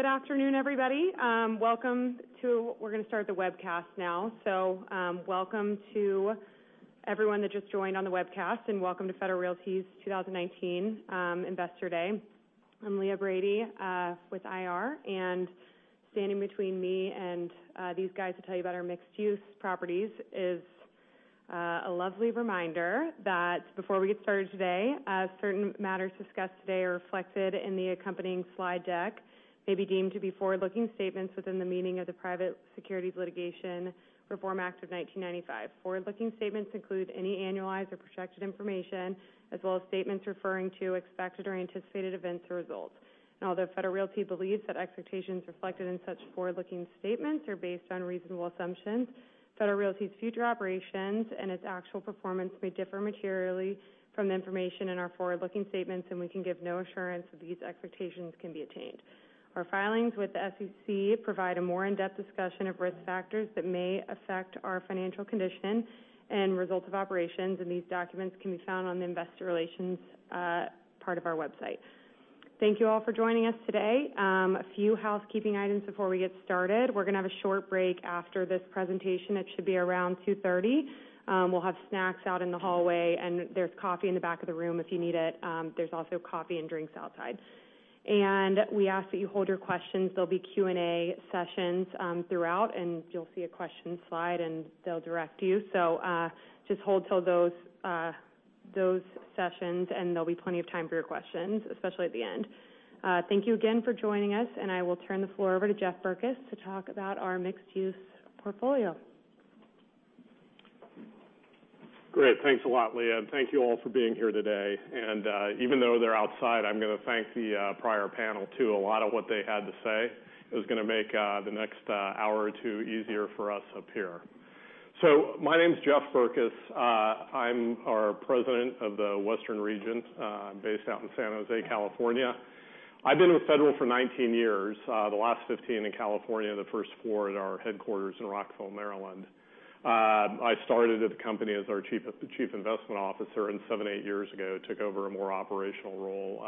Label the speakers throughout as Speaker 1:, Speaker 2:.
Speaker 1: Good afternoon, everybody. Welcome. We're going to start the webcast now. Welcome to everyone that just joined on the webcast, and welcome to Federal Realty Investment Trust's 2019 Investor Day. I'm Leah Brady with IR, and standing between me and these guys to tell you about our mixed-use properties is a lovely reminder that before we get started today, certain matters discussed today are reflected in the accompanying slide deck, may be deemed to be forward-looking statements within the meaning of the Private Securities Litigation Reform Act of 1995. Forward-looking statements include any annualized or protected information, as well as statements referring to expected or anticipated events or results. Although Federal Realty Investment Trust believes that expectations reflected in such forward-looking statements are based on reasonable assumptions, Federal Realty Investment Trust's future operations and its actual performance may differ materially from the information in our forward-looking statements, and we can give no assurance that these expectations can be attained. Our filings with the SEC provide a more in-depth discussion of risk factors that may affect our financial condition and results of operations, and these documents can be found on the investor relations part of our website. Thank you all for joining us today. A few housekeeping items before we get started. We're going to have a short break after this presentation. It should be around 2:30 P.M. We'll have snacks out in the hallway, and there's coffee in the back of the room if you need it. There's also coffee and drinks outside. We ask that you hold your questions. There'll be Q&A sessions throughout, you'll see a questions slide, and they'll direct you. Just hold till those sessions, and there'll be plenty of time for your questions, especially at the end. Thank you again for joining us, and I will turn the floor over to Jeff Berkes to talk about our mixed-use portfolio.
Speaker 2: Great. Thanks a lot, Leah. Thank you all for being here today. Even though they're outside, I'm going to thank the prior panel, too. A lot of what they had to say is going to make the next hour or two easier for us up here. My name's Jeff Berkes. I'm our president of the Western Region based out in San Jose, California. I've been with Federal for 19 years, the last 15 in California, the first four at our headquarters in Rockville, Maryland. I started at the company as our chief investment officer, seven, eight years ago, took over a more operational role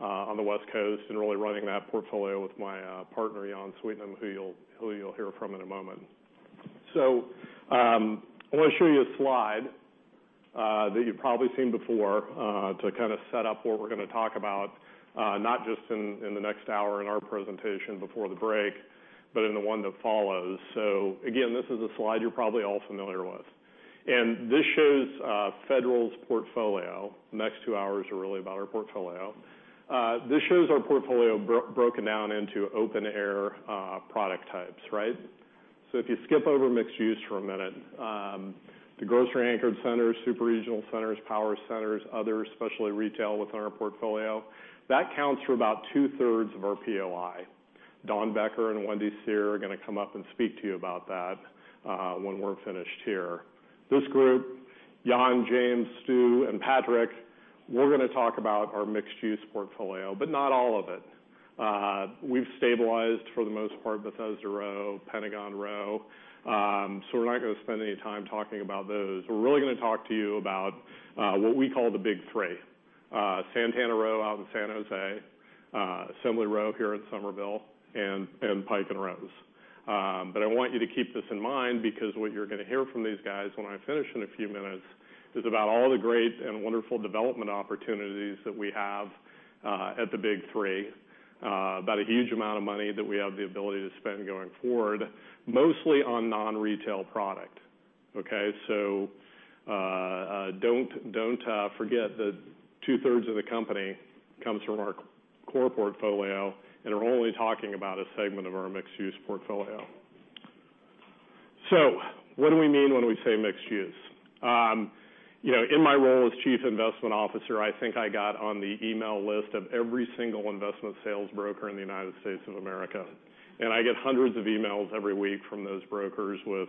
Speaker 2: on the West Coast and really running that portfolio with my partner, Jan Sweetnam, who you'll hear from in a moment. I want to show you a slide that you've probably seen before to kind of set up what we're going to talk about, not just in the next hour in our presentation before the break, but in the one that follows. Again, this is a slide you're probably all familiar with. This shows Federal's portfolio. The next two hours are really about our portfolio. This shows our portfolio broken down into open air product types. If you skip over mixed use for a minute, the grocery anchored centers, super regional centers, power centers, others, especially retail within our portfolio, that counts for about two-thirds of our POI. Dawn Becker and Wendy Seher are going to come up and speak to you about that when we're finished here. This group, Jan, James, Stu, and Patrick, we're going to talk about our mixed use portfolio, but not all of it. We've stabilized, for the most part, Bethesda Row, Pentagon Row, we're not going to spend any time talking about those. We're really going to talk to you about what we call the big three, Santana Row out in San Jose, Assembly Row here in Somerville, and Pike & Rose. I want you to keep this in mind because what you're going to hear from these guys when I finish in a few minutes is about all the great and wonderful development opportunities that we have at the big three, about a huge amount of money that we have the ability to spend going forward, mostly on non-retail product. Okay. Don't forget that two-thirds of the company comes from our core portfolio, and we're only talking about a segment of our mixed use portfolio. What do we mean when we say mixed use? In my role as Chief Investment Officer, I think I got on the email list of every single investment sales broker in the United States of America, and I get hundreds of emails every week from those brokers with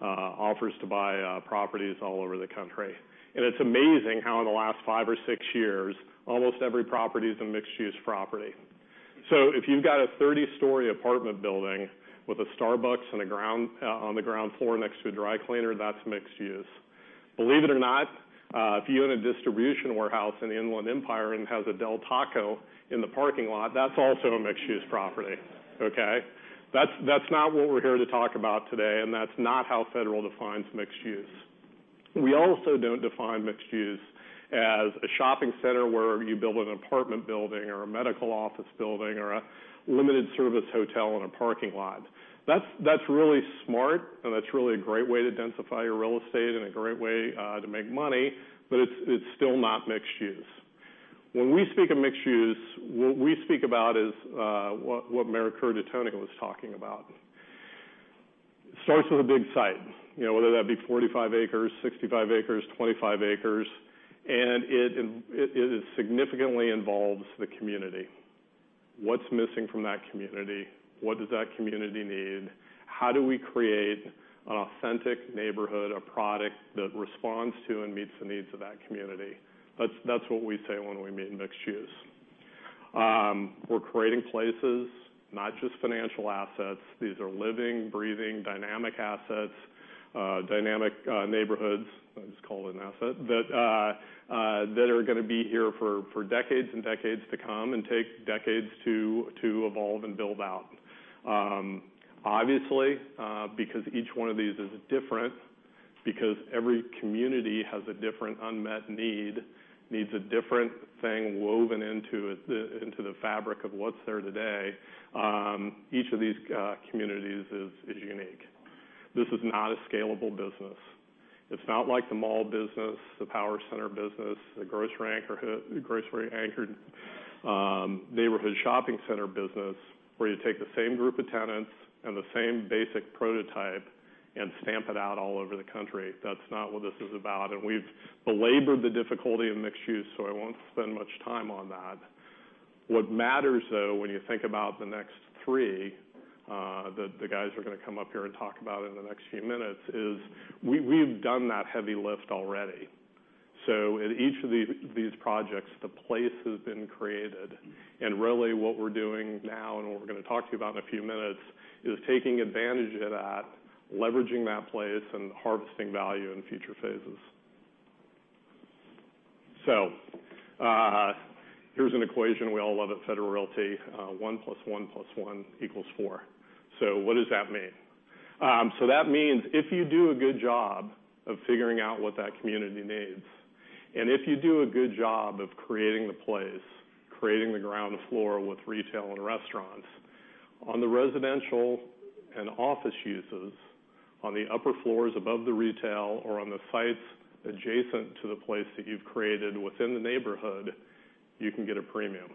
Speaker 2: offers to buy properties all over the country. It's amazing how in the last 5 or 6 years, almost every property is a mixed use property. If you've got a 30-story apartment building with a Starbucks on the ground floor next to a dry cleaner, that's mixed use. Believe it or not, if you own a distribution warehouse in the Inland Empire and it has a Del Taco in the parking lot, that's also a mixed use property. Okay. That's not what we're here to talk about today, that's not how Federal defines mixed use. We also don't define mixed use as a shopping center where you build an apartment building or a medical office building or a limited service hotel in a parking lot. That's really smart, that's really a great way to densify your real estate and a great way to make money, it's still not mixed use. When we speak of mixed use, what we speak about is what Mary Currid-Halkett was talking about. It starts with a big site, whether that be 45 acres, 65 acres, 25 acres, it significantly involves the community. What's missing from that community? What does that community need? How do we create an authentic neighborhood, a product that responds to and meets the needs of that community? That's what we say when we mean mixed use. We're creating places, not just financial assets. These are living, breathing, dynamic assets. Dynamic neighborhoods, I'll just call it an asset, that are going to be here for decades and decades to come and take decades to evolve and build out. Obviously, because each one of these is different, because every community has a different unmet need, needs a different thing woven into the fabric of what's there today. Each of these communities is unique. This is not a scalable business. It's not like the mall business, the power center business, the grocery-anchored neighborhood shopping center business, where you take the same group of tenants and the same basic prototype and stamp it out all over the country. That's not what this is about. We've belabored the difficulty of mixed use, so I won't spend much time on that. What matters, though, when you think about the next three, that the guys are going to come up here and talk about in the next few minutes, is we've done that heavy lift already. At each of these projects, the place has been created. Really what we're doing now and what we're going to talk to you about in a few minutes is taking advantage of that, leveraging that place, and harvesting value in future phases. Here's an equation we all love at Federal Realty. One plus one plus one equals four. What does that mean? That means if you do a good job of figuring out what that community needs, if you do a good job of creating the place, creating the ground floor with retail and restaurants, on the residential and office uses, on the upper floors above the retail or on the sites adjacent to the place that you've created within the neighborhood, you can get a premium.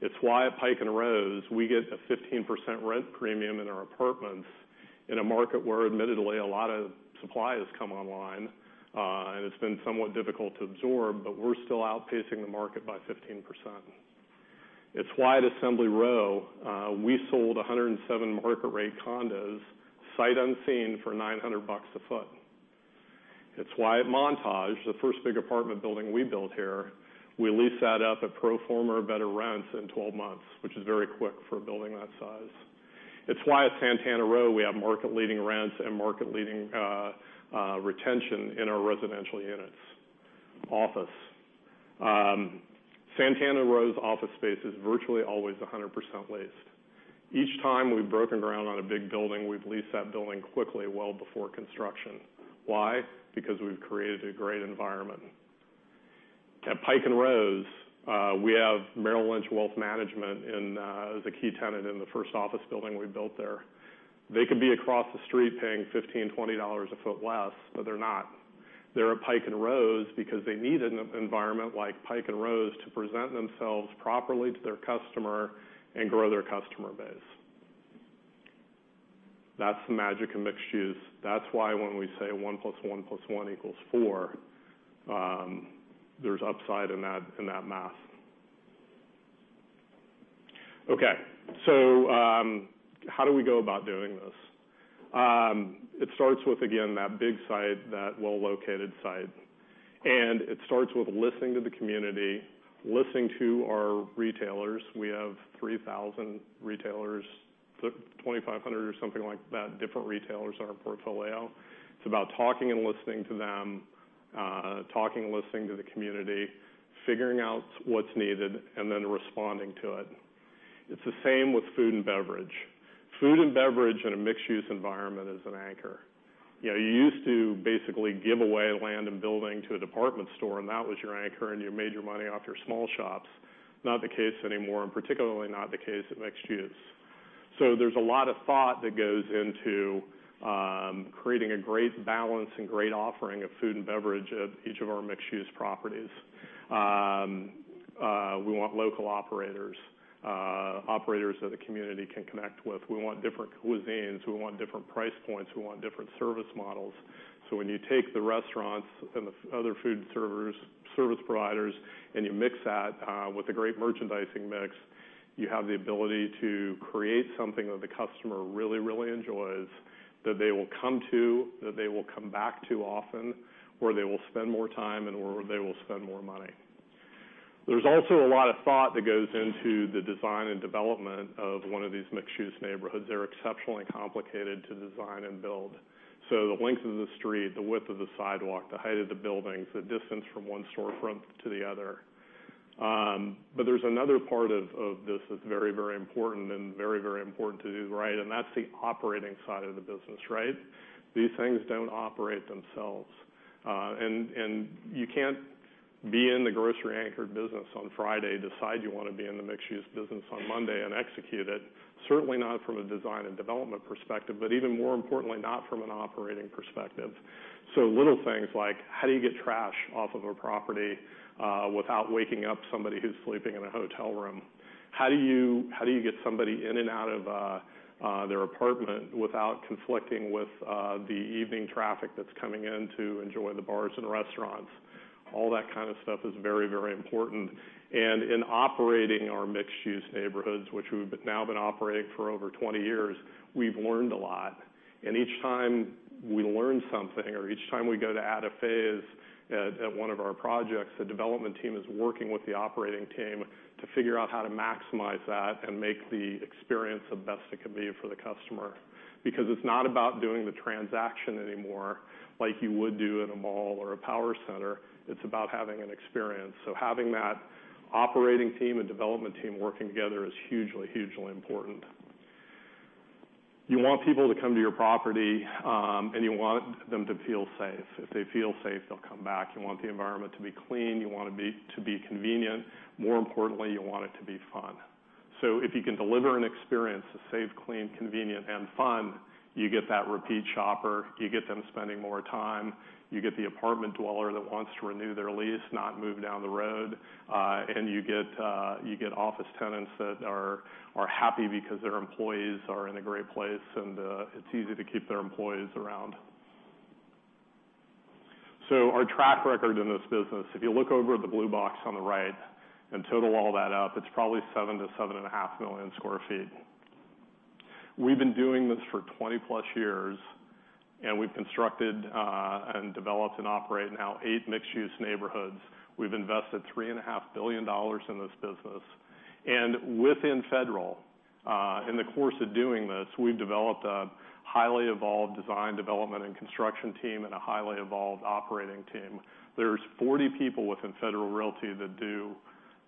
Speaker 2: It's why at Pike & Rose, we get a 15% rent premium in our apartments in a market where admittedly a lot of supply has come online, and it's been somewhat difficult to absorb, but we're still outpacing the market by 15%. It's why at Assembly Row, we sold 107 market-rate condos, sight unseen, for $900 a foot. It's why at Montage, the first big apartment building we built here, we leased that up at pro forma or better rents in 12 months, which is very quick for a building that size. It's why at Santana Row we have market-leading rents and market-leading retention in our residential units. Office. Santana Row's office space is virtually always 100% leased. Each time we've broken ground on a big building, we've leased that building quickly, well before construction. Why? Because we've created a great environment. At Pike & Rose, we have Merrill Lynch Wealth Management as a key tenant in the first office building we built there. They could be across the street paying $15, $20 a foot less, but they're not. They're at Pike & Rose because they need an environment like Pike & Rose to present themselves properly to their customer and grow their customer base. That's the magic of mixed-use. That's why when we say one plus one plus one equals four, there's upside in that math. Okay. How do we go about doing this? It starts with, again, that big site, that well-located site. It starts with listening to the community, listening to our retailers. We have 3,000 retailers, 2,500 or something like that, different retailers in our portfolio. It's about talking and listening to them, talking and listening to the community, figuring out what's needed, and then responding to it. It's the same with food and beverage. Food and beverage in a mixed-use environment is an anchor. You used to basically give away land and building to a department store, and that was your anchor, and you made your money off your small shops. Not the case anymore, and particularly not the case at mixed-use. There's a lot of thought that goes into creating a great balance and great offering of food and beverage at each of our mixed-use properties. We want local operators that the community can connect with. We want different cuisines. We want different price points. We want different service models. When you take the restaurants and the other food service providers, and you mix that with a great merchandising mix, you have the ability to create something that the customer really, really enjoys, that they will come to, that they will come back to often, where they will spend more time and where they will spend more money. There's also a lot of thought that goes into the design and development of one of these mixed-use neighborhoods. They're exceptionally complicated to design and build. The length of the street, the width of the sidewalk, the height of the buildings, the distance from one storefront to the other. There's another part of this that's very, very important and very, very important to do right, and that's the operating side of the business, right? These things don't operate themselves. You can't be in the grocery-anchored business on Friday, decide you want to be in the mixed-use business on Monday, and execute it. Certainly not from a design and development perspective, but even more importantly, not from an operating perspective. Little things like, how do you get trash off of a property without waking up somebody who's sleeping in a hotel room? How do you get somebody in and out of their apartment without conflicting with the evening traffic that's coming in to enjoy the bars and restaurants? All that kind of stuff is very, very important. In operating our mixed-use neighborhoods, which we've now been operating for over 20 years, we've learned a lot. Each time we learn something, or each time we go to add a phase at one of our projects, the development team is working with the operating team to figure out how to maximize that and make the experience the best it can be for the customer. Because it's not about doing the transaction anymore like you would do at a mall or a power center. It's about having an experience. Having that operating team and development team working together is hugely important. You want people to come to your property, and you want them to feel safe. If they feel safe, they'll come back. You want the environment to be clean. You want it to be convenient. More importantly, you want it to be fun. If you can deliver an experience that's safe, clean, convenient, and fun, you get that repeat shopper, you get them spending more time, you get the apartment dweller that wants to renew their lease, not move down the road, and you get office tenants that are happy because their employees are in a great place, and it's easy to keep their employees around. Our track record in this business, if you look over at the blue box on the right and total all that up, it's probably 7 million-7.5 million square feet. We've been doing this for 20+ years, and we've constructed and developed and operate now eight mixed-use neighborhoods. We've invested $3.5 billion in this business. Within Federal, in the course of doing this, we've developed a highly evolved design, development, and construction team, and a highly evolved operating team. There's 40 people within Federal Realty that do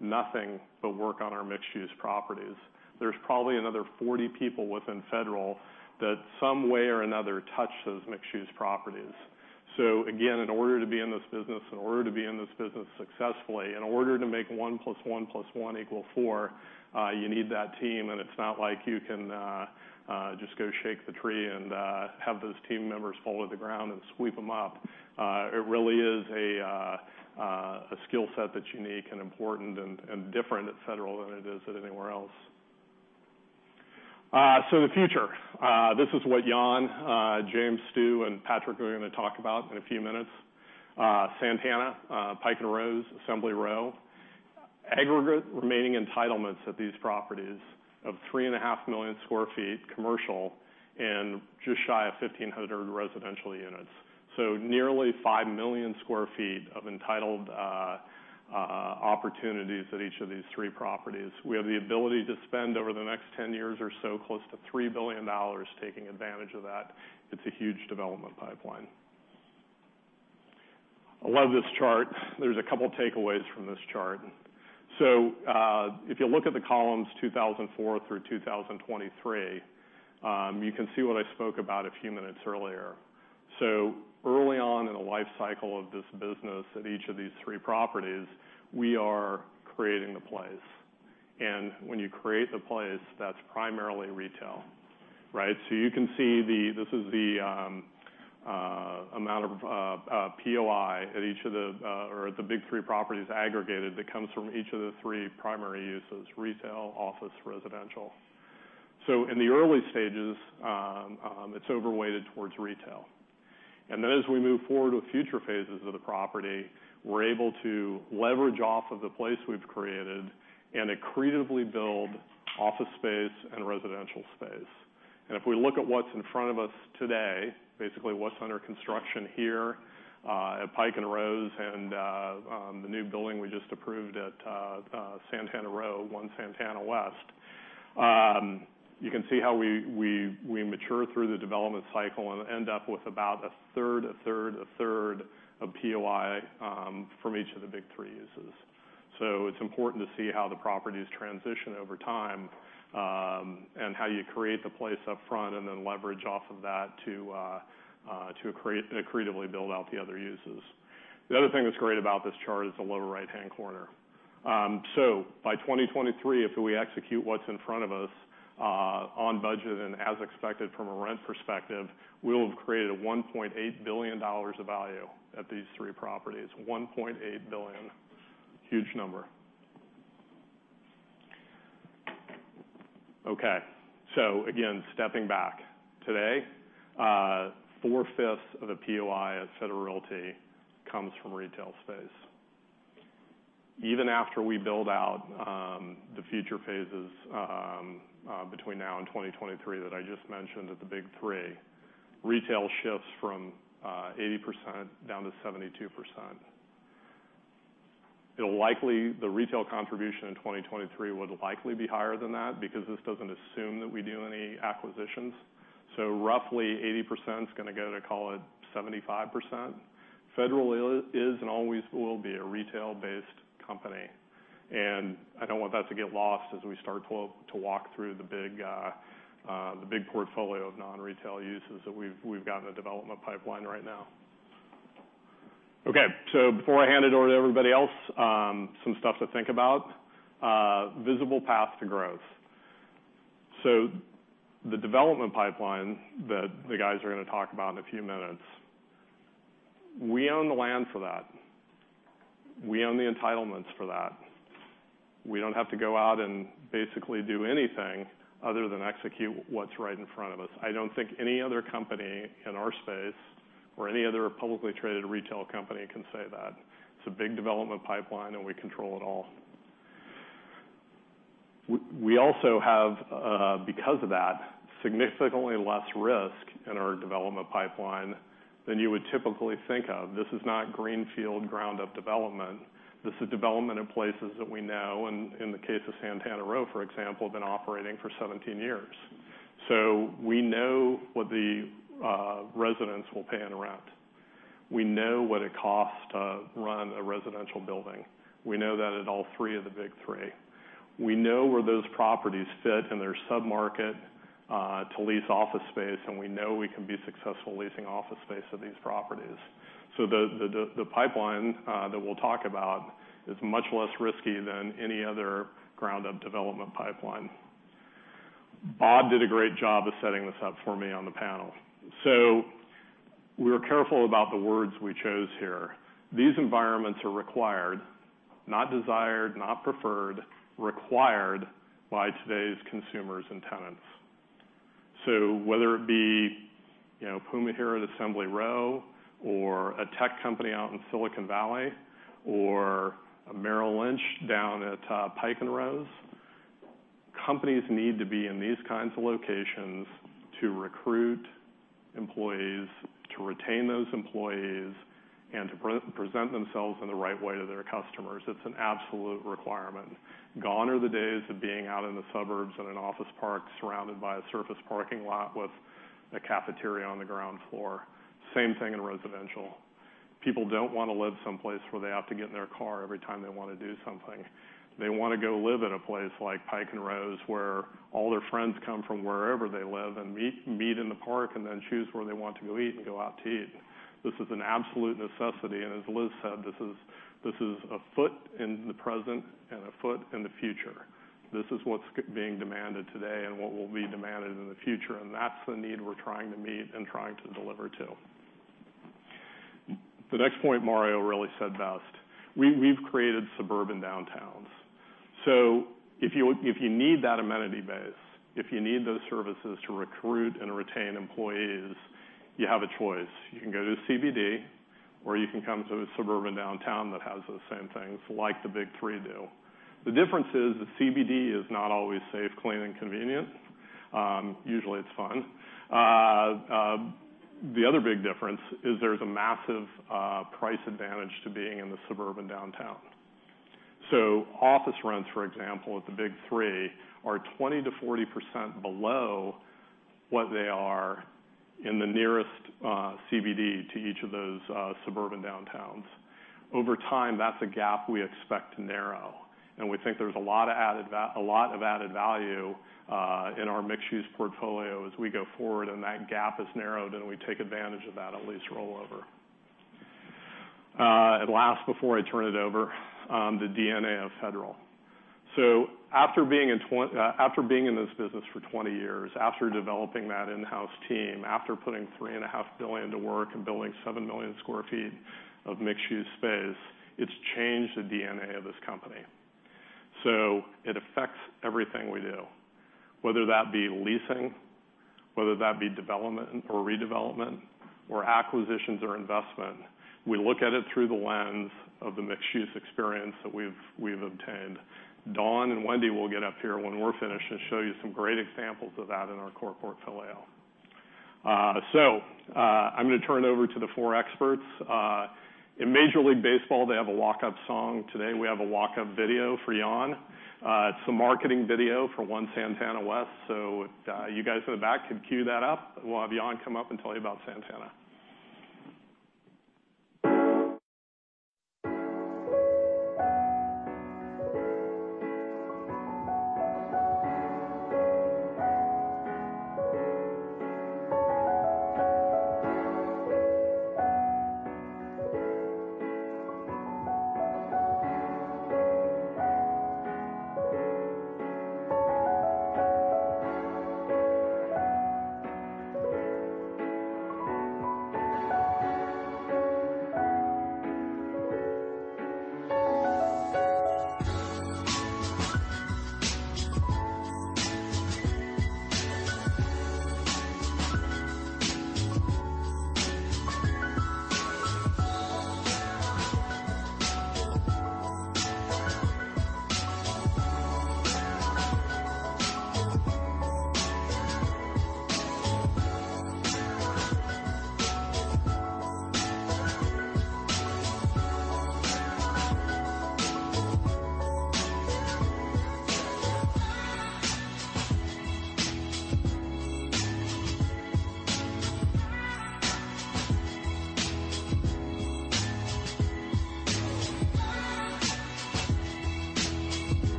Speaker 2: nothing but work on our mixed-use properties. There's probably another 40 people within Federal that some way or another touch those mixed-use properties. Again, in order to be in this business successfully, in order to make one plus one plus one equal four, you need that team. It's not like you can just go shake the tree and have those team members fall to the ground and sweep them up. It really is a skill set that's unique and important and different at Federal than it is at anywhere else. The future. This is what Jan, James, Stu, and Patrick are going to talk about in a few minutes. Santana Row, Pike & Rose, Assembly Row. Aggregate remaining entitlements at these properties of 3.5 million square feet commercial and just shy of 1,500 residential units. Nearly 5 million square feet of entitled opportunities at each of these three properties. We have the ability to spend over the next 10 years or so close to $3 billion taking advantage of that. It's a huge development pipeline. I love this chart. There's a couple takeaways from this chart. If you look at the columns 2004 through 2023, you can see what I spoke about a few minutes earlier. Early on in the life cycle of this business at each of these three properties, we are creating the place. When you create the place, that's primarily retail. Right? You can see this is the amount of POI at the big three properties aggregated that comes from each of the three primary uses, retail, office, residential. In the early stages, it's overweighted towards retail. Then as we move forward with future phases of the property, we're able to leverage off of the place we've created and accretively build office space and residential space. If we look at what's in front of us today, basically what's under construction here at Pike & Rose and the new building we just approved at Santana Row, 1 Santana West, you can see how we mature through the development cycle and end up with about a third, a third, a third of POI from each of the big three uses. It's important to see how the properties transition over time, and how you create the place up front and then leverage off of that to accretively build out the other uses. The other thing that's great about this chart is the lower right-hand corner. By 2023, if we execute what's in front of us on budget and as expected from a rent perspective, we'll have created $1.8 billion of value at these three properties. $1.8 billion. Huge number. Again, stepping back. Today, four-fifths of the POI at Federal Realty comes from retail space. Even after we build out the future phases between now and 2023 that I just mentioned at the Big Three, retail shifts from 80% down to 72%. The retail contribution in 2023 would likely be higher than that because this doesn't assume that we do any acquisitions. Roughly 80% is going to go to, call it 75%. Federal is and always will be a retail-based company. I don't want that to get lost as we start to walk through the big portfolio of non-retail uses that we've got in the development pipeline right now. Okay. Before I hand it over to everybody else, some stuff to think about. Visible path to growth. The development pipeline that the guys are going to talk about in a few minutes, we own the land for that. We own the entitlements for that. We don't have to go out and basically do anything other than execute what's right in front of us. I don't think any other company in our space or any other publicly traded retail company can say that. It's a big development pipeline, and we control it all. We also have, because of that, significantly less risk in our development pipeline than you would typically think of. This is not greenfield ground-up development. This is development in places that we know, in the case of Santana Row, for example, have been operating for 17 years. We know what the residents will pay in rent. We know what it costs to run a residential building. We know that at all three of the Big Three. We know where those properties fit in their sub-market to lease office space, and we know we can be successful leasing office space of these properties. The pipeline that we'll talk about is much less risky than any other ground-up development pipeline. Bob did a great job of setting this up for me on the panel. We were careful about the words we chose here. These environments are required, not desired, not preferred, required by today's consumers and tenants. Whether it be Puma Hero at Assembly Row or a tech company out in Silicon Valley or a Merrill Lynch down at Pike & Rose, companies need to be in these kinds of locations to recruit employees, to retain those employees, and to present themselves in the right way to their customers. It's an absolute requirement. Gone are the days of being out in the suburbs in an office park surrounded by a surface parking lot with a cafeteria on the ground floor. Same thing in residential. People don't want to live someplace where they have to get in their car every time they want to do something. They want to go live at a place like Pike & Rose, where all their friends come from wherever they live and meet in the park and then choose where they want to go eat and go out to eat. This is an absolute necessity, and as Liz said, this is a foot in the present and a foot in the future. This is what's being demanded today and what will be demanded in the future, and that's the need we're trying to meet and trying to deliver to. The next point Mario really said best. We've created suburban downtowns. If you need that amenity base, if you need those services to recruit and retain employees, you have a choice. You can go to the CBD, or you can come to a suburban downtown that has those same things, like the Big Three do. The difference is the CBD is not always safe, clean, and convenient. Usually, it's fun. The other big difference is there's a massive price advantage to being in the suburban downtown. Office rents, for example, at the Big Three are 20%-40% below what they are in the nearest CBD to each of those suburban downtowns. Over time, that's a gap we expect to narrow, and we think there's a lot of added value in our mixed-use portfolio as we go forward, and that gap is narrowed, and we take advantage of that at lease rollover. At last, before I turn it over, the DNA of Federal. After being in this business for 20 years, after developing that in-house team, after putting $3.5 billion to work and building 7 million sq ft of mixed-use space, it's changed the DNA of this company. It affects everything we do, whether that be leasing, whether that be development or redevelopment, or acquisitions or investment. We look at it through the lens of the mixed-use experience that we've obtained. Dawn and Wendy will get up here when we're finished and show you some great examples of that in our core portfolio. I'm going to turn it over to the four experts. In Major League Baseball, they have a walk-up song. Today, we have a walk-up video for Jan. It's a marketing video for One Santana West. If you guys in the back could queue that up, we'll have Jan come up and tell you about Santana.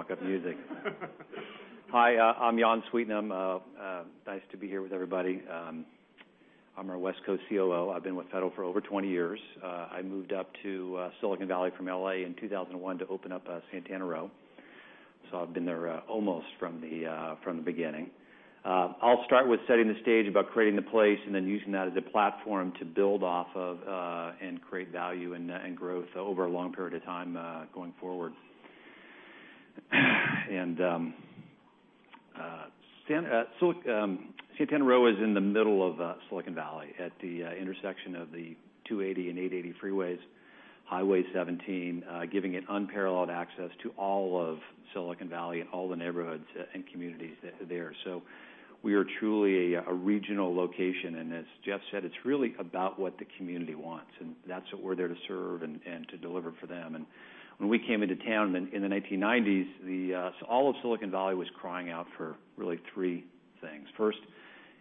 Speaker 3: I really didn't have that far to walk, but I appreciate the walk-up music. Hi, I'm Jan Sweetnam. Nice to be here with everybody. I'm our West Coast COO. I've been with Federal for over 20 years. I moved up to Silicon Valley from L.A. in 2001 to open up Santana Row. I've been there almost from the beginning. I'll start with setting the stage about creating the place and then using that as a platform to build off of and create value and growth over a long period of time going forward. Santana Row is in the middle of Silicon Valley at the intersection of the 280 and 880 freeways, Highway 17, giving it unparalleled access to all of Silicon Valley and all the neighborhoods and communities there. We are truly a regional location, as Jeff said, it's really about what the community wants, and that's what we're there to serve and to deliver for them. When we came into town in the 1990s, all of Silicon Valley was crying out for really three things. First,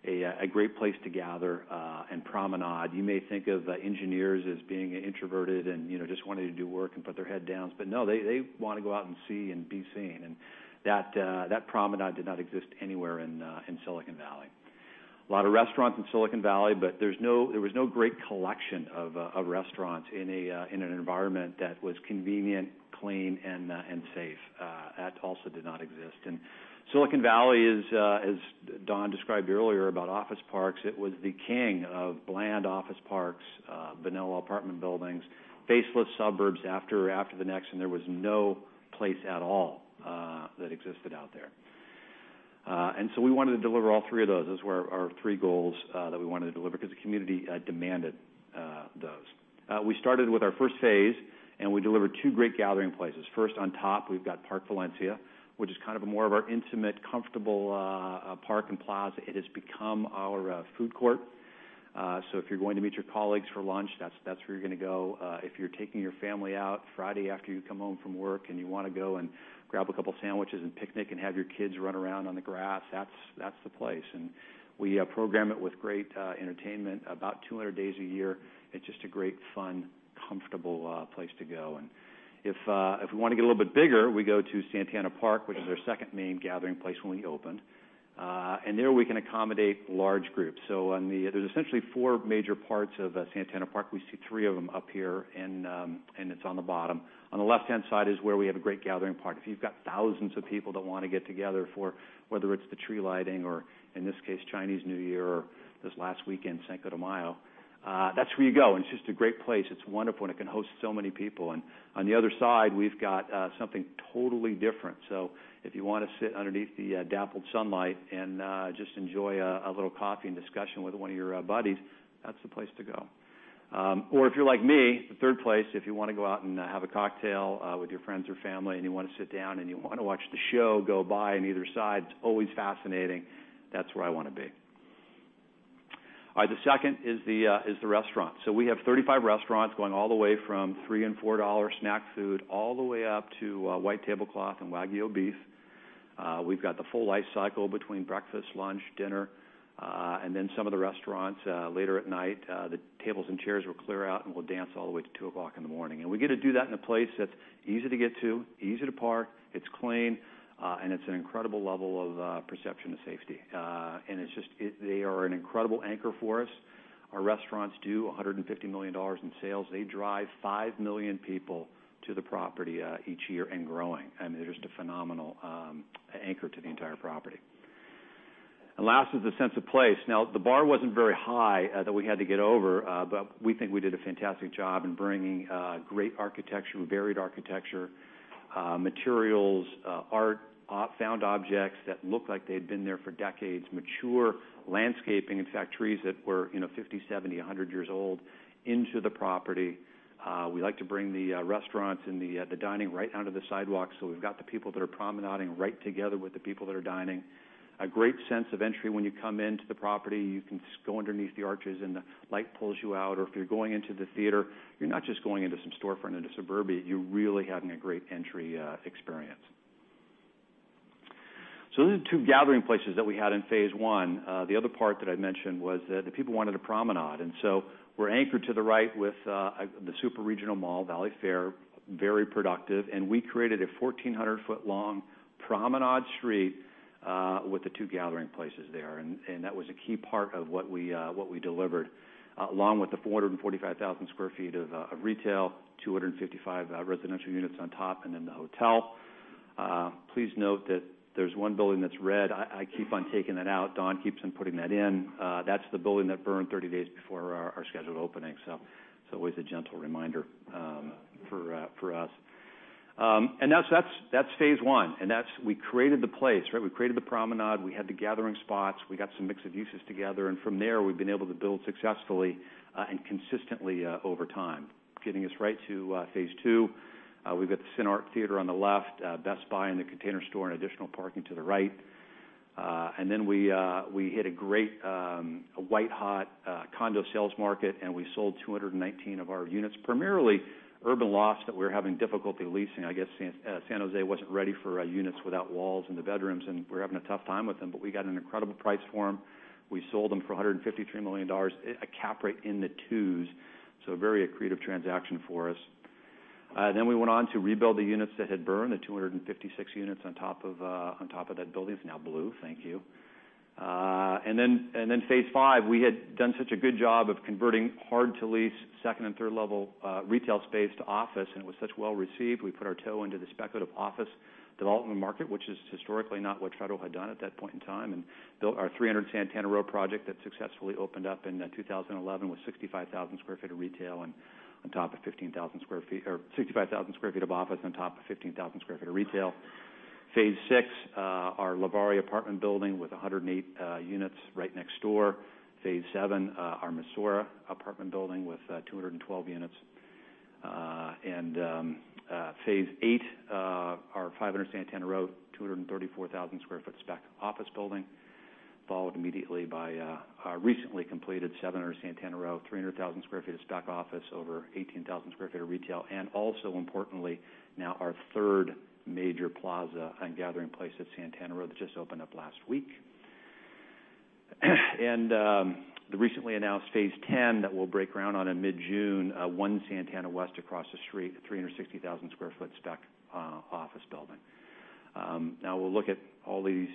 Speaker 3: a great place to gather and promenade. You may think of engineers as being introverted and just wanting to do work and put their head down. No, they want to go out and see and be seen. That promenade did not exist anywhere in Silicon Valley. A lot of restaurants in Silicon Valley, but there was no great collection of restaurants in an environment that was convenient, clean, and safe. That also did not exist. Silicon Valley, as Dawn described earlier about office parks, it was the king of bland office parks, vanilla apartment buildings, faceless suburbs after the next, and there was no place at all that existed out there. We wanted to deliver all three of those. Those were our three goals that we wanted to deliver because the community demanded those. We started with our first phase, we delivered two great gathering places. First, on top, we've got Park Valencia, which is kind of more of our intimate, comfortable park and plaza. It has become our food court. If you're going to meet your colleagues for lunch, that's where you're going to go. If you're taking your family out Friday after you come home from work and you want to go and grab a couple sandwiches and picnic and have your kids run around on the grass, that's the place. We program it with great entertainment about 200 days a year. It's just a great, fun, comfortable place to go. If we want to get a little bit bigger, we go to Santana Park, which is our second main gathering place when we opened. There we can accommodate large groups. There's essentially four major parts of Santana Park. We see three of them up here, and it's on the bottom. On the left-hand side is where we have a great gathering park. If you've got thousands of people that want to get together for whether it's the tree lighting or, in this case, Chinese New Year or this last weekend, Cinco de Mayo, that's where you go, it's just a great place. It's wonderful, it can host so many people. On the other side, we've got something totally different. If you want to sit underneath the dappled sunlight and just enjoy a little coffee and discussion with one of your buddies, that's the place to go. If you're like me, the third place, if you want to go out and have a cocktail with your friends or family and you want to sit down and you want to watch the show go by on either side, it's always fascinating. That's where I want to be. All right. The second is the restaurant. We have 35 restaurants going all the way from $3 and $4 snack food all the way up to white tablecloth and Wagyu beef. We've got the full life cycle between breakfast, lunch, dinner, and then some of the restaurants later at night. The tables and chairs will clear out, and we'll dance all the way to 2:00 A.M. We get to do that in a place that's easy to get to, easy to park, it's clean, and it's an incredible level of perception of safety. They are an incredible anchor for us. Our restaurants do $150 million in sales. They drive 5 million people to the property each year and growing. They're just a phenomenal anchor to the entire property. Last is the sense of place. Now, the bar wasn't very high that we had to get over, we think we did a fantastic job in bringing great architecture, varied architecture, materials, art, found objects that looked like they had been there for decades, mature landscaping. In fact, trees that were 50, 70, 100 years old into the property. We like to bring the restaurants and the dining right onto the sidewalk, we've got the people that are promenading right together with the people that are dining. A great sense of entry when you come into the property. You can just go underneath the arches and the light pulls you out. If you're going into the theater, you're not just going into some storefront into suburbia, you're really having a great entry experience. Those are the two gathering places that we had in phase one. The other part that I mentioned was that the people wanted a promenade, we're anchored to the right with the super regional mall, Valley Fair, very productive, we created a 1,400-foot-long promenade street with the two gathering places there. That was a key part of what we delivered, along with the 445,000 sq ft of retail, 255 residential units on top, and then the hotel. Please note that there's one building that's red. I keep on taking that out. Dawn keeps on putting that in. That's the building that burned 30 days before our scheduled opening. It's always a gentle reminder for us. That's phase one. We created the place, right? We created the promenade. We had the gathering spots. We got some mix of uses together. From there, we've been able to build successfully and consistently over time, getting us right to phase two. We've got the CinéArts theater on the left, Best Buy, and The Container Store and additional parking to the right. We hit a great white-hot condo sales market, we sold 219 of our units, primarily urban lofts that we were having difficulty leasing. I guess San Jose wasn't ready for units without walls in the bedrooms, we were having a tough time with them, we got an incredible price for them. We sold them for $153 million, a cap rate in the 2s, a very accretive transaction for us. We went on to rebuild the units that had burned, the 256 units on top of that building. It's now blue. Thank you. Then phase 5, we had done such a good job of converting hard-to-lease level 2 and level 3 retail space to office, and it was such well-received, we put our toe into the speculative office development market, which is historically not what Federal had done at that point in time, and built our 300 Santana Row project that successfully opened up in 2011 with 65,000 square feet of office on top of 15,000 square feet of retail. Phase 6, our LeVare apartment building with 108 units right next door. Phase 7, our Misora apartment building with 212 units. Phase 8, our 500 Santana Row, 234,000-square-foot spec office building, followed immediately by our recently completed 700 Santana Row, 300,000 square feet of spec office over 18,000 square feet of retail. Also importantly, now our third major plaza and gathering place at Santana Row that just opened up last week. The recently announced phase 10 that we'll break ground on in mid-June, 1 Santana West across the street, a 360,000-square-foot spec office building. We'll look at all these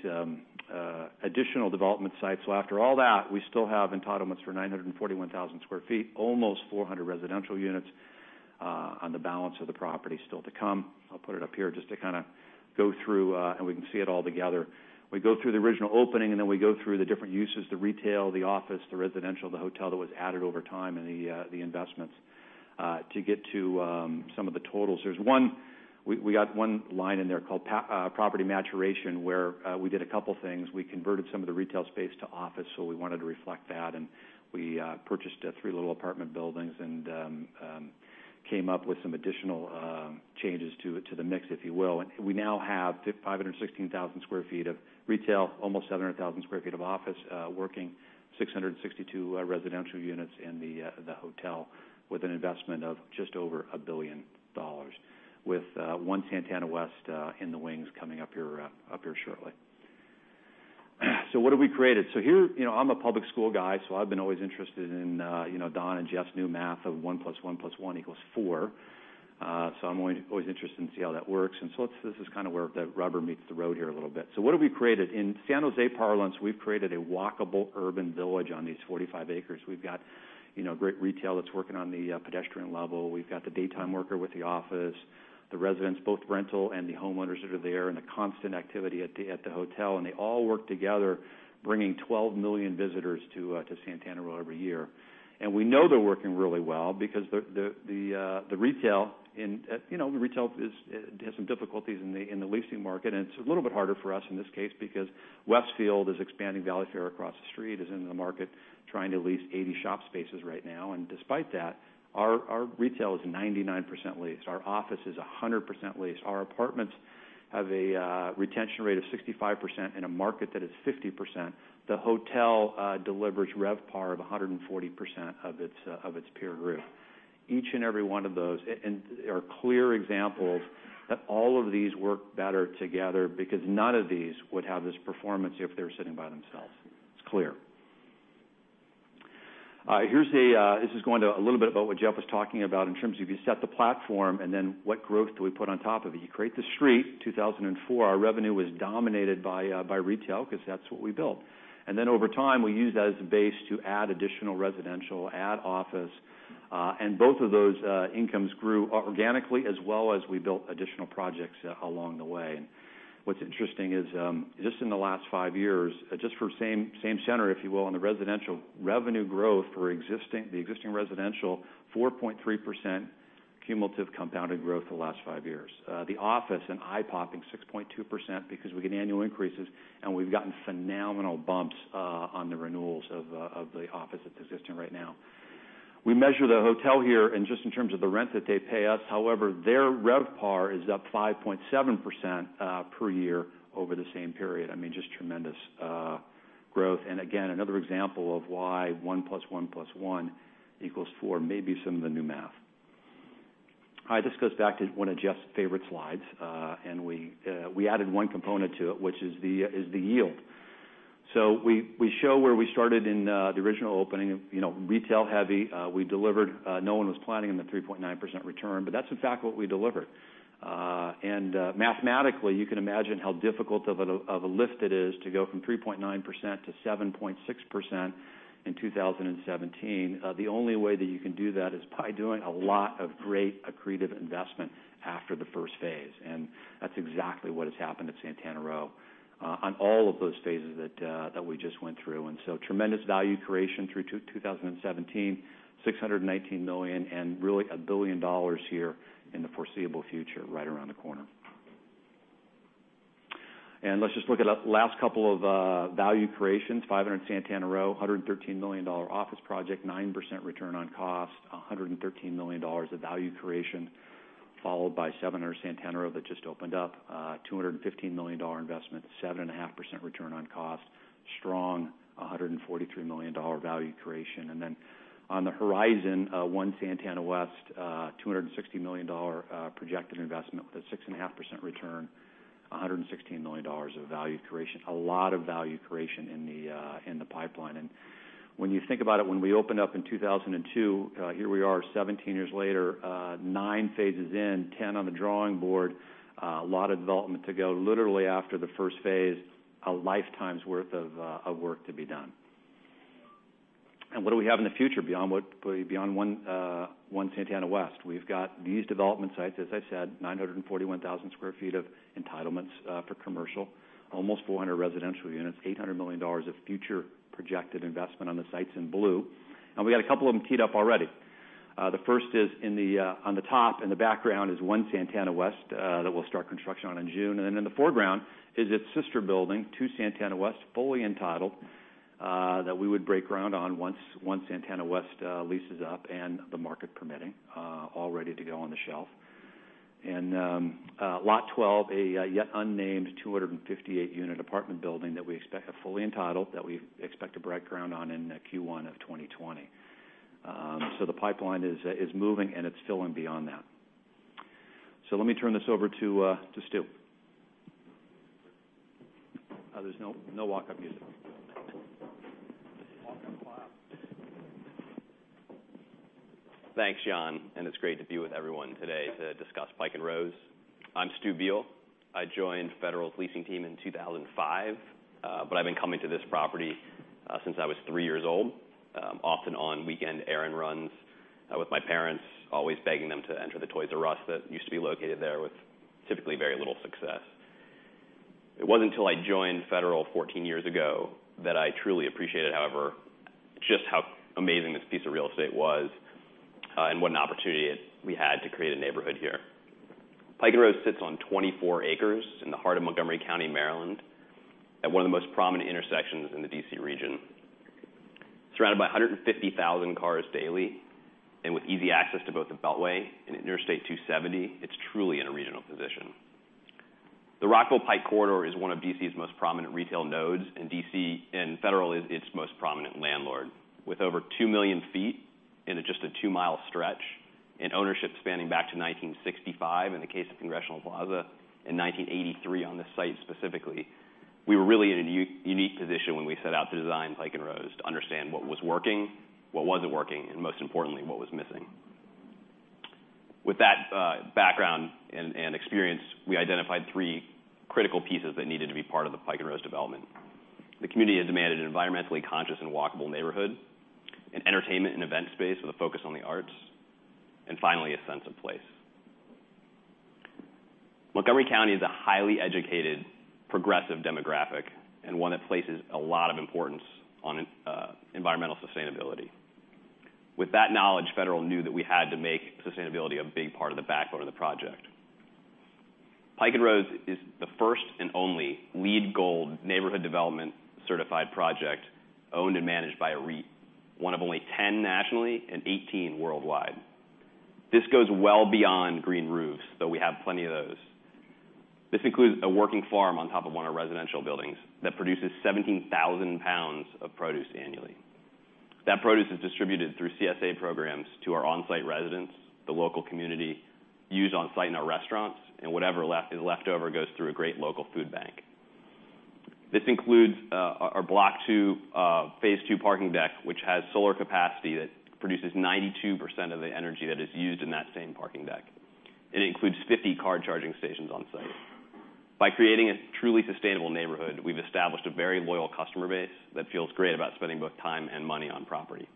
Speaker 3: additional development sites. After all that, we still have entitlements for 941,000 square feet, almost 400 residential units on the balance of the property still to come. I'll put it up here just to kind of go through, and we can see it all together. We go through the original opening, then we go through the different uses, the retail, the office, the residential, the hotel that was added over time, and the investments. To get to some of the totals. We got one line in there called property maturation, where we did a couple things. We converted some of the retail space to office, so we wanted to reflect that, and we purchased three little apartment buildings and came up with some additional changes to the mix, if you will. We now have 516,000 square feet of retail, almost 700,000 square feet of office, working 662 residential units in the hotel with an investment of just over $1 billion, with 1 Santana West in the wings coming up here shortly. What have we created? I'm a public school guy, so I've been always interested in Don and Jeff's new math of one plus one plus one equals four. I'm always interested to see how that works. This is kind of where the rubber meets the road here a little bit. What have we created? In San Jose parlance, we've created a walkable urban village on these 45 acres. We've got great retail that's working on the pedestrian level. We've got the daytime worker with the office, the residents, both rental and the homeowners that are there, and the constant activity at the hotel, and they all work together, bringing 12 million visitors to Santana Row every year. We know they're working really well because the retail has some difficulties in the leasing market, and it's a little bit harder for us in this case because Westfield is expanding Westfield Valley Fair across the street, is in the market trying to lease 80 shop spaces right now. Despite that, our retail is 99% leased. Our office is 100% leased. Our apartments have a retention rate of 65% in a market that is 50%. The hotel delivers RevPAR of 140% of its peer group. Each and every one of those are clear examples that all of these work better together because none of these would have this performance if they were sitting by themselves. It's clear. This is going to a little bit about what Jeff was talking about in terms of you set the platform and then what growth do we put on top of it? You create the street. 2004, our revenue was dominated by retail because that's what we built. Over time, we used that as a base to add additional residential, add office, and both of those incomes grew organically as well as we built additional projects along the way. What's interesting is just in the last five years, just for same center, if you will, on the residential revenue growth for the existing residential, 4.3% cumulative compounded growth the last five years. The office, an eye-popping 6.2% because we get annual increases, and we've gotten phenomenal bumps on the renewals of the office that's existing right now. We measure the hotel here in just in terms of the rent that they pay us. However, their RevPAR is up 5.7% per year over the same period. I mean, just tremendous growth. Again, another example of why one plus one plus one equals four, maybe some of the new math. This goes back to one of Jeff's favorite slides, and we added one component to it, which is the yield. We show where we started in the original opening, retail-heavy. We delivered. No one was planning on the 3.9% return, but that's in fact what we delivered. Mathematically, you can imagine how difficult of a lift it is to go from 3.9% to 7.6% in 2017. The only way that you can do that is by doing a lot of great accretive investment after the first phase. That's exactly what has happened at Santana Row on all of those phases that we just went through. So tremendous value creation through 2017, $619 million and really $1 billion here in the foreseeable future right around the corner. Let's just look at last couple of value creations. 500 Santana Row, $113 million office project, 9% return on cost, $113 million of value creation, followed by 700 Santana Row that just opened up, $215 million investment, 7.5% return on cost. Strong, $143 million value creation. On the horizon, 1 Santana West, $260 million projected investment with a 6.5% return, $116 million of value creation. A lot of value creation in the pipeline. When you think about it, when we opened up in 2002, here we are 17 years later, nine phases in, 10 on the drawing board, a lot of development to go. Literally after the first phase, a lifetime's worth of work to be done. What do we have in the future beyond One Santana West? We've got these development sites, as I said, 941,000 square feet of entitlements for commercial, almost 400 residential units, $800 million of future projected investment on the sites in blue. We've got a couple of them keyed up already. The first is on the top in the background is One Santana West that we'll start construction on in June. In the foreground is its sister building, Two Santana West, fully entitled, that we would break ground on once Santana West leases up and the market permitting, all ready to go on the shelf. Lot 12, a yet-unnamed 258-unit apartment building that we expect to fully entitle, that we expect to break ground on in Q1 of 2020. The pipeline is moving, and it's filling beyond that. Let me turn this over to Stu. There's no walk-up music.
Speaker 2: Walk-up clap.
Speaker 4: Thanks, Jan, and it's great to be with everyone today to discuss Pike & Rose. I'm Stu Biel. I joined Federal's leasing team in 2005, but I've been coming to this property since I was three years old, often on weekend errand runs with my parents, always begging them to enter the Toys R Us that used to be located there with typically very little success. It wasn't until I joined Federal 14 years ago that I truly appreciated, however, just how amazing this piece of real estate was and what an opportunity we had to create a neighborhood here. Pike & Rose sits on 24 acres in the heart of Montgomery County, Maryland, at one of the most prominent intersections in the D.C. region. It's surrounded by 150,000 cars daily, and with easy access to both the Beltway and Interstate 270, it's truly in a regional position. The Rockville Pike corridor is one of D.C.'s most prominent retail nodes, and Federal is its most prominent landlord. With over 2 million feet in just a 2-mile stretch and ownership spanning back to 1965 in the case of Congressional Plaza, in 1983 on this site specifically, we were really in a unique position when we set out to design Pike & Rose to understand what was working, what wasn't working, and most importantly, what was missing. With that background and experience, we identified three critical pieces that needed to be part of the Pike & Rose development. The community has demanded an environmentally conscious and walkable neighborhood, an entertainment and event space with a focus on the arts, and finally, a sense of place. Montgomery County is a highly educated, progressive demographic, and one that places a lot of importance on environmental sustainability. With that knowledge, Federal knew that we had to make sustainability a big part of the backbone of the project. Pike & Rose is the first and only LEED Gold neighborhood development certified project owned and managed by a REIT, one of only 10 nationally and 18 worldwide. This goes well beyond green roofs, though we have plenty of those. This includes a working farm on top of one of our residential buildings that produces 17,000 pounds of produce annually. That produce is distributed through CSA programs to our on-site residents, the local community, used on-site in our restaurants, and whatever is left over goes to a great local food bank. This includes our Block 2 Phase 2 parking deck, which has solar capacity that produces 92% of the energy that is used in that same parking deck. It includes 50 car charging stations on-site. By creating a truly sustainable neighborhood, we've established a very loyal customer base that feels great about spending both time and money on property.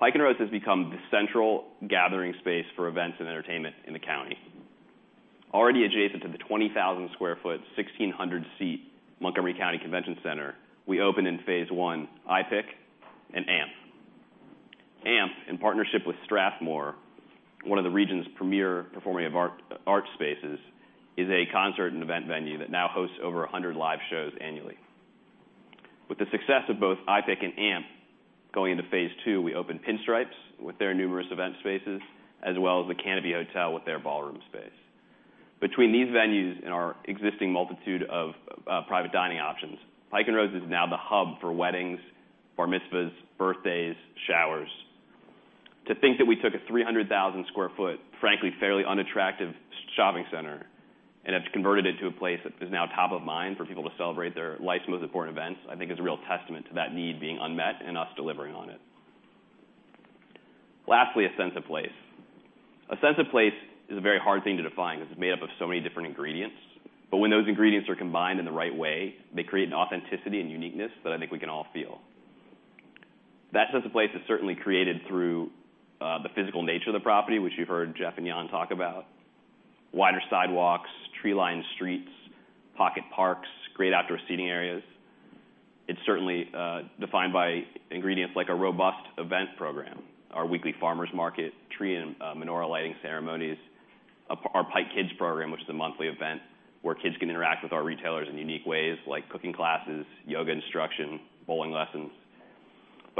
Speaker 4: Pike & Rose has become the central gathering space for events and entertainment in the county. Already adjacent to the 20,000 sq ft, 1,600 seat Montgomery County Convention Center, we opened in Phase 1, iPic and AMP. AMP, in partnership with Strathmore, one of the region's premier performing arts spaces, is a concert and event venue that now hosts over 100 live shows annually. With the success of both iPic and AMP, going into Phase 2, we opened Pinstripes with their numerous event spaces, as well as the Canopy Hotel with their ballroom space. Between these venues and our existing multitude of private dining options, Pike & Rose is now the hub for weddings, bar mitzvahs, birthdays, showers. To think that we took a 300,000 sq ft, frankly, fairly unattractive shopping center, have converted it to a place that is now top of mind for people to celebrate their life's most important events, I think is a real testament to that need being unmet and us delivering on it. Lastly, a sense of place. A sense of place is a very hard thing to define because it's made up of so many different ingredients, but when those ingredients are combined in the right way, they create an authenticity and uniqueness that I think we can all feel. That sense of place is certainly created through the physical nature of the property, which you've heard Jeff and Jan talk about. Wider sidewalks, tree-lined streets, pocket parks, great outdoor seating areas.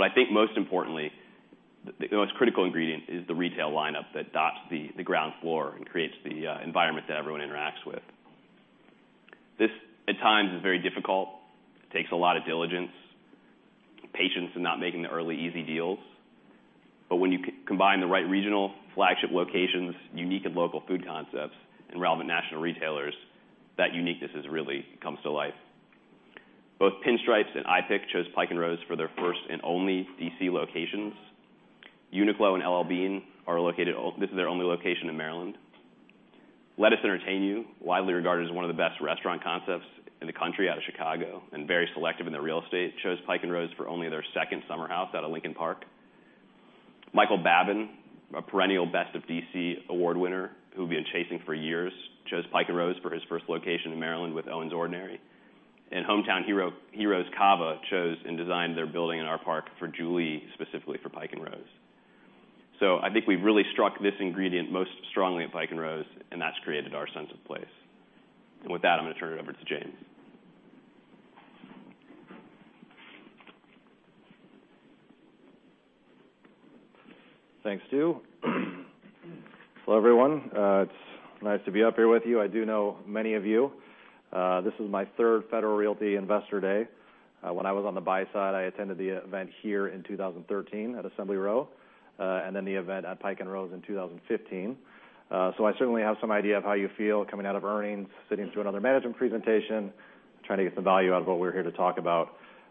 Speaker 4: I think most importantly, the most critical ingredient is the retail lineup that dots the ground floor and creates the environment that everyone interacts with. This, at times, is very difficult. It takes a lot of diligence, patience in not making the early easy deals. When you combine the right regional flagship locations, unique and local food concepts, and relevant national retailers, that uniqueness really comes to life. Both Pinstripes and iPic chose Pike & Rose for their first and only D.C. locations. Uniqlo and L.L.Bean, this is their only location in Maryland. Lettuce Entertain You, widely regarded as one of the best restaurant concepts in the country out of Chicago and very selective in their real estate, chose Pike & Rose for only their second Summer House out of Lincoln Park. Michael Babin, a perennial Best of D.C. award winner who we've been chasing for years, chose Pike & Rose for his first location in Maryland with Owen's Ordinary. Hometown heroes Cava chose and designed their building in our park for Julii, specifically for Pike & Rose. I think we've really struck this ingredient most strongly at Pike & Rose, and that's created our sense of place. With that, I'm going to turn it over to James.
Speaker 5: Thanks, Stu. Hello, everyone. It's nice to be up here with you. I do know many of you. This is my third Federal Realty Investor Day. When I was on the buy side, I attended the event here in 2013 at Assembly Row, and then the event at Pike & Rose in 2015. I certainly have some idea of how you feel coming out of earnings, sitting through another management presentation, trying to get some value out of what we're here to talk about.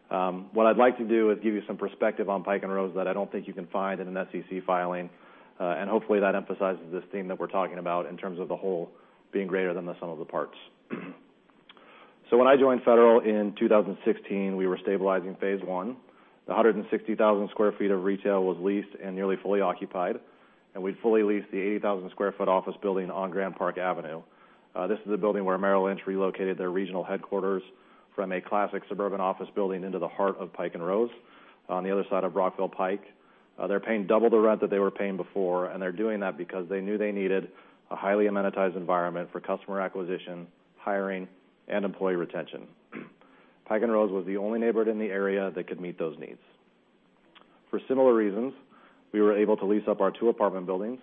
Speaker 5: What I'd like to do is give you some perspective on Pike & Rose that I don't think you can find in an SEC filing, and hopefully that emphasizes this theme that we're talking about in terms of the whole being greater than the sum of the parts. When I joined Federal in 2016, we were stabilizing phase one. The 160,000 sq ft of retail was leased and nearly fully occupied, and we'd fully leased the 80,000 sq ft office building on Grand Park Avenue. This is the building where Merrill Lynch relocated their regional headquarters from a classic suburban office building into the heart of Pike & Rose on the other side of Rockville Pike. They're paying double the rent that they were paying before, and they're doing that because they knew they needed a highly amenitized environment for customer acquisition, hiring, and employee retention. Pike & Rose was the only neighborhood in the area that could meet those needs. For similar reasons, we were able to lease up our two apartment buildings,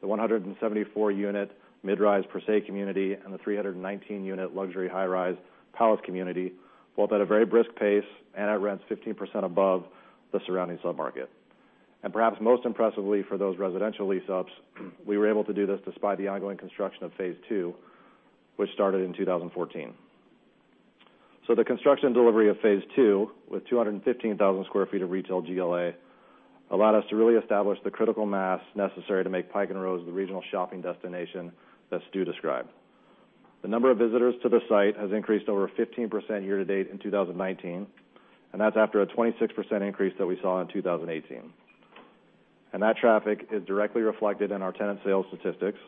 Speaker 5: the 174-unit mid-rise PerSei community and the 319-unit luxury high-rise Palais community, both at a very brisk pace and at rents 15% above the surrounding sub-market. Perhaps most impressively for those residential lease ups, we were able to do this despite the ongoing construction of phase two, which started in 2014. The construction delivery of phase two, with 215,000 sq ft of retail GLA, allowed us to really establish the critical mass necessary to make Pike & Rose the regional shopping destination that Stu described. The number of visitors to the site has increased over 15% year-to-date in 2019, and that's after a 26% increase that we saw in 2018. That traffic is directly reflected in our tenant sales statistics,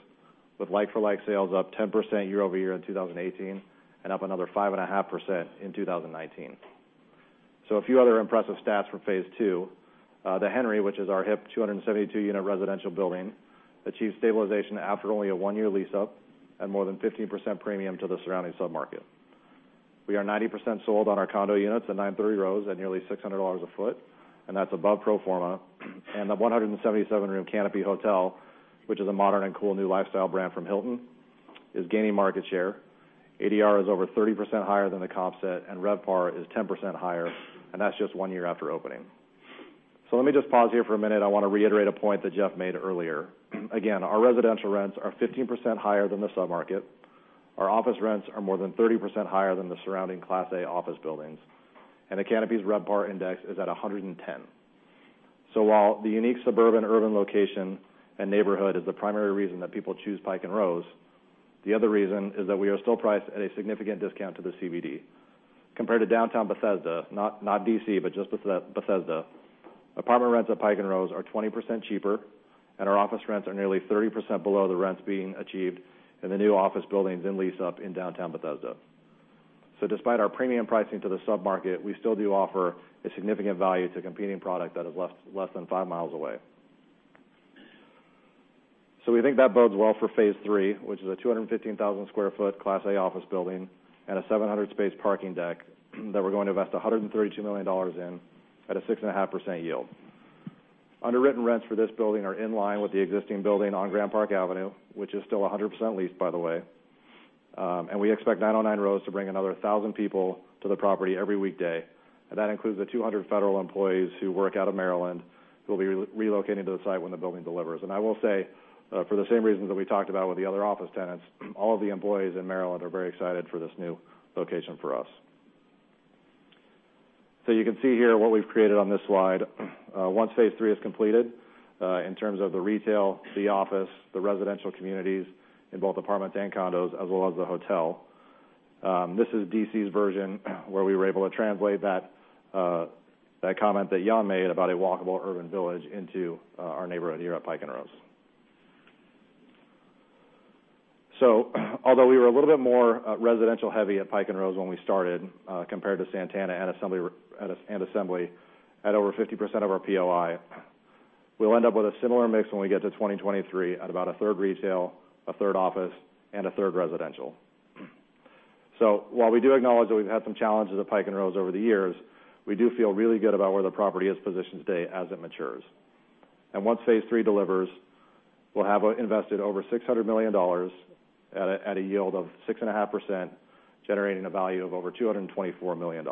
Speaker 5: with like-for-like sales up 10% year-over-year in 2018 and up another 5.5% in 2019. A few other impressive stats from phase two. The Henry, which is our 272-unit residential building, achieved stabilization after only a one-year lease up and more than 15% premium to the surrounding sub-market. We are 90% sold on our condo units at 930 Rose at nearly $600 a foot, that's above pro forma. The 177-room Canopy hotel, which is a modern and cool new lifestyle brand from Hilton, is gaining market share. ADR is over 30% higher than the comp set, RevPAR is 10% higher, that's just one year after opening. Let me just pause here for a minute. I want to reiterate a point that Jeff made earlier. Again, our residential rents are 15% higher than the sub-market. Our office rents are more than 30% higher than the surrounding class A office buildings. The Canopy's RevPAR index is at 110. While the unique suburban, urban location and neighborhood is the primary reason that people choose Pike & Rose, the other reason is that we are still priced at a significant discount to the CBD. Compared to downtown Bethesda, not D.C., but just Bethesda, apartment rents at Pike & Rose are 20% cheaper, and our office rents are nearly 30% below the rents being achieved in the new office buildings in lease up in downtown Bethesda. Despite our premium pricing to the sub-market, we still do offer a significant value to competing product that is less than five miles away. We think that bodes well for phase three, which is a 215,000 sq ft class A office building and a 700-space parking deck that we're going to invest $132 million in at a 6.5% yield. Underwritten rents for this building are in line with the existing building on Grand Park Avenue, which is still 100% leased, by the way. We expect 909 Rose to bring another 1,000 people to the property every weekday. That includes the 200 federal employees who work out of Maryland, who will be relocating to the site when the building delivers. I will say, for the same reasons that we talked about with the other office tenants, all of the employees in Maryland are very excited for this new location for us. You can see here what we've created on this slide. Once phase three is completed, in terms of the retail, the office, the residential communities in both apartments and condos, as well as the hotel. This is D.C.'s version where we were able to translate that comment that Jan made about a walkable urban village into our neighborhood here at Pike & Rose. Although we were a little bit more residential heavy at Pike & Rose when we started, compared to Santana and Assembly, at over 50% of our POI, we'll end up with a similar mix when we get to 2023 at about a third retail, a third office, and a third residential. While we do acknowledge that we've had some challenges at Pike & Rose over the years, we do feel really good about where the property is positioned today as it matures. Once phase three delivers, we'll have invested over $600 million at a yield of 6.5%, generating a value of over $224 million.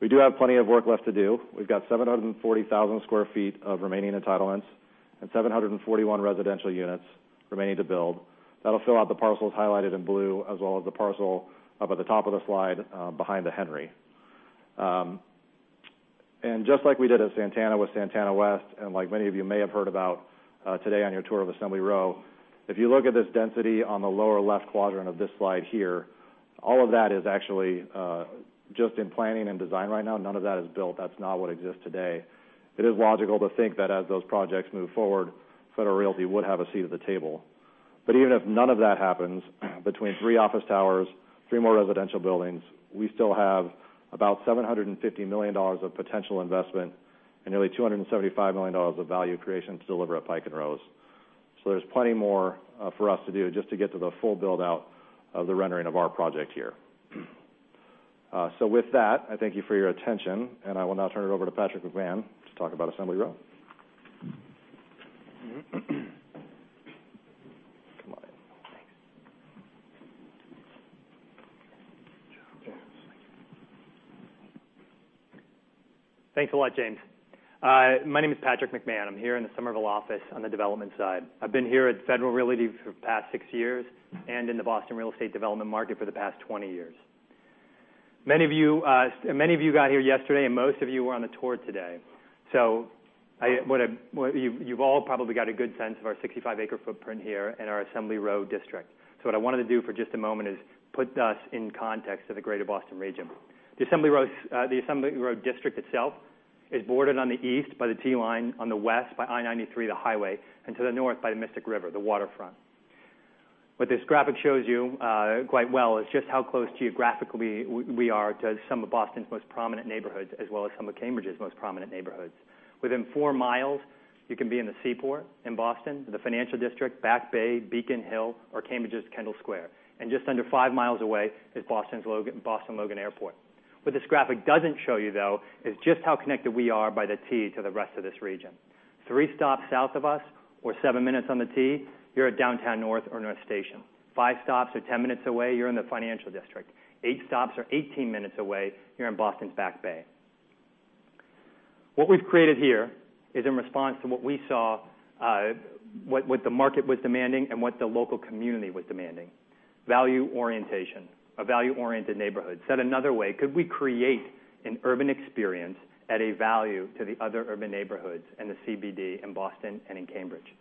Speaker 5: We do have plenty of work left to do. We've got 740,000 sq ft of remaining entitlements and 741 residential units remaining to build. That'll fill out the parcels highlighted in blue, as well as the parcel up at the top of the slide behind The Henry. Just like we did at Santana with Santana West, and like many of you may have heard about today on your tour of Assembly Row, if you look at this density on the lower left quadrant of this slide here, all of that is actually just in planning and design right now. None of that is built. That's not what exists today. It is logical to think that as those projects move forward, Federal Realty would have a seat at the table. But even if none of that happens, between three office towers, three more residential buildings, we still have about $750 million of potential investment and nearly $275 million of value creation to deliver at Pike & Rose. There's plenty more for us to do just to get to the full build-out of the rendering of our project here. With that, I thank you for your attention, and I will now turn it over to Patrick McMahon to talk about Assembly Row.
Speaker 2: Come on in.
Speaker 6: Thanks.
Speaker 2: Joe.
Speaker 6: Thanks. Thanks a lot, James. My name is Patrick McMahon. I'm here in the Somerville office on the development side. I've been here at Federal Realty for the past six years and in the Boston real estate development market for the past 20 years. Many of you got here yesterday, and most of you were on the tour today. You've all probably got a good sense of our 65-acre footprint here in our Assembly Row district. What I wanted to do for just a moment is put us in context of the greater Boston region. The Assembly Row district itself is bordered on the east by the T line, on the west by I-93, the highway, and to the north by the Mystic River, the waterfront. What this graphic shows you quite well is just how close geographically we are to some of Boston's most prominent neighborhoods, as well as some of Cambridge's most prominent neighborhoods. Within 4 miles, you can be in the Seaport in Boston, the Financial District, Back Bay, Beacon Hill, or Cambridge's Kendall Square. Just under 5 miles away is Boston Logan Airport. What this graphic doesn't show you, though, is just how connected we are by the T to the rest of this region. Three stops south of us, or 7 minutes on the T, you're at Downtown North or North Station. Five stops or 10 minutes away, you're in the Financial District. Eight stops or 18 minutes away, you're in Boston's Back Bay. What we've created here is in response to what we saw, what the market was demanding, and what the local community was demanding. Value orientation, a value-oriented neighborhood. Said another way, could we create an urban experience at a value to the other urban neighborhoods and the CBD in Boston and in Cambridge?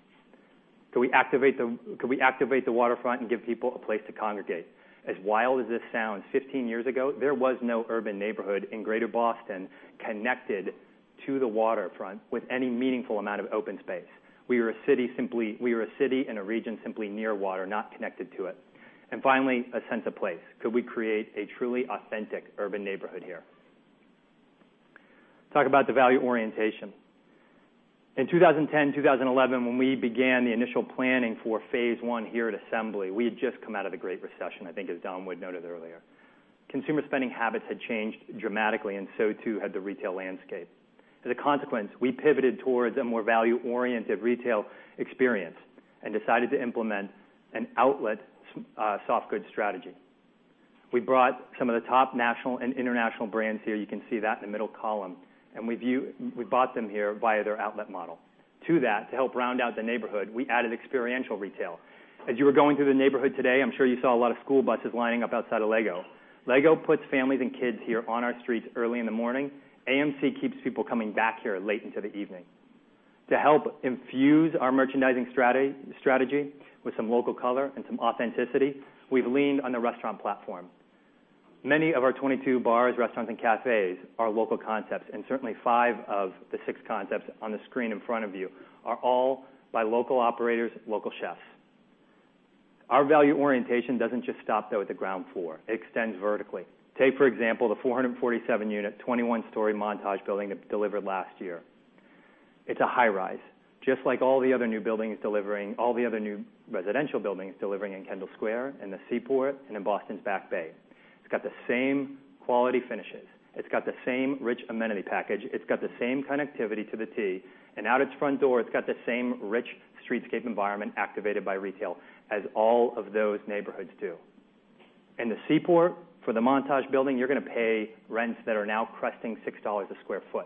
Speaker 6: Could we activate the waterfront and give people a place to congregate? As wild as this sounds, 15 years ago, there was no urban neighborhood in greater Boston connected to the waterfront with any meaningful amount of open space. We were a city and a region simply near water, not connected to it. Finally, a sense of place. Could we create a truly authentic urban neighborhood here? Talk about the value orientation. In 2010, 2011, when we began the initial planning for phase 1 here at Assembly, we had just come out of the Great Recession, I think as Don Wood noted earlier. Consumer spending habits had changed dramatically, so too had the retail landscape. As a consequence, we pivoted towards a more value-oriented retail experience and decided to implement an outlet soft goods strategy. We brought some of the top national and international brands here. You can see that in the middle column. We bought them here via their outlet model. To that, to help round out the neighborhood, we added experiential retail. As you were going through the neighborhood today, I'm sure you saw a lot of school buses lining up outside of Lego. Lego puts families and kids here on our streets early in the morning. AMC keeps people coming back here late into the evening. To help infuse our merchandising strategy with some local color and some authenticity, we've leaned on the restaurant platform. Many of our 22 bars, restaurants, and cafes are local concepts, and certainly 5 of the 6 concepts on the screen in front of you are all by local operators, local chefs. Our value orientation doesn't just stop, though, at the ground floor. It extends vertically. Take, for example, the 447-unit, 21-story Montage building that delivered last year. It's a high-rise, just like all the other new residential buildings delivering in Kendall Square, in the Seaport, and in Boston's Back Bay. It's got the same quality finishes. It's got the same rich amenity package. It's got the same connectivity to the T. Out its front door, it's got the same rich streetscape environment activated by retail as all of those neighborhoods do. In the Seaport, for the Montage building, you're going to pay rents that are now cresting $6 a square foot.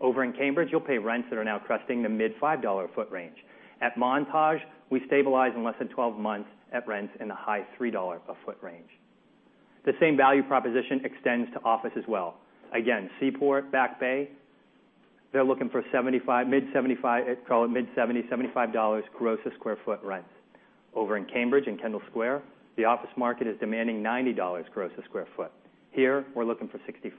Speaker 6: Over in Cambridge, you'll pay rents that are now cresting the mid-$5 a foot range. At Montage, we stabilize in less than 12 months at rents in the high $3 a foot range. The same value proposition extends to office as well. Seaport, Back Bay, they're looking for mid-$70, $75 gross a square foot rents. Over in Cambridge, in Kendall Square, the office market is demanding $90 gross a square foot. Here, we're looking for $65.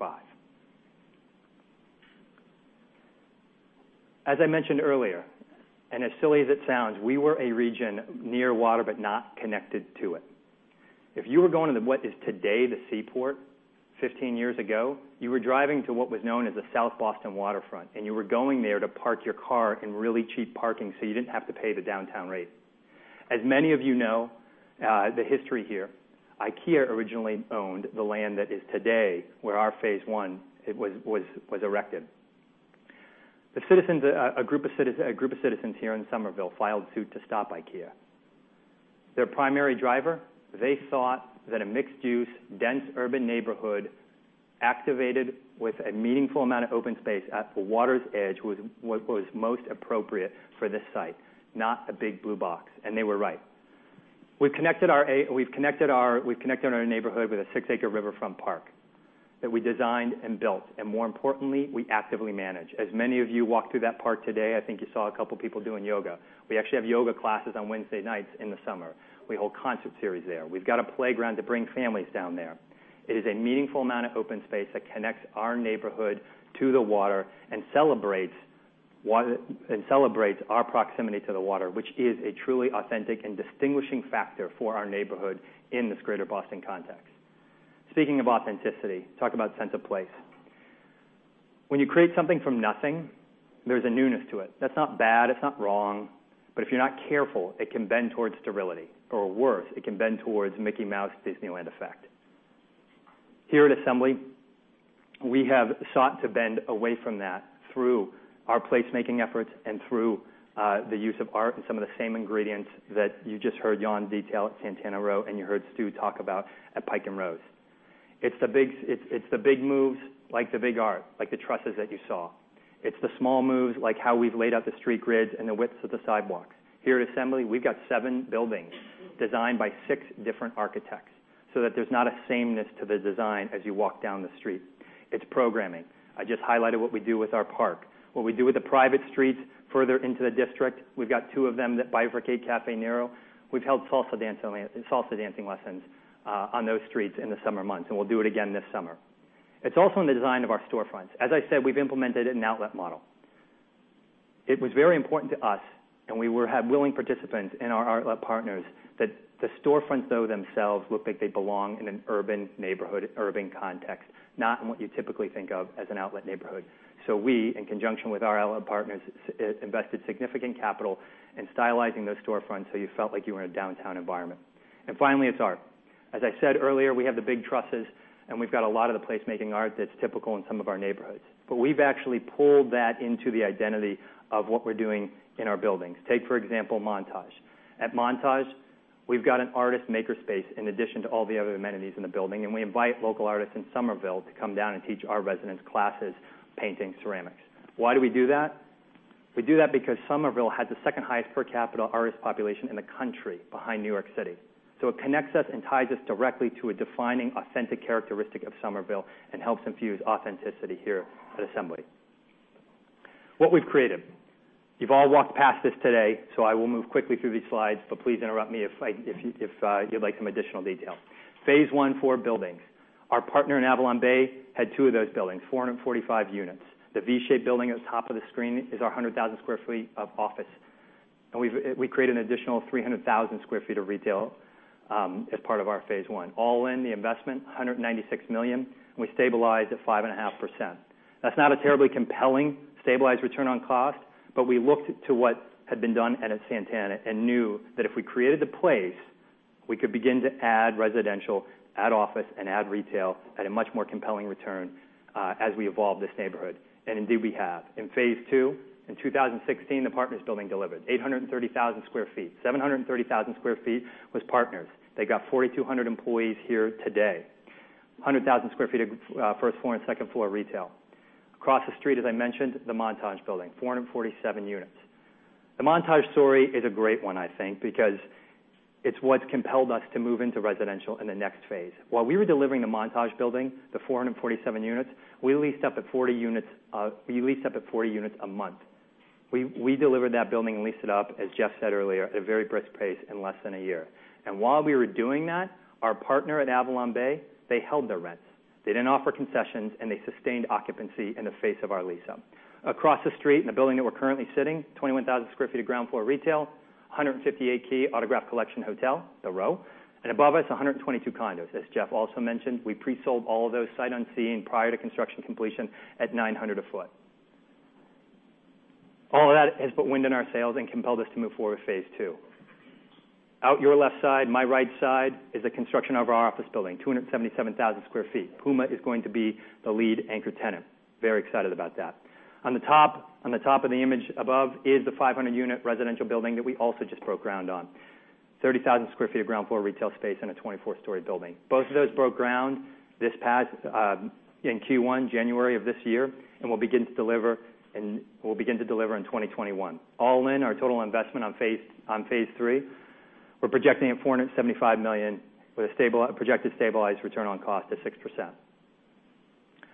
Speaker 6: As I mentioned earlier, as silly as it sounds, we were a region near water but not connected to it. If you were going to what is today the Seaport 15 years ago, you were driving to what was known as the South Boston waterfront, you were going there to park your car in really cheap parking so you didn't have to pay the downtown rate. As many of you know the history here, IKEA originally owned the land that is today where our phase 1 was erected. A group of citizens here in Somerville filed suit to stop IKEA. Their primary driver, they thought that a mixed-use, dense urban neighborhood activated with a meaningful amount of open space at the water's edge was what was most appropriate for this site, not a big blue box, they were right. We've connected our neighborhood with a six-acre riverfront park that we designed and built, more importantly, we actively manage. As many of you walked through that park today, I think you saw a couple people doing yoga. We actually have yoga classes on Wednesday nights in the summer. We hold concert series there. We've got a playground to bring families down there. It is a meaningful amount of open space that connects our neighborhood to the water and celebrates our proximity to the water, which is a truly authentic and distinguishing factor for our neighborhood in this greater Boston context. Speaking of authenticity, talk about sense of place. When you create something from nothing, there's a newness to it. That's not bad, it's not wrong, but if you're not careful, it can bend towards sterility, or worse, it can bend towards Mickey Mouse Disneyland effect. Here at Assembly, we have sought to bend away from that through our placemaking efforts and through the use of art and some of the same ingredients that you just heard Jan detail at Santana Row, you heard Stu talk about at Pike & Rose. It's the big moves like the big art, like the trusses that you saw. It's the small moves, like how we've laid out the street grids and the widths of the sidewalks. Here at Assembly, we've got seven buildings designed by six different architects so that there's not a sameness to the design as you walk down the street. It's programming. I just highlighted what we do with our park. What we do with the private streets further into the district, we've got two of them that bifurcate Caffè Nero. We've held salsa dancing lessons on those streets in the summer months, we'll do it again this summer. It's also in the design of our storefronts. As I said, we've implemented an outlet model. It was very important to us, and we had willing participants in our outlet partners that the storefronts though themselves look like they belong in an urban neighborhood, urban context, not in what you typically think of as an outlet neighborhood. We, in conjunction with our outlet partners, invested significant capital in stylizing those storefronts so you felt like you were in a downtown environment. Finally, it's art. As I said earlier, we have the big trusses, and we've got a lot of the placemaking art that's typical in some of our neighborhoods. We've actually pulled that into the identity of what we're doing in our buildings. Take, for example, Montage. At Montage, we've got an artist maker space in addition to all the other amenities in the building, and we invite local artists in Somerville to come down and teach our residents classes, painting, ceramics. Why do we do that? We do that because Somerville has the second highest per capita artist population in the country behind New York City. It connects us and ties us directly to a defining, authentic characteristic of Somerville and helps infuse authenticity here at Assembly, what we've created. You've all walked past this today, I will move quickly through these slides, but please interrupt me if you'd like some additional detail. Phase 1, four buildings. Our partner in AvalonBay had two of those buildings, 445 units. The V-shaped building at the top of the screen is our 100,000 sq ft of office. We created an additional 300,000 sq ft of retail, as part of our phase 1. All in the investment, $196 million, and we stabilize at 5.5%. That's not a terribly compelling stabilized return on cost, we looked to what had been done at Santana Row and knew that if we created the place, we could begin to add residential, add office, and add retail at a much more compelling return as we evolve this neighborhood, and indeed we have. In phase 2, in 2016, the Partners Building delivered 830,000 sq ft. 730,000 sq ft was Partners. They got 4,200 employees here today. 100,000 sq ft of first floor and second floor retail. Across the street, as I mentioned, the Montage Building, 447 units. The Montage story is a great one, I think, because it's what's compelled us to move into residential in the next phase. While we were delivering the Montage Building, the 447 units, we leased up at 40 units a month. We delivered that building and leased it up, as Jeff said earlier, at a very brisk pace in less than a year. While we were doing that, our partner at AvalonBay, they held their rents. They didn't offer concessions, and they sustained occupancy in the face of our lease-up. Across the street in the building that we're currently sitting, 21,000 sq ft of ground floor retail, 158-key Autograph Collection hotel, The Row, and above us, 122 condos. As Jeff also mentioned, we pre-sold all of those sight unseen prior to construction completion at $900 a foot. All of that has put wind in our sails and compelled us to move forward with phase 2. Out your left side, my right side, is the construction of our office building, 277,000 sq ft. Puma is going to be the lead anchor tenant. Very excited about that. On the top of the image above is the 500-unit residential building that we also just broke ground on. 30,000 sq ft of ground floor retail space in a 24-story building. Both of those broke ground in Q1, January of this year, and will begin to deliver in 2021. All in, our total investment on phase 3, we're projecting at $475 million with a projected stabilized return on cost of 6%.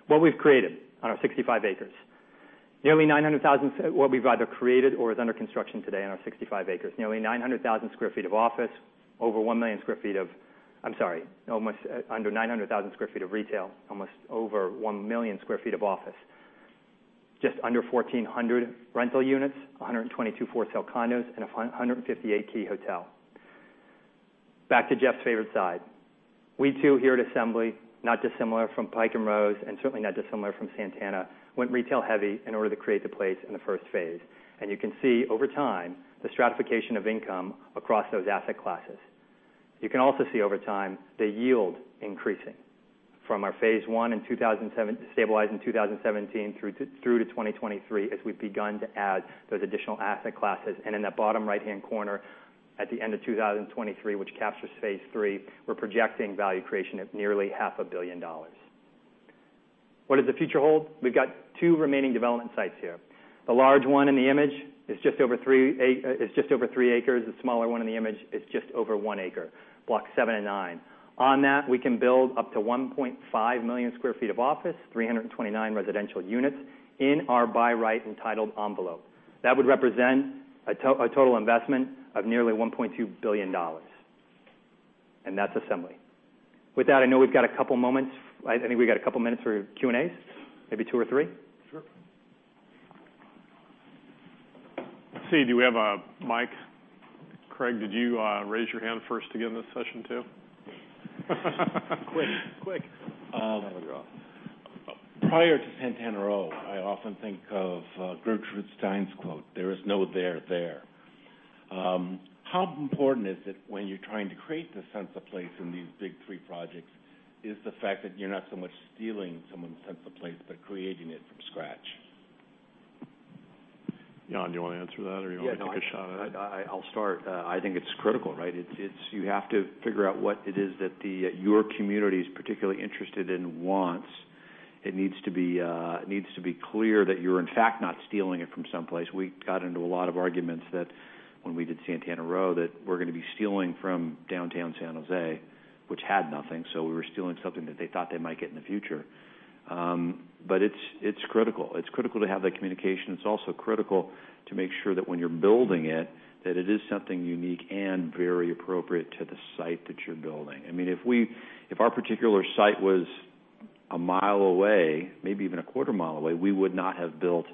Speaker 6: What we've created on our 65 acres. What we've either created or is under construction today on our 65 acres, nearly 900,000 sq ft of office, over 1 million sq ft of under 900,000 sq ft of retail, almost over 1 million sq ft of office. Just under 1,400 rental units, 122 for-sale condos, and a 158-key hotel. Back to Jeff's favorite side. We too here at Assembly, not dissimilar from Pike & Rose, and certainly not dissimilar from Santana, went retail-heavy in order to create the place in the first phase 1. You can see over time the stratification of income across those asset classes. You can also see over time the yield increasing from our phase 1, stabilized in 2017 through to 2023, as we've begun to add those additional asset classes. In that bottom right-hand corner at the end of 2023, which captures phase 3, we're projecting value creation of nearly half a billion dollars. What does the future hold? We've got two remaining development sites here. The large one in the image is just over three acres. The smaller one in the image is just over one acre, block 7 and 9. On that, we can build up to 1.5 million sq ft of office, 329 residential units in our buy right entitled envelope. That would represent a total investment of nearly $1.2 billion. That's Assembly. With that, I know we've got a couple of moments. I think we got a couple of minutes for Q&As, maybe two or three.
Speaker 2: Sure. See, do we have a mic? Craig, did you raise your hand first again this session, too?
Speaker 7: Quick.
Speaker 2: I'll go.
Speaker 7: Prior to Santana Row, I often think of Gertrude Stein's quote, "There is no there." How important is it when you're trying to create the sense of place in these big three projects, is the fact that you're not so much stealing someone's sense of place, but creating it from scratch?
Speaker 2: Jan, you want to answer that or you want me to take a shot at it?
Speaker 3: Yeah, no, I'll start. I think it's critical, right? You have to figure out what it is that your community's particularly interested in wants. It needs to be clear that you're in fact not stealing it from someplace. We got into a lot of arguments that when we did Santana Row, that we're going to be stealing from downtown San Jose, which had nothing. We were stealing something that they thought they might get in the future. It's critical. It's critical to have that communication. It's also critical to make sure that when you're building it, that it is something unique and very appropriate to the site that you're building. If our particular site was a mile away, maybe even a quarter mile away, we would not have built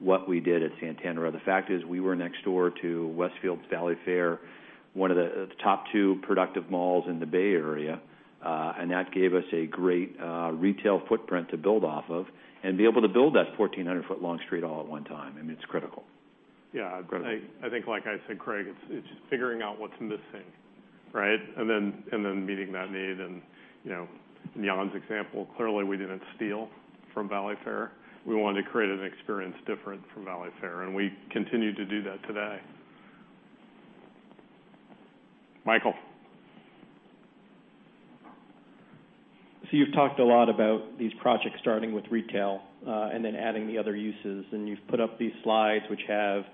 Speaker 3: what we did at Santana Row. The fact is, we were next door to Westfield Valley Fair, one of the top two productive malls in the Bay Area. That gave us a great retail footprint to build off of and be able to build that 1,400-foot long street all at one time. It's critical.
Speaker 2: Yeah. I think like I said, Craig, it's just figuring out what's missing, right? Then meeting that need and Jan's example, clearly, we didn't steal from Valley Fair. We wanted to create an experience different from Valley Fair, and we continue to do that today. Michael.
Speaker 8: You've talked a lot about these projects starting with retail, then adding the other uses, and you've put up these slides which have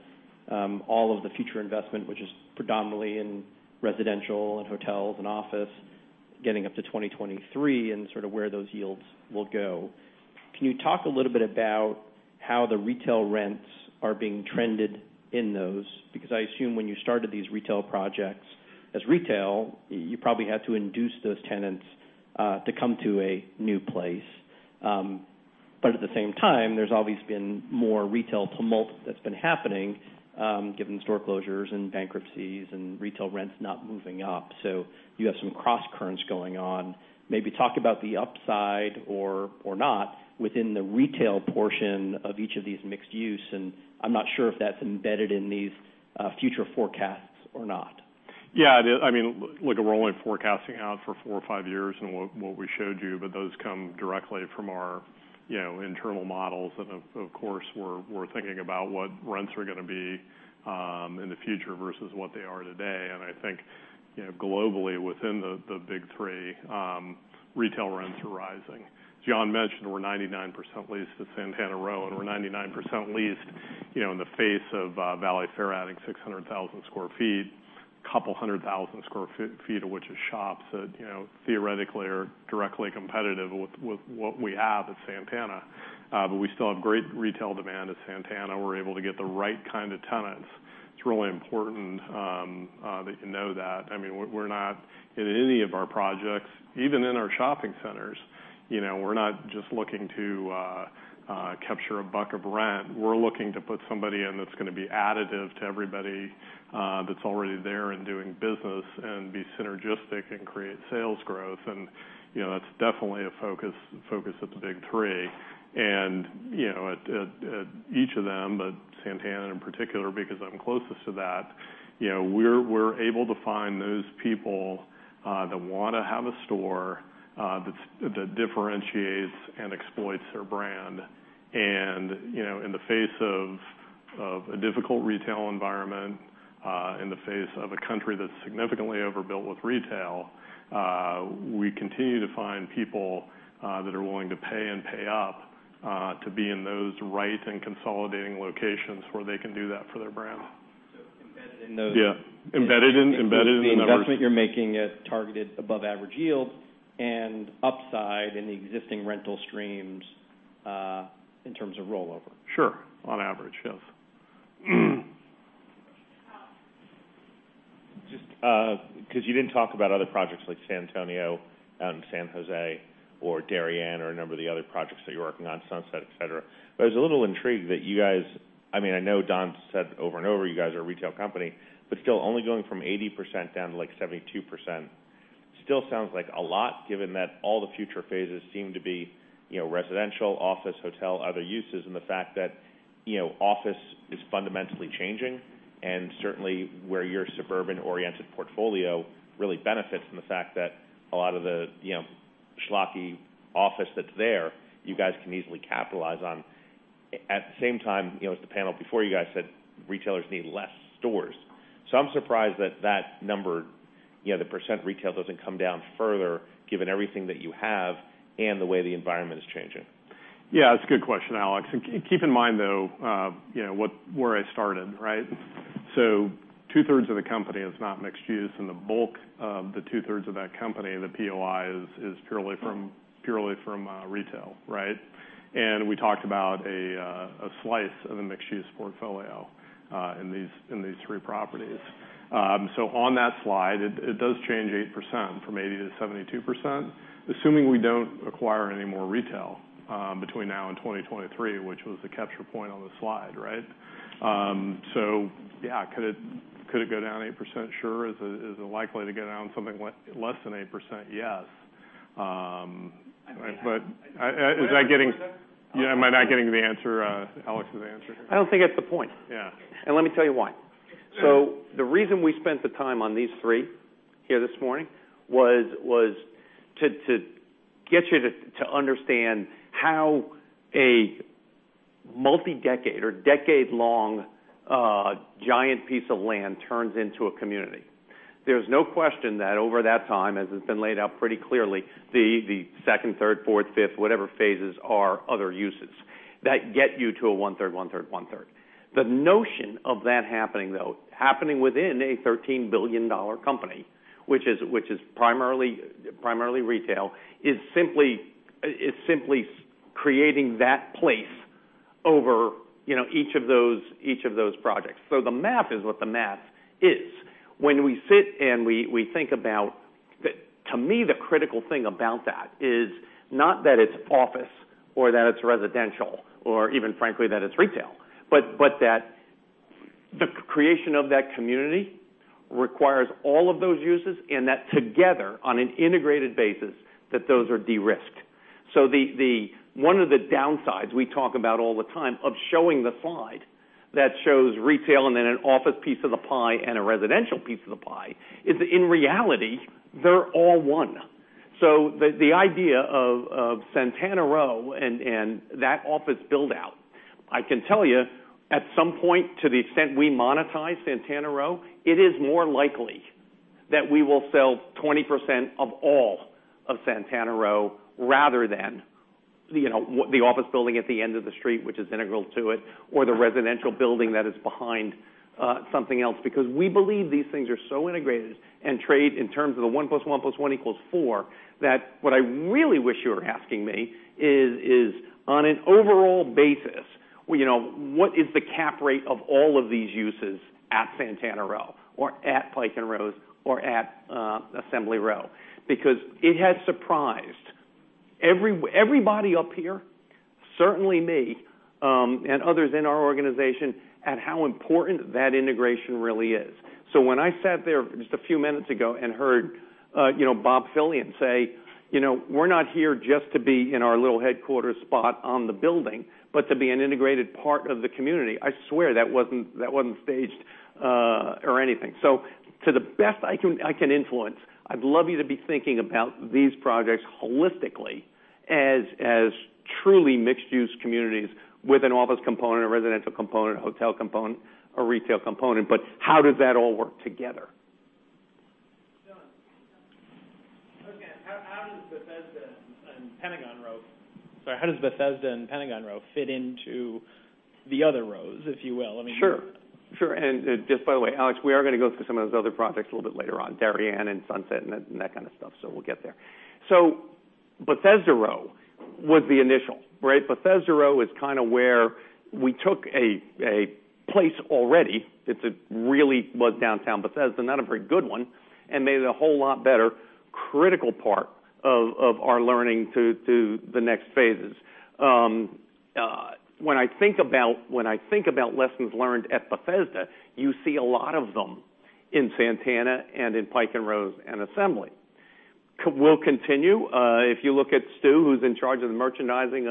Speaker 8: all of the future investment, which is predominantly in residential and hotels and office, getting up to 2023 and sort of where those yields will go. Can you talk a little bit about how the retail rents are being trended in those? I assume when you started these retail projects as retail, you probably had to induce those tenants to come to a new place. But at the same time, there's always been more retail tumult that's been happening given store closures and bankruptcies and retail rents not moving up. You have some crosscurrents going on. Maybe talk about the upside or not within the retail portion of each of these mixed use. I'm not sure if that's embedded in these future forecasts or not.
Speaker 2: Yeah. Look, we're only forecasting out for 4 or 5 years and what we showed you, those come directly from our internal models. Of course, we're thinking about what rents are going to be in the future versus what they are today. I think globally within the big three, retail rents are rising. Jan mentioned we're 99% leased at Santana Row, and we're 99% leased in the face of Valley Fair adding 600,000 square feet, couple hundred thousand square feet of which is shops that theoretically are directly competitive with what we have at Santana. We still have great retail demand at Santana. We're able to get the right kind of tenants. It's really important that you know that. In any of our projects, even in our shopping centers, we're not just looking to capture a buck of rent. We're looking to put somebody in that's going to be additive to everybody that's already there and doing business and be synergistic and create sales growth. That's definitely a focus at the big three. At each of them, but Santana in particular, because I'm closest to that, we're able to find those people that want to have a store that differentiates and exploits their brand. In the face of a difficult retail environment, in the face of a country that's significantly overbuilt with retail, we continue to find people that are willing to pay and pay up to be in those right and consolidating locations where they can do that for their brand.
Speaker 8: Embedded in those-
Speaker 2: Yeah. Embedded in the numbers
Speaker 8: the investment you're making at targeted above average yields and upside in the existing rental streams, in terms of rollover.
Speaker 2: Sure. On average, yes.
Speaker 9: Because you didn't talk about other projects like Santana Row out in San Jose or Darien or a number of the other projects that you're working on, Sunset, et cetera. I was a little intrigued that you guys I know Don said over and over, you guys are a retail company, but still only going from 80% down to 72% still sounds like a lot, given that all the future phases seem to be residential, office, hotel, other uses, and the fact that office is fundamentally changing. Certainly, where your suburban-oriented portfolio really benefits from the fact that a lot of the schlocky office that's there, you guys can easily capitalize on. At the same time, as the panel before you guys said, retailers need less stores. I'm surprised that that number, the percent retail doesn't come down further given everything that you have and the way the environment is changing.
Speaker 2: Yeah, that's a good question, Alex. Keep in mind, though, where I started, right? Two-thirds of the company is not mixed use, and the bulk of the two-thirds of that company, the POI is purely from retail. We talked about a slice of the mixed-use portfolio in these three properties. On that slide, it does change 8%, from 80% to 72%, assuming we don't acquire any more retail between now and 2023, which was the capture point on the slide. Yeah, could it go down 8%? Sure. Is it likely to go down something less than 8%? Yes.
Speaker 9: I mean-
Speaker 2: Is that getting-
Speaker 9: Can I answer that?
Speaker 2: Yeah, am I not getting Alex his answer here?
Speaker 10: I don't think that's the point.
Speaker 2: Yeah.
Speaker 10: Let me tell you why. The reason we spent the time on these three here this morning was to get you to understand how a multi-decade or decade-long giant piece of land turns into a community. There's no question that over that time, as has been laid out pretty clearly, the second, third, fourth, fifth, whatever phases are other uses that get you to a one-third, one-third, one-third. The notion of that happening, though, happening within a $13 billion company, which is primarily retail, is simply creating that place over each of those projects. The math is what the math is. To me, the critical thing about that is not that it's office or that it's residential or even frankly that it's retail, but that the creation of that community requires all of those uses, and that together on an integrated basis, that those are de-risked. One of the downsides we talk about all the time of showing the slide that shows retail and then an office piece of the pie and a residential piece of the pie is that in reality, they're all one. The idea of Santana Row and that office build-out, I can tell you, at some point, to the extent we monetize Santana Row, it is more likely that we will sell 20% of all of Santana Row rather than the office building at the end of the street, which is integral to it, or the residential building that is behind something else. We believe these things are so integrated and trade in terms of the one plus one plus one equals four, that what I really wish you were asking me is on an overall basis, what is the cap rate of all of these uses at Santana Row or at Pike & Rose or at Assembly Row? It has surprised everybody up here, certainly me, and others in our organization at how important that integration really is. When I sat there just a few minutes ago and heard Bob Philion say, "We're not here just to be in our little headquarters spot on the building, but to be an integrated part of the community," I swear that wasn't staged or anything. To the best I can influence, I'd love you to be thinking about these projects holistically as truly mixed-use communities with an office component, a residential component, a hotel component, a retail component. How does that all work together?
Speaker 11: Jan, how does Bethesda and Pentagon Row fit into the other Rows, if you will?
Speaker 10: Sure. Just by the way, Alex, we are going to go through some of those other projects a little bit later on, Darien and Sunset and that kind of stuff. We'll get there. Bethesda Row was the initial. Bethesda Row is kind of where we took a place already that really was downtown Bethesda, not a very good one, and made it a whole lot better, critical part of our learning to the next phases. When I think about lessons learned at Bethesda, you see a lot of them in Santana and in Pike & Rose and Assembly. We'll continue. If you look at Stu, who's in charge of the merchandising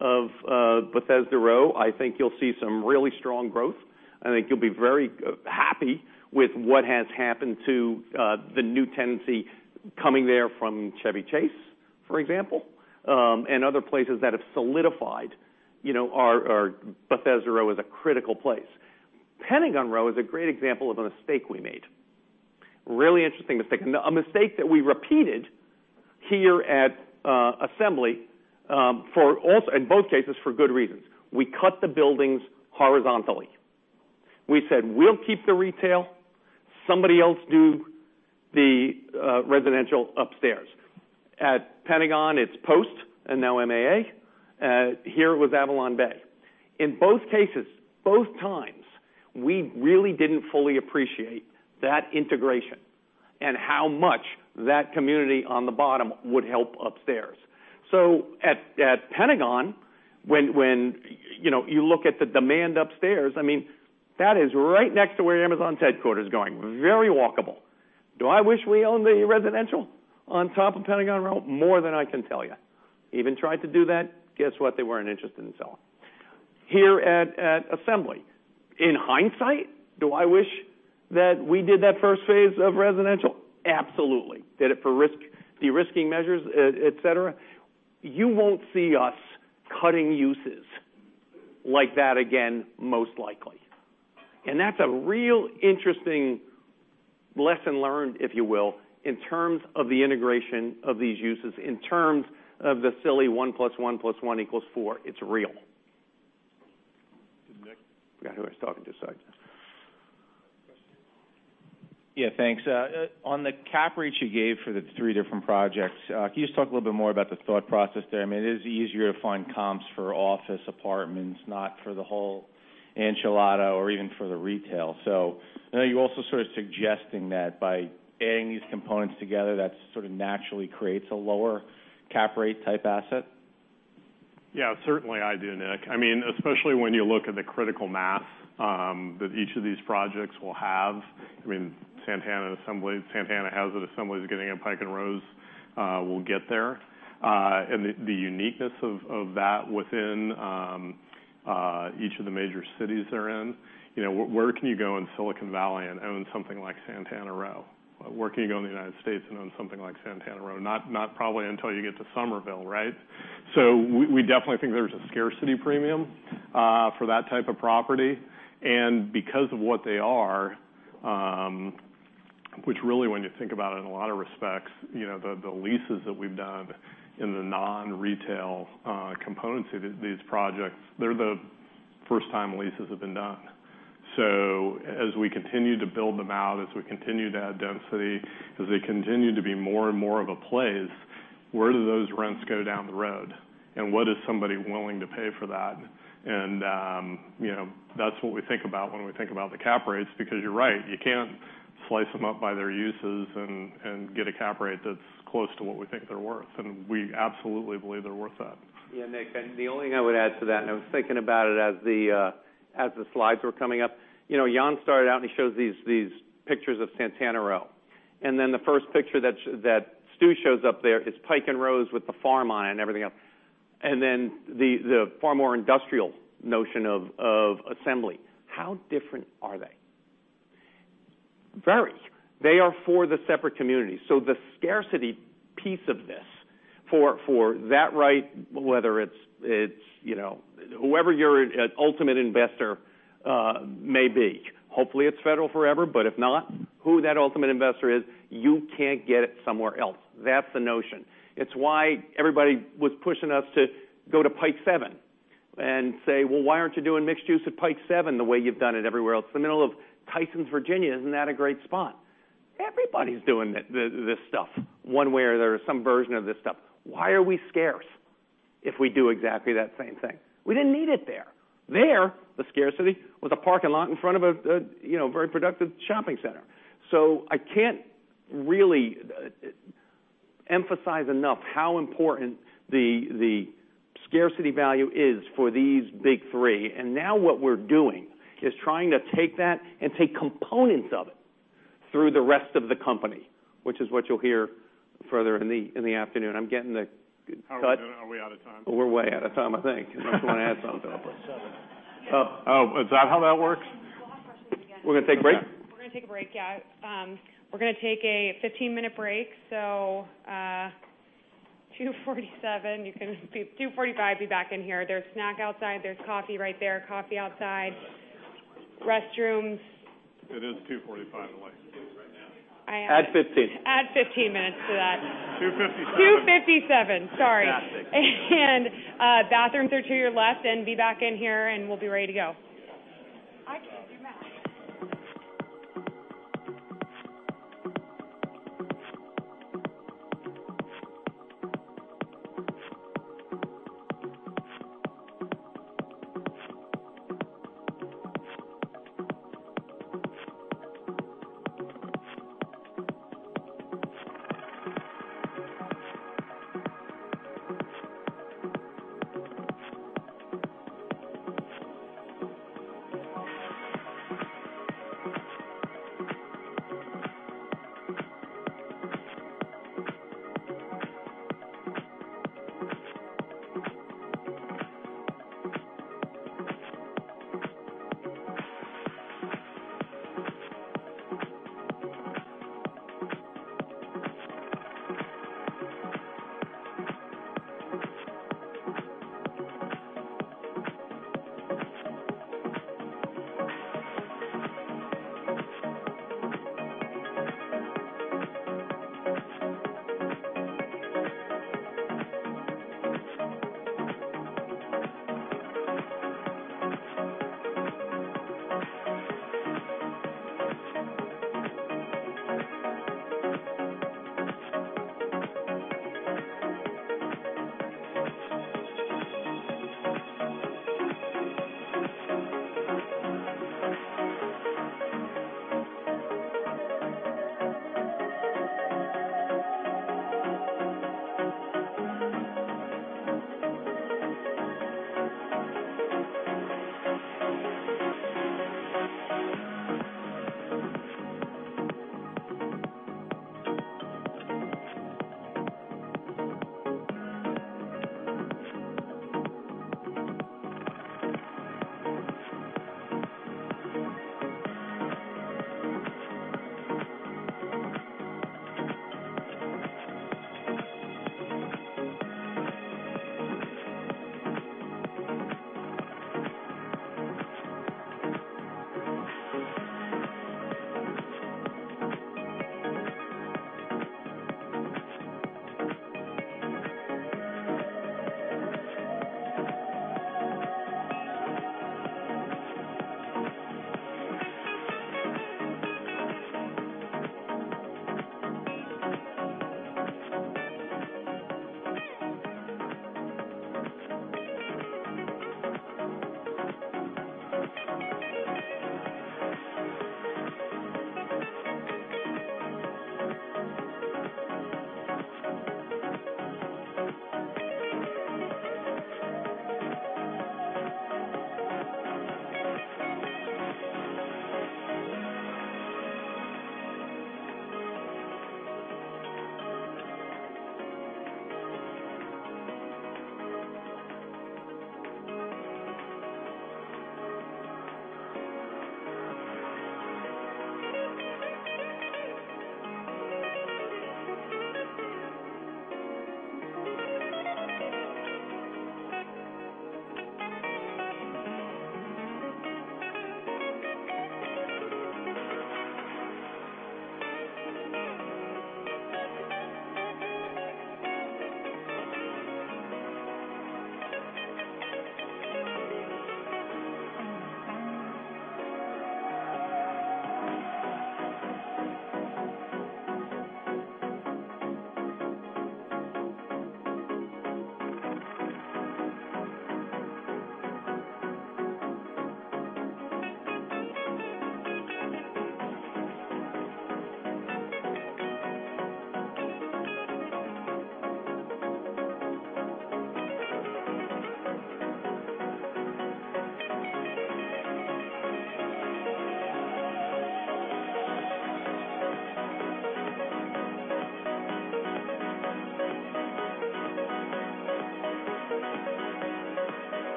Speaker 10: of Bethesda Row, I think you'll see some really strong growth. I think you'll be very happy with what has happened to the new tenancy coming there from Chevy Chase, for example, and other places that have solidified Bethesda Row as a critical place. Pentagon Row is a great example of a mistake we made. Really interesting mistake, and a mistake that we repeated here at Assembly, in both cases for good reasons. We cut the buildings horizontally. We said, "We'll keep the retail. Somebody else do the residential upstairs." At Pentagon, it's Post and now MAA. Here it was AvalonBay. In both cases, both times. We really didn't fully appreciate that integration and how much that community on the bottom would help upstairs. At Pentagon, when you look at the demand upstairs, that is right next to where Amazon's headquarters is going. Very walkable. Do I wish we owned the residential on top of Pentagon Row? More than I can tell you. Even tried to do that. Guess what? They weren't interested in selling. Here at Assembly, in hindsight, do I wish that we did that first phase of residential? Absolutely. Did it for de-risking measures, et cetera. You won't see us cutting uses like that again, most likely. That's a real interesting lesson learned, if you will, in terms of the integration of these uses, in terms of the silly one plus one plus one equals four. It's real.
Speaker 2: To Nick.
Speaker 10: Forgot who I was talking to, sorry.
Speaker 2: Question.
Speaker 12: Yeah, thanks. On the cap rates you gave for the three different projects, can you just talk a little bit more about the thought process there? It is easier to find comps for office apartments, not for the whole enchilada or even for the retail. I know you're also sort of suggesting that by adding these components together, that sort of naturally creates a lower cap rate type asset.
Speaker 2: Yeah, certainly I do, Nick. Especially when you look at the critical mass that each of these projects will have. Santana has it. Assembly's getting it. Pike & Rose will get there. The uniqueness of that within each of the major cities they're in. Where can you go in Silicon Valley and own something like Santana Row? Where can you go in the United States and own something like Santana Row? Not probably until you get to Somerville, right? We definitely think there's a scarcity premium for that type of property. Because of what they are, which really when you think about it in a lot of respects, the leases that we've done in the non-retail components of these projects, they're the first-time leases that have been done. As we continue to build them out, as we continue to add density, as they continue to be more and more of a place, where do those rents go down the road? What is somebody willing to pay for that? That's what we think about when we think about the cap rates, because you're right, you can't slice them up by their uses and get a cap rate that's close to what we think they're worth. We absolutely believe they're worth that.
Speaker 10: Yeah, Nick, the only thing I would add to that, I was thinking about it as the slides were coming up. Jan started out, he shows these pictures of Santana Row. The first picture that Stu shows up there is Pike & Rose with the farm eye and everything else. The far more industrial notion of Assembly. How different are they? Very. They are for the separate communities. The scarcity piece of this, for that right, whoever your ultimate investor may be. Hopefully, it's Federal Forever, if not, who that ultimate investor is, you can't get it somewhere else. That's the notion. It's why everybody was pushing us to go to Pike 7 and say, "Well, why aren't you doing mixed use at Pike 7 the way you've done it everywhere else? It's the middle of Tysons, Virginia. Isn't that a great spot? Everybody's doing this stuff, one way or there is some version of this stuff. Why are we scarce if we do exactly that same thing? We didn't need it there. There, the scarcity was a parking lot in front of a very productive shopping center. I can't really emphasize enough how important the scarcity value is for these big three. Now what we're doing is trying to take that and take components of it through the rest of the company, which is what you'll hear further in the afternoon. I'm getting the cut.
Speaker 2: Are we out of time?
Speaker 10: We're way out of time, I think, unless you want to add something.
Speaker 2: Oh, is that how that works?
Speaker 1: We'll have questions again.
Speaker 10: We're going to take a break?
Speaker 1: We're going to take a break, yeah. We're going to take a 15-minute break, so 2:47 P.M. You can 2:45 P.M. be back in here. There's snack outside. There's coffee right there, coffee outside. Restrooms.
Speaker 2: It is 2:45 P.M. in life right now.
Speaker 10: Add 15.
Speaker 1: Add 15 minutes to that.
Speaker 2: 2:57.
Speaker 1: 2:57, sorry.
Speaker 10: Fantastic.
Speaker 1: Bathrooms are to your left, and be back in here, and we'll be ready to go.
Speaker 2: I can't do math.
Speaker 1: They can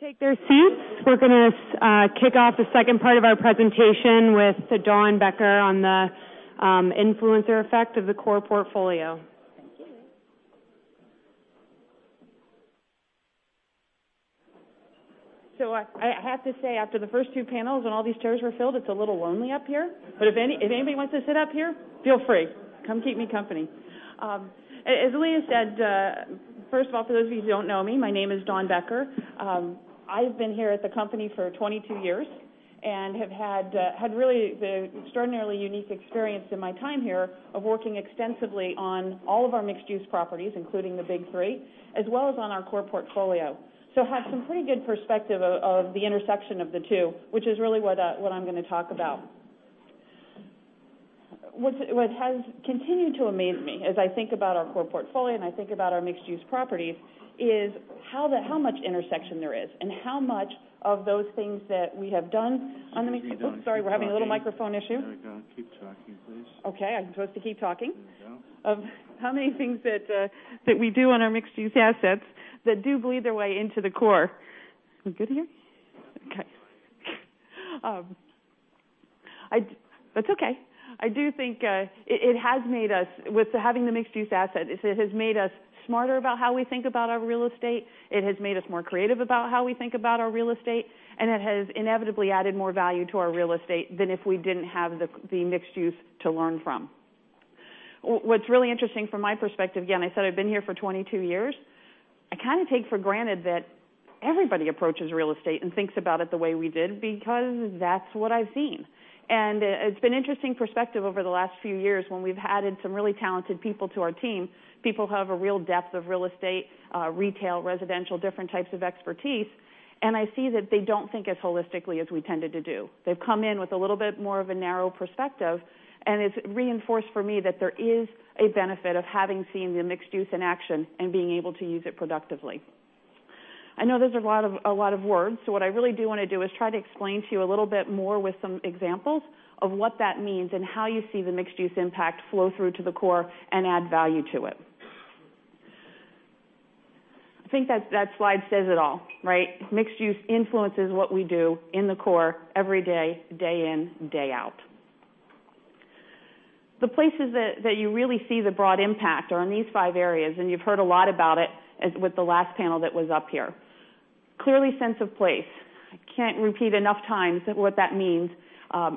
Speaker 1: take their seats. We're going to kick off the second part of our presentation with Dawn Becker on the influencer effect of the core portfolio.
Speaker 13: Thank you. I have to say, after the first two panels when all these chairs were filled, it's a little lonely up here. If anybody wants to sit up here, feel free. Come keep me company. As Leah said, first of all, for those of you who don't know me, my name is Dawn Becker. I've been here at the company for 22 years and have had really the extraordinarily unique experience in my time here of working extensively on all of our mixed-use properties, including the big three, as well as on our core portfolio. Have some pretty good perspective of the intersection of the two, which is really what I'm going to talk about. What has continued to amaze me as I think about our core portfolio and I think about our mixed-use properties, is how much intersection there is and how much of those things that we have done on our mixed-use assets that do bleed their way into the core. I do think with having the mixed-use asset, it has made us smarter about how we think about our real estate, it has made us more creative about how we think about our real estate, and it has inevitably added more value to our real estate than if we didn't have the mixed-use to learn from. What's really interesting from my perspective, again, I said I've been here for 22 years, I kind of take for granted that everybody approaches real estate and thinks about it the way we did because that's what I've seen. It's been interesting perspective over the last few years when we've added some really talented people to our team, people who have a real depth of real estate, retail, residential, different types of expertise, and I see that they don't think as holistically as we tended to do. They've come in with a little bit more of a narrow perspective, and it's reinforced for me that there is a benefit of having seen the mixed-use in action and being able to use it productively. I know there's a lot of words, what I really do want to do is try to explain to you a little bit more with some examples of what that means and how you see the mixed-use impact flow through to the core and add value to it. I think that slide says it all, right? Mixed-use influences what we do in the core every day in, day out. The places that you really see the broad impact are in these five areas, and you've heard a lot about it with the last panel that was up here. Clearly, sense of place. I can't repeat enough times what that means.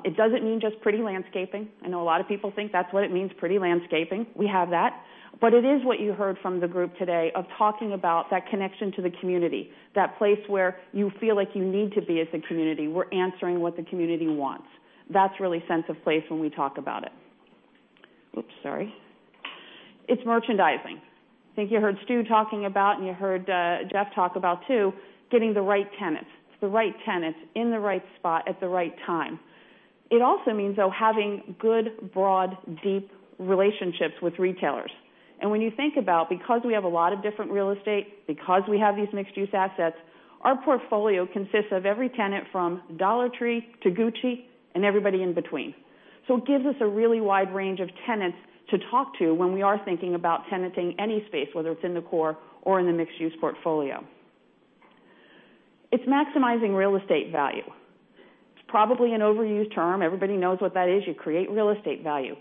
Speaker 13: It doesn't mean just pretty landscaping. I know a lot of people think that's what it means, pretty landscaping. We have that. It is what you heard from the group today of talking about that connection to the community, that place where you feel like you need to be as a community. We're answering what the community wants. That's really sense of place when we talk about it. It's merchandising. I think you heard Stu talking about, and you heard Jeff talk about too, getting the right tenants. It's the right tenants in the right spot at the right time. It also means, though, having good, broad, deep relationships with retailers. When you think about, because we have a lot of different real estate, because we have these mixed-use assets, our portfolio consists of every tenant from Dollar Tree to Gucci and everybody in between. It gives us a really wide range of tenants to talk to when we are thinking about tenanting any space, whether it's in the core or in the mixed-use portfolio. It's maximizing real estate value. It's probably an overused term. Everybody knows what that is. You create real estate value.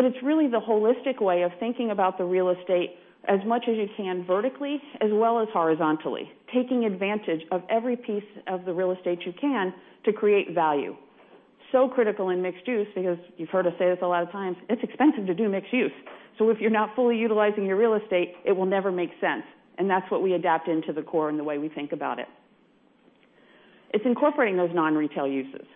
Speaker 13: It's really the holistic way of thinking about the real estate as much as you can vertically as well as horizontally, taking advantage of every piece of the real estate you can to create value. Critical in mixed-use because you've heard us say this a lot of times, it's expensive to do mixed-use. If you're not fully utilizing your real estate, it will never make sense, and that's what we adapt into the core and the way we think about it. It's incorporating those non-retail uses.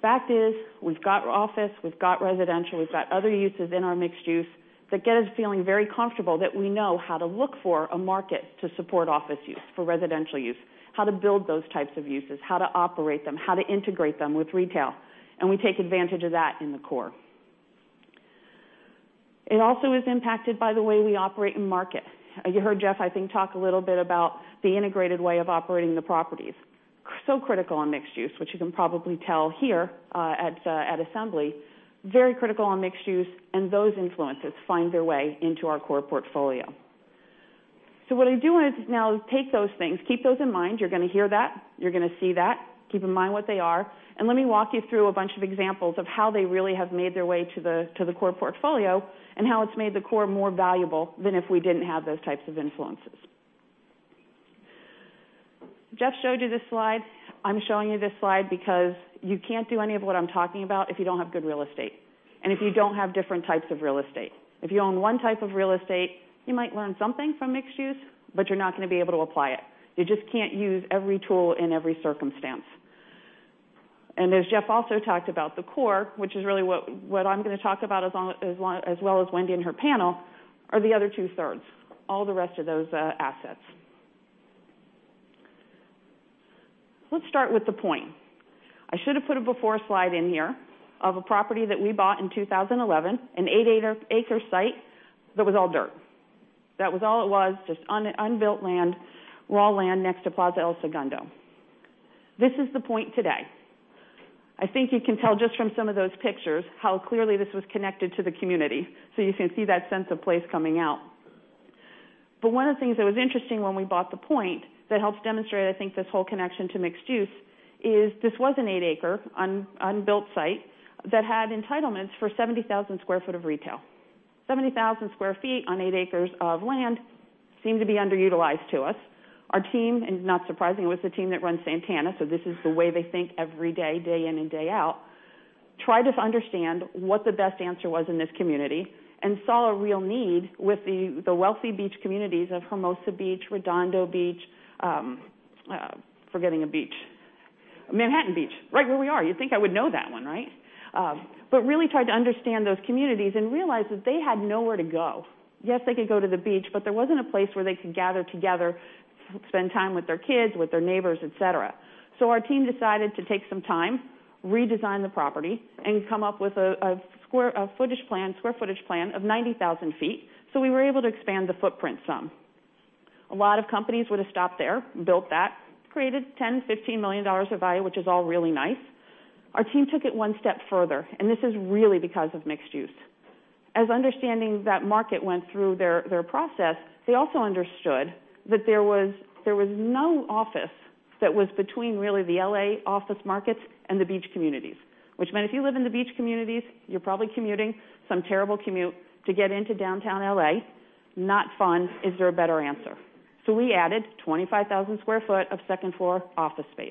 Speaker 13: Fact is, we've got office, we've got residential, we've got other uses in our mixed-use that get us feeling very comfortable that we know how to look for a market to support office use, for residential use, how to build those types of uses, how to operate them, how to integrate them with retail, and we take advantage of that in the core. It also is impacted by the way we operate in market. You heard Jeff, I think, talk a little bit about the integrated way of operating the properties. Critical on mixed-use, which you can probably tell here, at Assembly. Very critical on mixed-use and those influences find their way into our core portfolio. What I do want to now is take those things, keep those in mind. You're going to hear that, you're going to see that, keep in mind what they are, and let me walk you through a bunch of examples of how they really have made their way to the core portfolio and how it's made the core more valuable than if we didn't have those types of influences. Jeff showed you this slide. I'm showing you this slide because you can't do any of what I'm talking about if you don't have good real estate, and if you don't have different types of real estate. If you own one type of real estate, you might learn something from mixed-use, but you're not going to be able to apply it. You just can't use every tool in every circumstance. As Jeff also talked about, the core, which is really what I'm going to talk about as well as Wendy and her panel, are the other two-thirds, all the rest of those assets. Let's start with The Point. I should have put a before slide in here of a property that we bought in 2011, an eight-acre site that was all dirt. That was all it was, just unbuilt land, raw land next to Plaza El Segundo. This is The Point today. I think you can tell just from some of those pictures how clearly this was connected to the community. You can see that sense of place coming out. One of the things that was interesting when we bought The Point that helps demonstrate, I think, this whole connection to mixed use is this was an 8-acre, unbuilt site that had entitlements for 70,000 square feet of retail. 70,000 square feet on 8 acres of land seemed to be underutilized to us. Our team, and not surprisingly, it was the team that runs Santana Row, so this is the way they think every day in and day out, tried to understand what the best answer was in this community and saw a real need with the wealthy beach communities of Hermosa Beach, Redondo Beach, Manhattan Beach, right where we are. You'd think I would know that one, right? Really tried to understand those communities and realized that they had nowhere to go. They could go to the beach, but there wasn't a place where they could gather together, spend time with their kids, with their neighbors, et cetera. Our team decided to take some time, redesign the property, and come up with a square footage plan of 90,000 square feet, so we were able to expand the footprint some. A lot of companies would have stopped there, built that, created $10 million, $15 million of value, which is all really nice. Our team took it one step further, and this is really because of mixed use. As understanding that market went through their process, they also understood that there was no office that was between really the L.A. office markets and the beach communities, which meant if you live in the beach communities, you're probably commuting some terrible commute to get into downtown L.A. Not fun. Is there a better answer? We added 25,000 square feet of second-floor office space.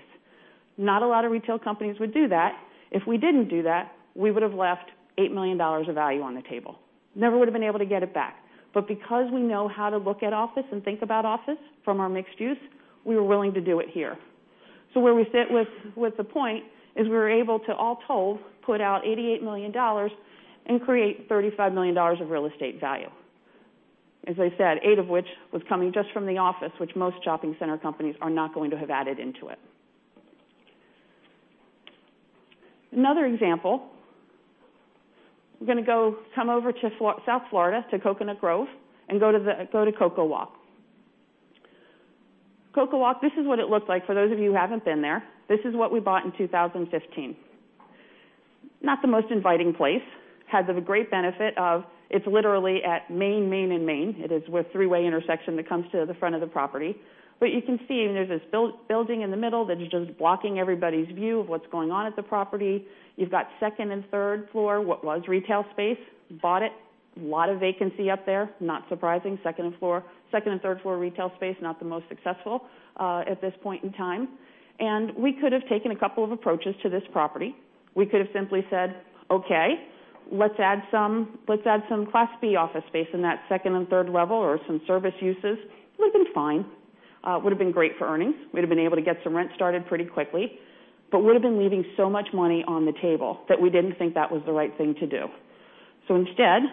Speaker 13: Not a lot of retail companies would do that. If we didn't do that, we would have left $8 million of value on the table. Never would've been able to get it back. But because we know how to look at office and think about office from our mixed use, we were willing to do it here. Where we sit with The Point is we were able to, all told, put out $88 million and create $35 million of real estate value. As I said, eight of which was coming just from the office, which most shopping center companies are not going to have added into it. Another example, we're going to come over to South Florida to Coconut Grove and go to CocoWalk. CocoWalk, this is what it looked like for those of you who haven't been there. This is what we bought in 2015. Not the most inviting place. Has a great benefit of it's literally at Main, and Main. It is with three-way intersection that comes to the front of the property. You can see there's this building in the middle that is just blocking everybody's view of what's going on at the property. You've got second and third floor, what was retail space. Bought it. Lot of vacancy up there. Not surprising. Second and third floor retail space, not the most successful, at this point in time. And we could have taken a couple of approaches to this property. We could have simply said, "Okay, let's add some Class B office space in that second and third level or some service uses." It would've been fine. Would've been great for earnings. We'd have been able to get some rent started pretty quickly. Would've been leaving so much money on the table that we didn't think that was the right thing to do. Instead,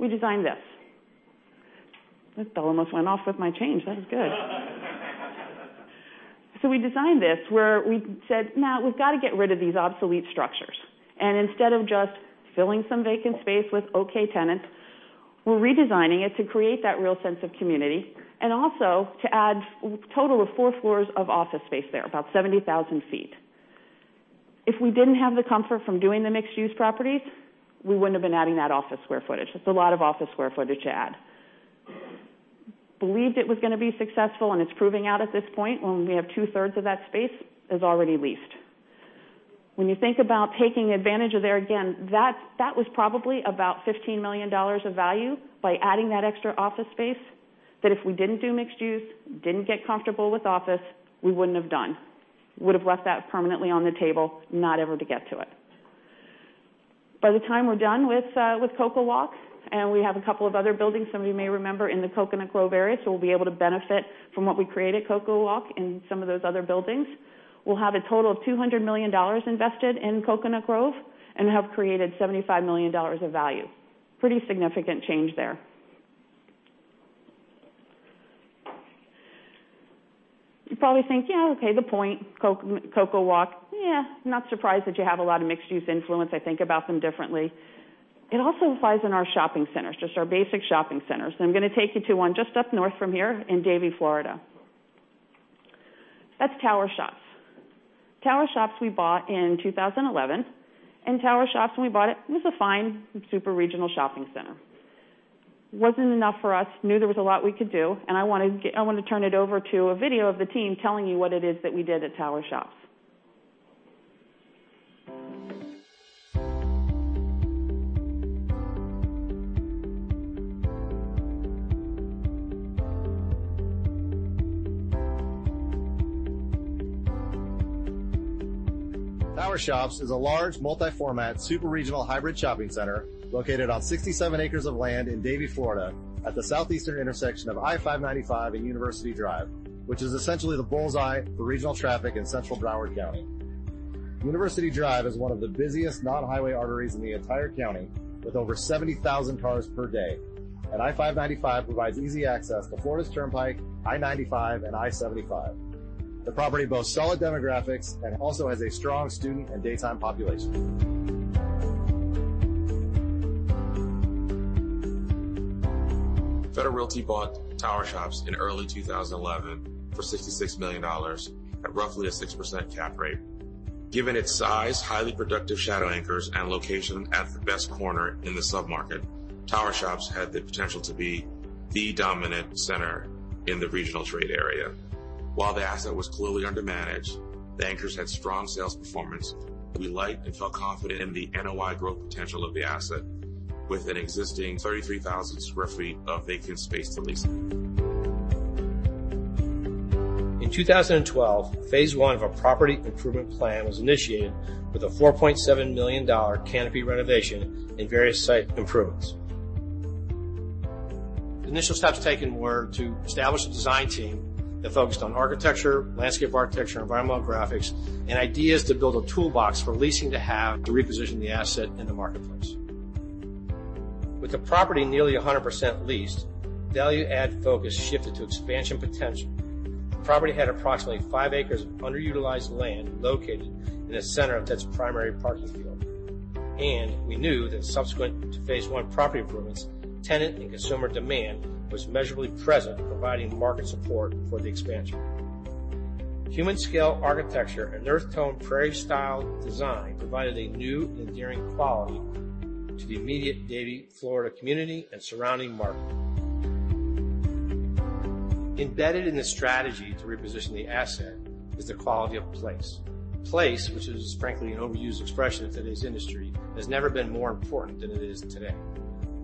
Speaker 13: we designed this. That bell almost went off with my change. That was good. We designed this where we said, "Now we've got to get rid of these obsolete structures." Instead of just filling some vacant space with okay tenants, we're redesigning it to create that real sense of community and also to add a total of 4 floors of office space there, about 70,000 sq ft. If we didn't have the comfort from doing the mixed-use properties, we wouldn't have been adding that office square footage. That's a lot of office square footage to add. Believed it was going to be successful, and it's proving out at this point when we have two-thirds of that space is already leased. When you think about taking advantage of there, again, that was probably about $15 million of value by adding that extra office space, that if we didn't do mixed use, didn't get comfortable with office, we wouldn't have done. Would've left that permanently on the table, not ever to get to it. By the time we're done with CocoWalk, we have a couple of other buildings, some of you may remember, in the Coconut Grove area, we'll be able to benefit from what we create at CocoWalk in some of those other buildings. We'll have a total of $200 million invested in Coconut Grove and have created $75 million of value. Pretty significant change there. You probably think, yeah, okay, The Point, CocoWalk. Yeah, not surprised that you have a lot of mixed-use influence. I think about them differently. It also applies in our shopping centers, just our basic shopping centers. I'm going to take you to one just up north from here in Davie, Florida. That's Tower Shops. Tower Shops we bought in 2011. Tower Shops when we bought it was a fine superregional shopping center. Wasn't enough for us, knew there was a lot we could do, I want to turn it over to a video of the team telling you what it is that we did at Tower Shops.
Speaker 14: Tower Shops is a large multi-format superregional hybrid shopping center located on 67 acres of land in Davie, Florida, at the southeastern intersection of I-595 and University Drive, which is essentially the bullseye for regional traffic in Central Broward County. University Drive is one of the busiest non-highway arteries in the entire county, with over 70,000 cars per day. I-595 provides easy access to Florida's Turnpike, I-95, and I-75. The property boasts solid demographics and also has a strong student and daytime population.
Speaker 15: Federal Realty bought Tower Shops in early 2011 for $66 million at roughly a 6% cap rate. Given its size, highly productive shadow anchors, and location at the best corner in the submarket, Tower Shops had the potential to be the dominant center in the regional trade area. While the asset was clearly undermanaged, the anchors had strong sales performance. We liked and felt confident in the NOI growth potential of the asset with an existing 33,000 square feet of vacant space to lease.
Speaker 14: In 2012, phase 1 of a property improvement plan was initiated with a $4.7 million canopy renovation and various site improvements. Initial steps taken were to establish a design team that focused on architecture, landscape architecture, environmental graphics, and ideas to build a toolbox for leasing to have to reposition the asset in the marketplace. With the property nearly 100% leased, value add focus shifted to expansion potential. We knew that subsequent to phase 1 property improvements, tenant and consumer demand was measurably present, providing market support for the expansion. The property had approximately five acres of underutilized land located in the center of its primary parking field. Human-scale architecture and earth tone prairie style design provided a new and endearing quality to the immediate Davie, Florida community and surrounding market. Embedded in the strategy to reposition the asset is the quality of place. Place, which is frankly an overused expression in today's industry, has never been more important than it is today.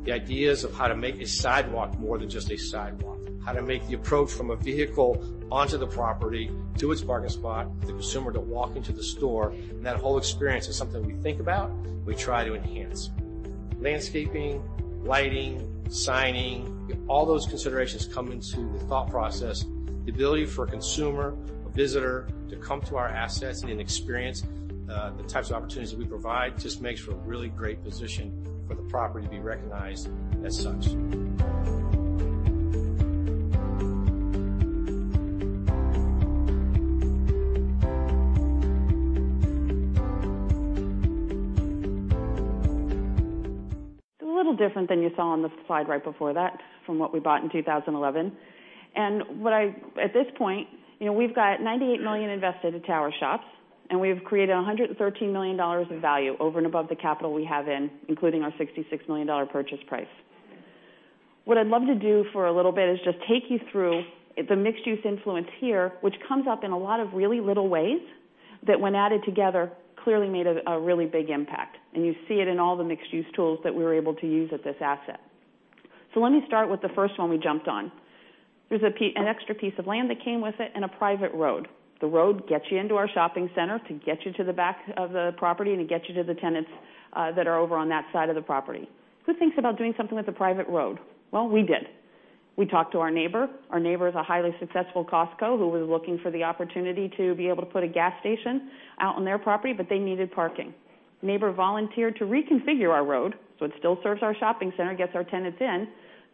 Speaker 14: The ideas of how to make a sidewalk more than just a sidewalk, how to make the approach from a vehicle onto the property to its parking spot for the consumer to walk into the store. That whole experience is something we think about, we try to enhance. Landscaping, lighting, signage, all those considerations come into the thought process. The ability for a consumer, a visitor, to come to our assets and experience the types of opportunities that we provide just makes for a really great position for the property to be recognized as such.
Speaker 13: It's a little different than you saw on the slide right before that from what we bought in 2011. At this point, we've got $98 million invested at Tower Shops, and we've created $113 million of value over and above the capital we have in, including our $66 million purchase price. What I'd love to do for a little bit is just take you through the mixed-use influence here, which comes up in a lot of really little ways that when added together clearly made a really big impact, and you see it in all the mixed-use tools that we were able to use at this asset. Let me start with the first one we jumped on. There's an extra piece of land that came with it and a private road. The road gets you into our shopping center to get you to the back of the property and to get you to the tenants that are over on that side of the property. Who thinks about doing something with a private road? Well, we did. We talked to our neighbor. Our neighbor is a highly successful Costco who was looking for the opportunity to be able to put a gas station out on their property, but they needed parking. Neighbor volunteered to reconfigure our road so it still serves our shopping center, gets our tenants in,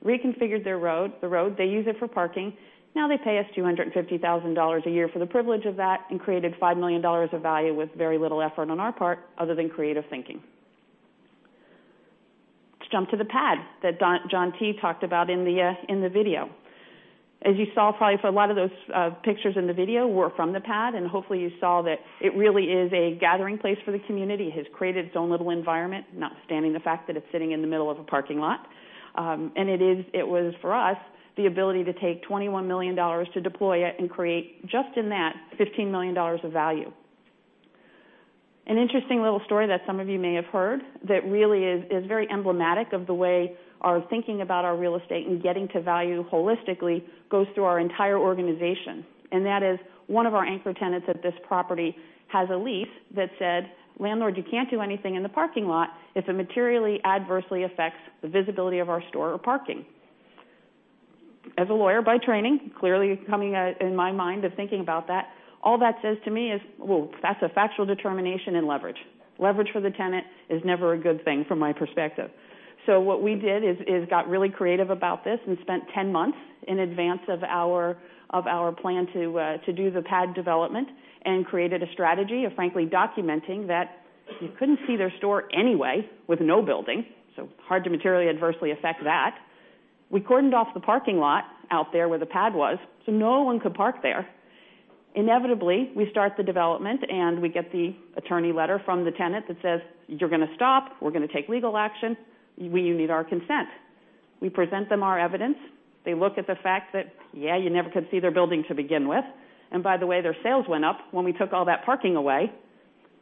Speaker 13: reconfigured the road, they use it for parking. Now they pay us $250,000 a year for the privilege of that and created $5 million of value with very little effort on our part other than creative thinking. Let's jump to the pad that John T. talked about in the video. As you saw, probably for a lot of those pictures in the video were from the pad, and hopefully you saw that it really is a gathering place for the community, has created its own little environment, notwithstanding the fact that it's sitting in the middle of a parking lot. It was, for us, the ability to take $21 million to deploy it and create just in that $15 million of value. An interesting little story that some of you may have heard that really is very emblematic of the way our thinking about our real estate and getting to value holistically goes through our entire organization, that is one of our anchor tenants at this property has a lease that said, "Landlord, you can't do anything in the parking lot if it materially adversely affects the visibility of our store or parking." As a lawyer by training, clearly coming in my mind of thinking about that, all that says to me is, well, that's a factual determination and leverage. Leverage for the tenant is never a good thing from my perspective. What we did is got really creative about this and spent 10 months in advance of our plan to do the pad development and created a strategy of frankly documenting that you couldn't see their store anyway with no building, so hard to materially adversely affect that. We cordoned off the parking lot out there where the pad was so no one could park there. Inevitably, we start the development and we get the attorney letter from the tenant that says, "You're going to stop. We're going to take legal action. You need our consent." We present them our evidence. They look at the fact that, yeah, you never could see their building to begin with. By the way, their sales went up when we took all that parking away.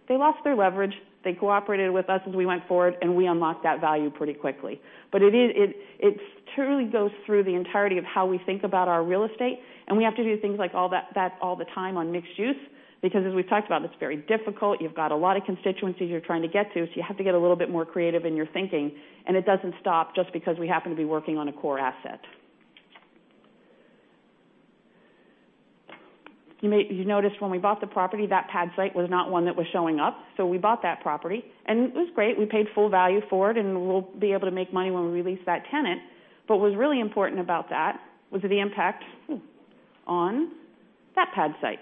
Speaker 13: They lost their leverage. They cooperated with us as we went forward, we unlocked that value pretty quickly. It truly goes through the entirety of how we think about our real estate, and we have to do things like that all the time on mixed use because as we've talked about, it's very difficult. You've got a lot of constituencies you're trying to get to, you have to get a little bit more creative in your thinking, and it doesn't stop just because we happen to be working on a core asset. You noticed when we bought the property, that pad site was not one that was showing up. We bought that property, and it was great. We paid full value for it, and we'll be able to make money when we release that tenant. What was really important about that was the impact on that pad site.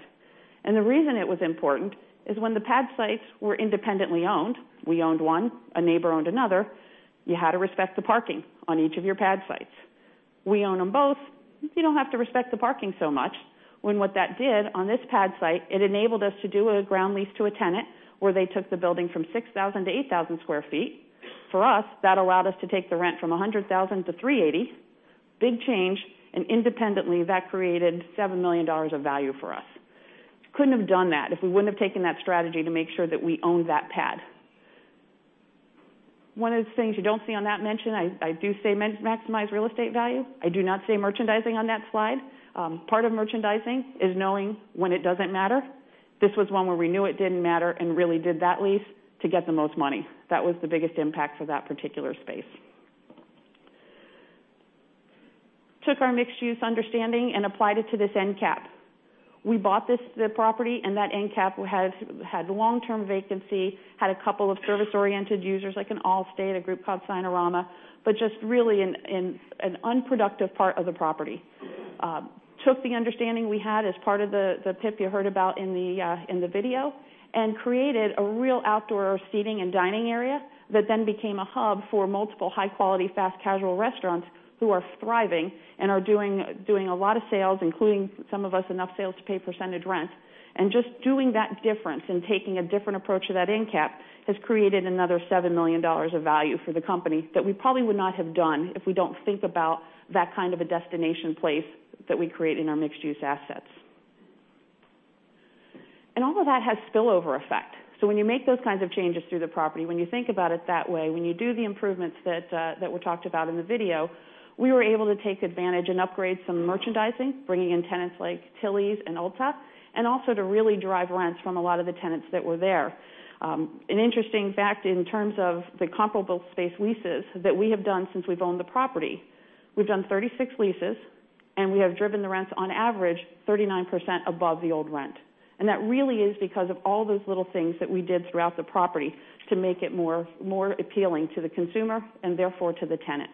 Speaker 13: The reason it was important is when the pad sites were independently owned, we owned one, a neighbor owned another, you had to respect the parking on each of your pad sites. We own them both, you don't have to respect the parking so much. When what that did on this pad site, it enabled us to do a ground lease to a tenant where they took the building from 6,000 to 8,000 square feet. For us, that allowed us to take the rent from 100,000 to 380. Big change, and independently, that created $7 million of value for us. Couldn't have done that if we wouldn't have taken that strategy to make sure that we owned that pad. One of the things you don't see on that mention, I do say maximize real estate value. I do not say merchandising on that slide. Part of merchandising is knowing when it doesn't matter. This was one where we knew it didn't matter and really did that lease to get the most money. That was the biggest impact for that particular space. Took our mixed use understanding and applied it to this end cap. We bought the property and that end cap had long-term vacancy, had a couple of service-oriented users like an Allstate, a group called Signarama, but just really an unproductive part of the property. Took the understanding we had as part of the PIP you heard about in the video and created a real outdoor seating and dining area that then became a hub for multiple high-quality, fast casual restaurants who are thriving and are doing a lot of sales, including some of us enough sales to pay percentage rent. Just doing that difference and taking a different approach to that end cap has created another $7 million of value for the company that we probably would not have done if we don't think about that kind of a destination place that we create in our mixed use assets. All of that has spillover effect. When you make those kinds of changes through the property, when you think about it that way, when you do the improvements that were talked about in the video, we were able to take advantage and upgrade some merchandising, bringing in tenants like Tillys and Ulta, and also to really drive rents from a lot of the tenants that were there. That really is because of all those little things that we did throughout the property to make it more appealing to the consumer and therefore to the tenant.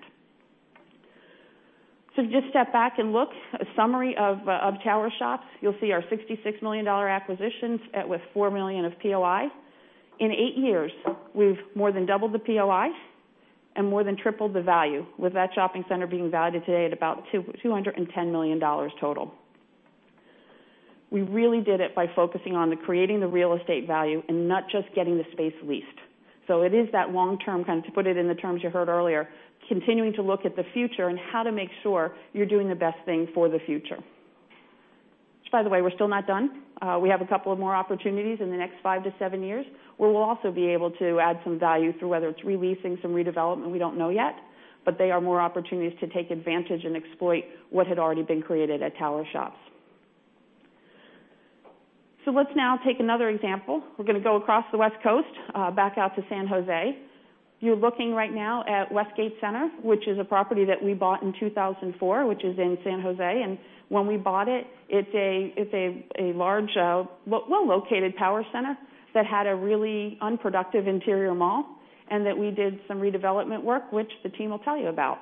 Speaker 13: Just step back and look, a summary of Tower Shops. You'll see our $66 million acquisitions with $4 million of POI. In eight years, we've more than doubled the POI and more than tripled the value, with that shopping center being valued today at about $210 million total. We really did it by focusing on the creating the real estate value and not just getting the space leased. It is that long-term, kind of to put it in the terms you heard earlier, continuing to look at the future and how to make sure you're doing the best thing for the future. By the way, we're still not done. We have a couple of more opportunities in the next 5-7 years where we'll also be able to add some value through whether it's re-leasing, some redevelopment, we don't know yet, but they are more opportunities to take advantage and exploit what had already been created at Tower Shops. Let's now take another example. We're going to go across the West Coast, back out to San Jose. You're looking right now at Westgate Center, which is a property that we bought in 2004, which is in San Jose. When we bought it's a large, well-located power center that had a really unproductive interior mall, and that we did some redevelopment work, which the team will tell you about.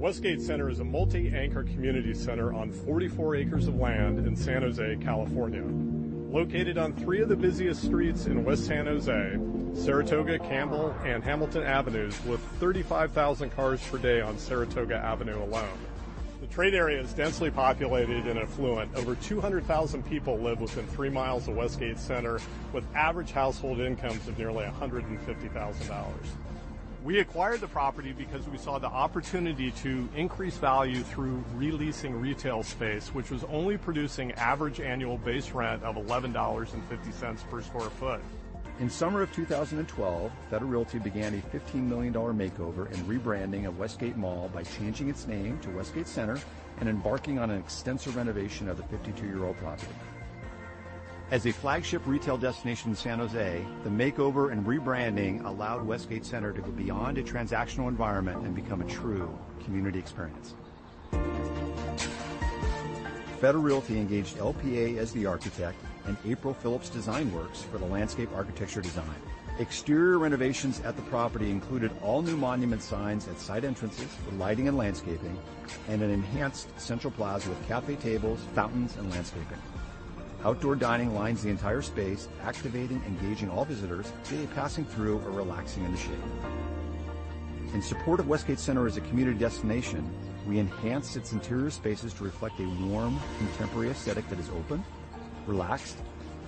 Speaker 16: Westgate Center is a multi-anchor community center on 44 acres of land in San Jose, California. Located on three of the busiest streets in West San Jose, Saratoga, Campbell, and Hamilton Avenues, with 35,000 cars per day on Saratoga Avenue alone. The trade area is densely populated and affluent. Over 200,000 people live within three miles of Westgate Center, with average household incomes of nearly $150,000. We acquired the property because we saw the opportunity to increase value through re-leasing retail space, which was only producing average annual base rent of $11.50 per sq ft.
Speaker 17: In summer of 2012, Federal Realty began a $15 million makeover and rebranding of Westgate Mall by changing its name to Westgate Center and embarking on an extensive renovation of the 52-year-old property. As a flagship retail destination in San Jose, the makeover and rebranding allowed Westgate Center to go beyond a transactional environment and become a true community experience. Federal Realty engaged LPA as the architect and April Philips Design Works for the landscape architecture design. Exterior renovations at the property included all new monument signs at site entrances, lighting and landscaping, and an enhanced central plaza with cafe tables, fountains, and landscaping. Outdoor dining lines the entire space, activating and engaging all visitors, be it passing through or relaxing in the shade. In support of Westgate Center as a community destination, we enhanced its interior spaces to reflect a warm, contemporary aesthetic that is open, relaxed,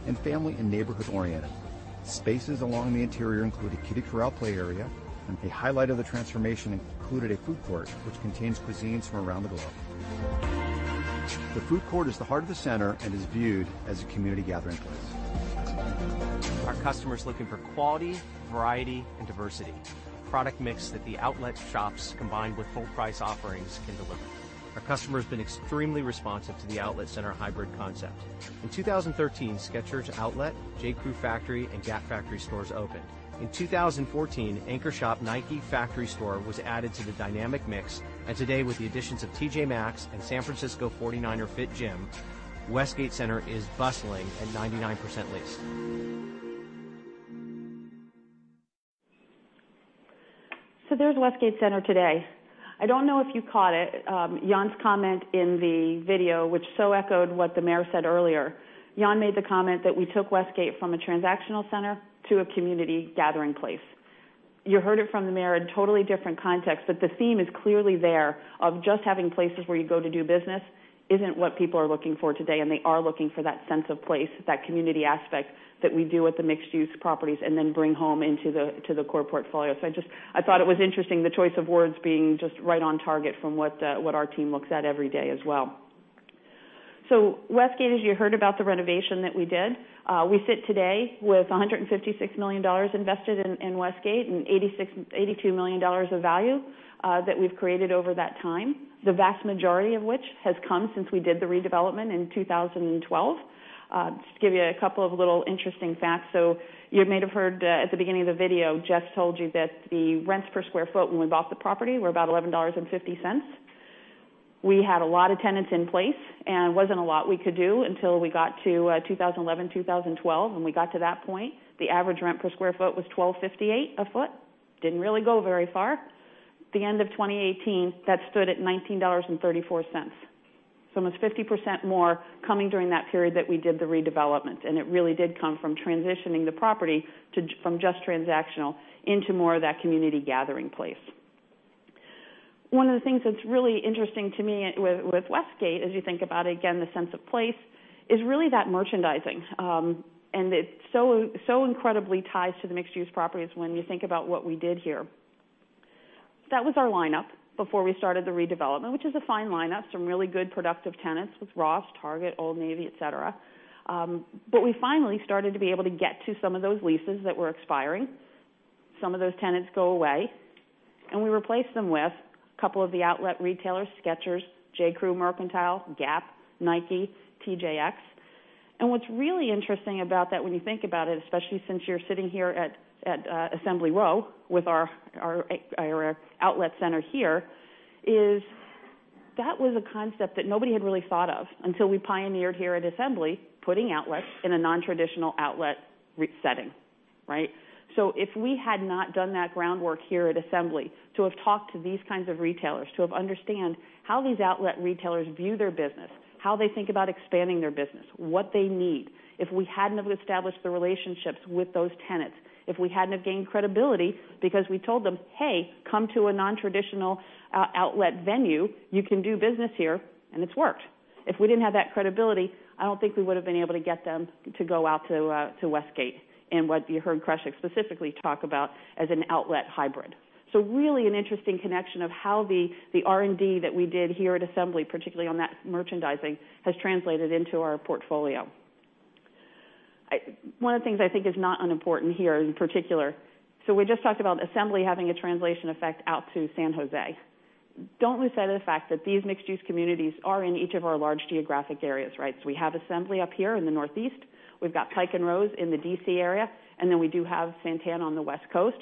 Speaker 17: and family and neighborhood oriented. Spaces along the interior include a Kiddie Corral play area, and a highlight of the transformation included a food court, which contains cuisines from around the globe. The food court is the heart of the center and is viewed as a community gathering place.
Speaker 18: Our customer's looking for quality, variety, and diversity, a product mix that the outlet shops combined with full-price offerings can deliver. Our customer's been extremely responsive to the outlet center hybrid concept. In 2013, Skechers Outlet, J.Crew Factory, and Gap factory stores opened. In 2014, anchor shop Nike Factory Store was added to the dynamic mix. And today, with the additions of TJ Maxx and San Francisco 49ers Fit Gym, Westgate Center is bustling at 99% leased.
Speaker 13: There's Westgate Center today. I don't know if you caught it, Jan's comment in the video, which so echoed what the mayor said earlier. Jan made the comment that we took Westgate from a transactional center to a community gathering place. You heard it from the mayor in a totally different context, but the theme is clearly there of just having places where you go to do business isn't what people are looking for today, and they are looking for that sense of place, that community aspect that we do with the mixed-use properties, and then bring home into the core portfolio. I thought it was interesting, the choice of words being just right on target from what our team looks at every day as well. Westgate, as you heard about the renovation that we did, we sit today with $156 million invested in Westgate and $82 million of value that we've created over that time. The vast majority of which has come since we did the redevelopment in 2012. Just to give you a couple of little interesting facts. You may have heard at the beginning of the video, Jeff told you that the rents per square foot when we bought the property were about $11.50. We had a lot of tenants in place and wasn't a lot we could do until we got to 2011, 2012. When we got to that point, the average rent per square foot was $12.58 a foot. Didn't really go very far. The end of 2018, that stood at $19.34. Almost 50% more coming during that period that we did the redevelopment, it really did come from transitioning the property from just transactional into more of that community gathering place. One of the things that's really interesting to me with Westgate, as you think about, again, the sense of place, is really that merchandising. It so incredibly ties to the mixed-use properties when you think about what we did here. That was our lineup before we started the redevelopment, which is a fine lineup, some really good productive tenants with Ross, Target, Old Navy, et cetera. We finally started to be able to get to some of those leases that were expiring. Some of those tenants go away, and we replaced them with a couple of the outlet retailers, Skechers, J.Crew Mercantile, Gap, Nike, TJX. What's really interesting about that when you think about it, especially since you're sitting here at Assembly Row with our outlet center here, is that was a concept that nobody had really thought of until we pioneered here at Assembly, putting outlets in a non-traditional outlet setting. Right? If we had not done that groundwork here at Assembly to have talked to these kinds of retailers, to have understand how these outlet retailers view their business, how they think about expanding their business, what they need, if we hadn't have established the relationships with those tenants, if we hadn't have gained credibility because we told them, "Hey, come to a non-traditional outlet venue, you can do business here," and it's worked. If we didn't have that credibility, I don't think we would've been able to get them to go out to Westgate and what you heard Kaushik specifically talk about as an outlet hybrid. Really an interesting connection of how the R&D that we did here at Assembly, particularly on that merchandising, has translated into our portfolio. One of the things I think is not unimportant here in particular, we just talked about Assembly having a translation effect out to San Jose. Don't lose sight of the fact that these mixed-use communities are in each of our large geographic areas. We have Assembly up here in the northeast, we've got Pike & Rose in the D.C. area, and then we do have Santana on the West Coast.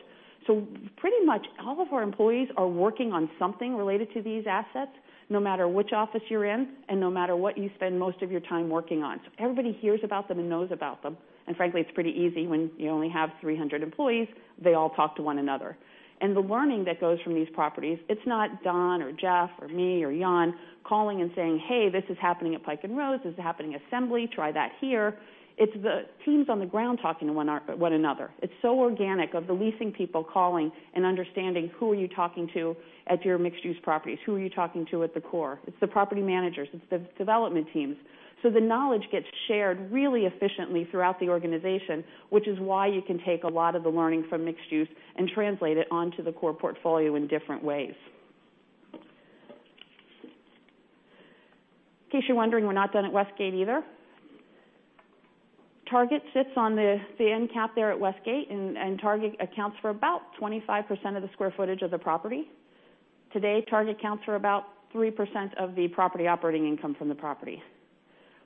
Speaker 13: Pretty much all of our employees are working on something related to these assets, no matter which office you're in and no matter what you spend most of your time working on. Everybody hears about them and knows about them. Frankly, it's pretty easy when you only have 300 employees, they all talk to one another. The learning that goes from these properties, it's not Don or Jeff or me or Jan calling and saying, "Hey, this is happening at Pike & Rose. This is happening at Assembly. Try that here." It's the teams on the ground talking to one another. It's so organic of the leasing people calling and understanding who are you talking to at your mixed-use properties? Who are you talking to at the core? It's the property managers, it's the development teams. The knowledge gets shared really efficiently throughout the organization, which is why you can take a lot of the learning from mixed-use and translate it onto the core portfolio in different ways. In case you're wondering, we're not done at Westgate either. Target sits on the end cap there at Westgate, and Target accounts for about 25% of the square footage of the property. Today, Target accounts for about 3% of the property operating income from the property.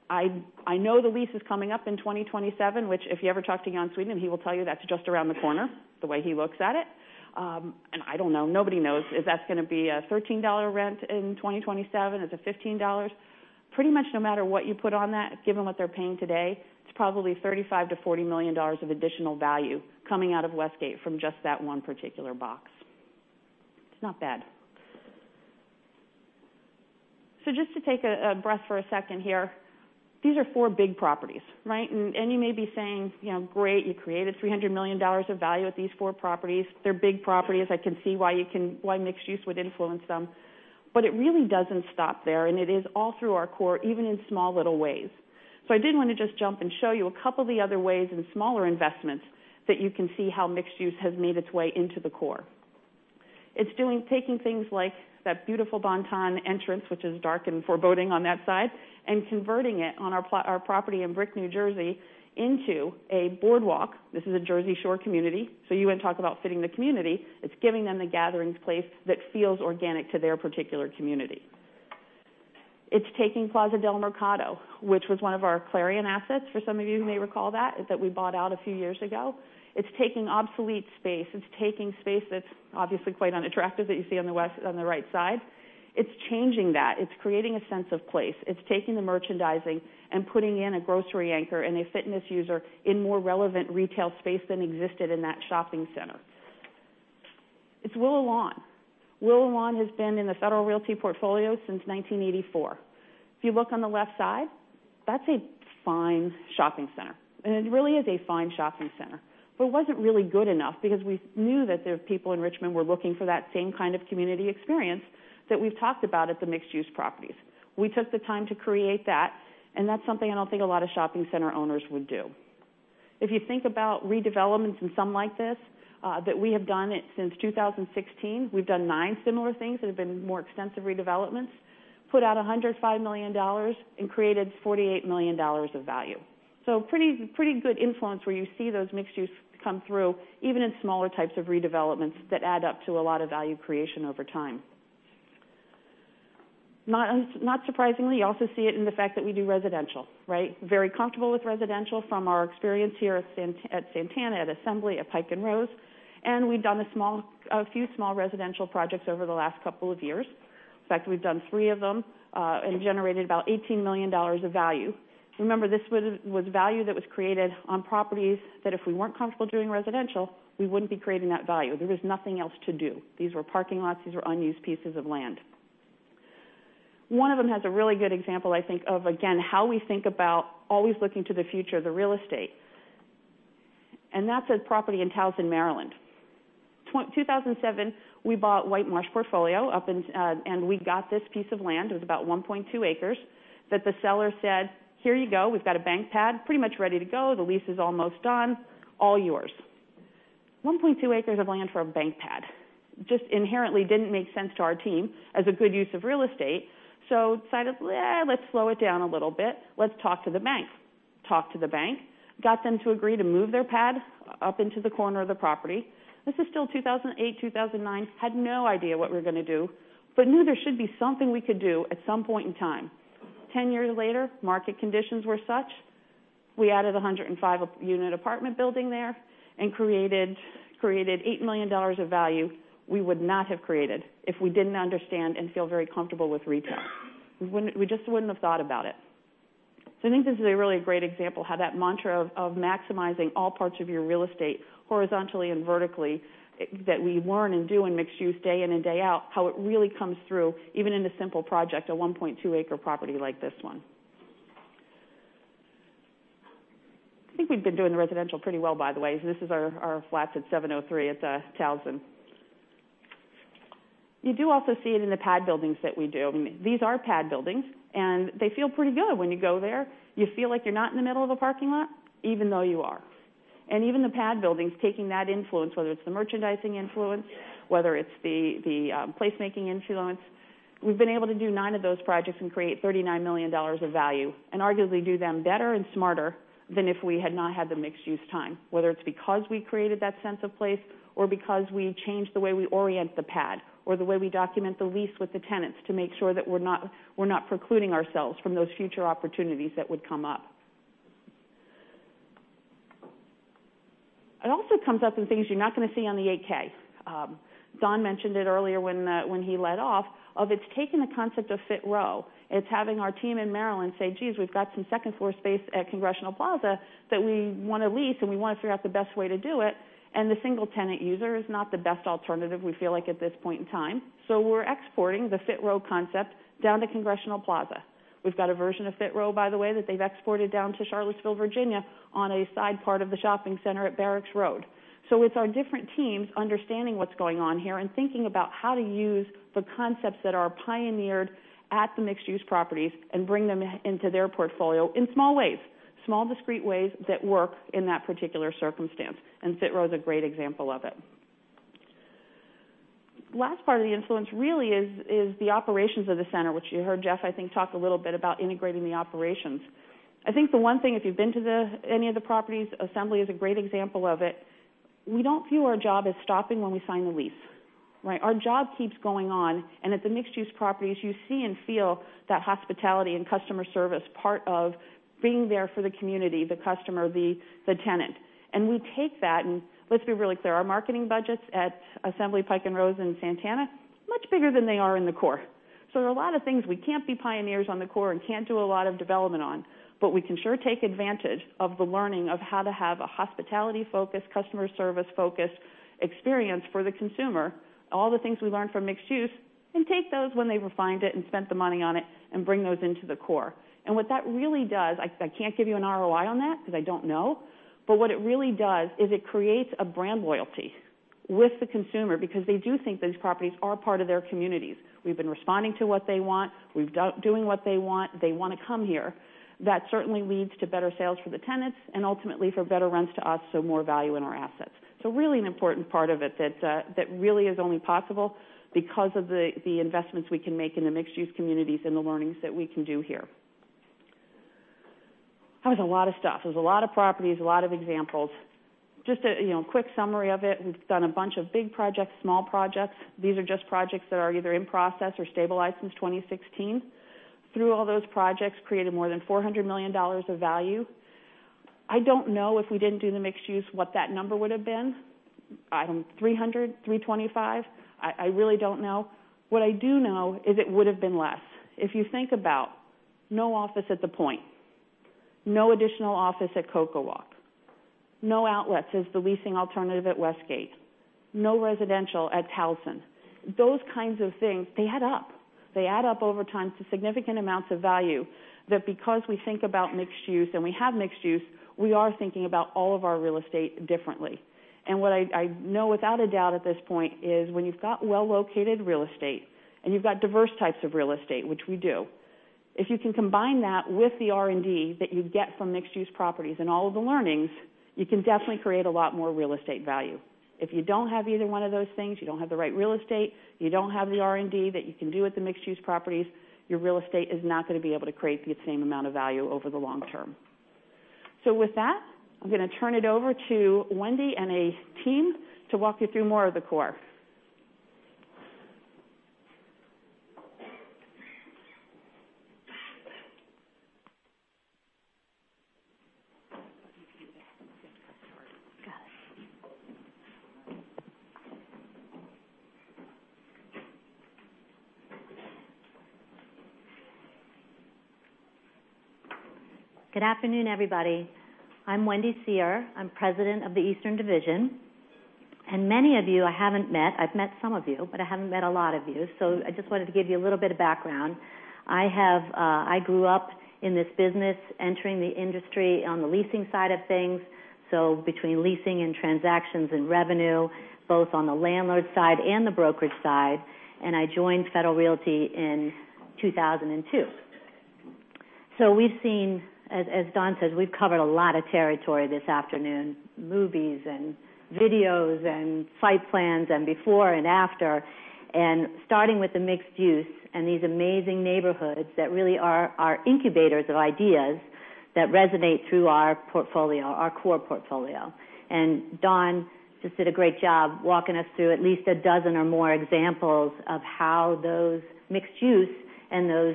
Speaker 13: I know the lease is coming up in 2027, which, if you ever talk to Jan Sweetnam, he will tell you that's just around the corner, the way he looks at it. I don't know, nobody knows if that's going to be a $13 rent in 2027. Is it $15? Pretty much no matter what you put on that, given what they're paying today, it's probably $35 million-$40 million of additional value coming out of Westgate from just that one particular box. It's not bad. Just to take a breath for a second here, these are four big properties. You may be saying, "Great, you created $300 million of value at these four properties. They're big properties. I can see why mixed-use would influence them." It really doesn't stop there, and it is all through our core, even in small little ways. I did want to just jump and show you a couple of the other ways in smaller investments that you can see how mixed-use has made its way into the core. It's taking things like that beautiful The Bon-Ton entrance, which is dark and foreboding on that side, and converting it on our property in Brick, New Jersey, into a boardwalk. This is a Jersey Shore community, you want to talk about fitting the community. It's giving them the gathering place that feels organic to their particular community. It's taking Plaza del Mercado, which was one of our Clarion assets, for some of you who may recall that we bought out a few years ago. It's taking obsolete space. It's taking space that's obviously quite unattractive that you see on the right side. It's changing that. It's creating a sense of place. It's taking the merchandising and putting in a grocery anchor and a fitness user in more relevant retail space than existed in that shopping center. It's Willow Lawn. Willow Lawn has been in the Federal Realty portfolio since 1984. If you look on the left side, that's a fine shopping center, and it really is a fine shopping center. It wasn't really good enough because we knew that the people in Richmond were looking for that same kind of community experience that we've talked about at the mixed-use properties. We took the time to create that, and that's something I don't think a lot of shopping center owners would do. If you think about redevelopments and some like this, that we have done it since 2016. We've done 9 similar things that have been more extensive redevelopments, put out $105 million, and created $48 million of value. Pretty good influence where you see those mixed use come through, even in smaller types of redevelopments that add up to a lot of value creation over time. Not surprisingly, you also see it in the fact that we do residential. Very comfortable with residential from our experience here at Santana, at Assembly, at Pike & Rose, and we've done a few small residential projects over the last couple of years. In fact, we've done 3 of them and generated about $18 million of value. Remember, this was value that was created on properties that if we weren't comfortable doing residential, we wouldn't be creating that value. There was nothing else to do. These were parking lots. These were unused pieces of land. One of them has a really good example, I think, of again, how we think about always looking to the future of the real estate. That's a property in Towson, Maryland. 2007, we bought White Marsh portfolio up, and we got this piece of land. It was about 1.2 acres that the seller said, "Here you go. We've got a bank pad pretty much ready to go. The lease is almost done. All yours." 1.2 acres of land for a bank pad just inherently didn't make sense to our team as a good use of real estate, decided, "Eh, let's slow it down a little bit. Let's talk to the bank." Talked to the bank, got them to agree to move their pad up into the corner of the property. This is still 2008, 2009. Had no idea what we were going to do, but knew there should be something we could do at some point in time. 10 years later, market conditions were such, we added a 105-unit apartment building there and created $8 million of value we would not have created if we didn't understand and feel very comfortable with retail. We just wouldn't have thought about it. I think this is a really great example of how that mantra of maximizing all parts of your real estate horizontally and vertically, that we learn and do in mixed use day in and day out, how it really comes through, even in a simple project, a 1.2-acre property like this one. I think we've been doing the residential pretty well, by the way. This is our flats at 703 at Towson. You do also see it in the pad buildings that we do. These are pad buildings, and they feel pretty good when you go there. You feel like you're not in the middle of a parking lot, even though you are. Even the pad buildings, taking that influence, whether it's the merchandising influence, whether it's the placemaking influence. We've been able to do nine of those projects and create $39 million of value, and arguably do them better and smarter than if we had not had the mixed-use time, whether it's because we created that sense of place or because we changed the way we orient the pad or the way we document the lease with the tenants to make sure that we're not precluding ourselves from those future opportunities that would come up. It also comes up in things you're not going to see on the 8-K. Don mentioned it earlier when he led off of it's taking the concept of FitRow. It's having our team in Maryland say, "Geez, we've got some second-floor space at Congressional Plaza that we want to lease, and we want to figure out the best way to do it." The single-tenant user is not the best alternative, we feel like, at this point in time. We're exporting the FitRow concept down to Congressional Plaza. We've got a version of FitRow, by the way, that they've exported down to Charlottesville, Virginia, on a side part of the shopping center at Barracks Road. It's our different teams understanding what's going on here and thinking about how to use the concepts that are pioneered at the mixed-use properties and bring them into their portfolio in small ways, small, discreet ways that work in that particular circumstance, and FitRow is a great example of it. Last part of the influence really is the operations of the center, which you heard Jeff, I think, talk a little bit about integrating the operations. I think the one thing, if you've been to any of the properties, Assembly is a great example of it. We don't view our job as stopping when we sign the lease. Right? Our job keeps going on, and at the mixed-use properties you see and feel that hospitality and customer service part of being there for the community, the customer, the tenant. We take that and let's be really clear, our marketing budgets at Assembly, Pike & Rose in Santana Row, much bigger than they are in the core. There are a lot of things we can't be pioneers on the core and can't do a lot of development on, but we can sure take advantage of the learning of how to have a hospitality-focused, customer service-focused experience for the consumer. All the things we learned from mixed-use and take those when they refined it and spent the money on it and bring those into the core. What that really does, I can't give you an ROI on that because I don't know, but what it really does is it creates a brand loyalty with the consumer because they do think those properties are part of their communities. We've been responding to what they want. We've doing what they want. They want to come here. That certainly leads to better sales for the tenants and ultimately for better rents to us, so more value in our assets. Really an important part of it that really is only possible because of the investments we can make in the mixed-use communities and the learnings that we can do here. That was a lot of stuff. There's a lot of properties, a lot of examples. Just a quick summary of it. We've done a bunch of big projects, small projects. These are just projects that are either in process or stabilized since 2016. Through all those projects, created more than $400 million of value. I don't know, if we didn't do the mixed use, what that number would've been. 300, 325? I really don't know. What I do know is it would've been less. If you think about no office at the Point, no additional office at CocoWalk, no outlets as the leasing alternative at Westgate, no residential at Towson. Those kinds of things, they add up. They add up over time to significant amounts of value that because we think about mixed use and we have mixed use, we are thinking about all of our real estate differently. What I know without a doubt at this point is when you've got well-located real estate and you've got diverse types of real estate, which we do, if you can combine that with the R&D that you get from mixed-use properties and all of the learnings, you can definitely create a lot more real estate value. If you don't have either one of those things, you don't have the right real estate, you don't have the R&D that you can do at the mixed-use properties, your real estate is not going to be able to create the same amount of value over the long term. With that, I'm going to turn it over to Wendy and a team to walk you through more of the core.
Speaker 19: Good afternoon, everybody. I'm Wendy Seher. I'm president of the Eastern Division. Many of you I haven't met. I've met some of you, but I haven't met a lot of you. I just wanted to give you a little bit of background. I grew up in this business entering the industry on the leasing side of things, so between leasing and transactions and revenue, both on the landlord side and the brokerage side, and I joined Federal Realty in 2002. We've seen, as Dawn says, we've covered a lot of territory this afternoon, movies and videos and site plans and before and after. Starting with the mixed use and these amazing neighborhoods that really are our incubators of ideas that resonate through our portfolio, our core portfolio. Dawn just did a great job walking us through at least a dozen or more examples of how those mixed use and those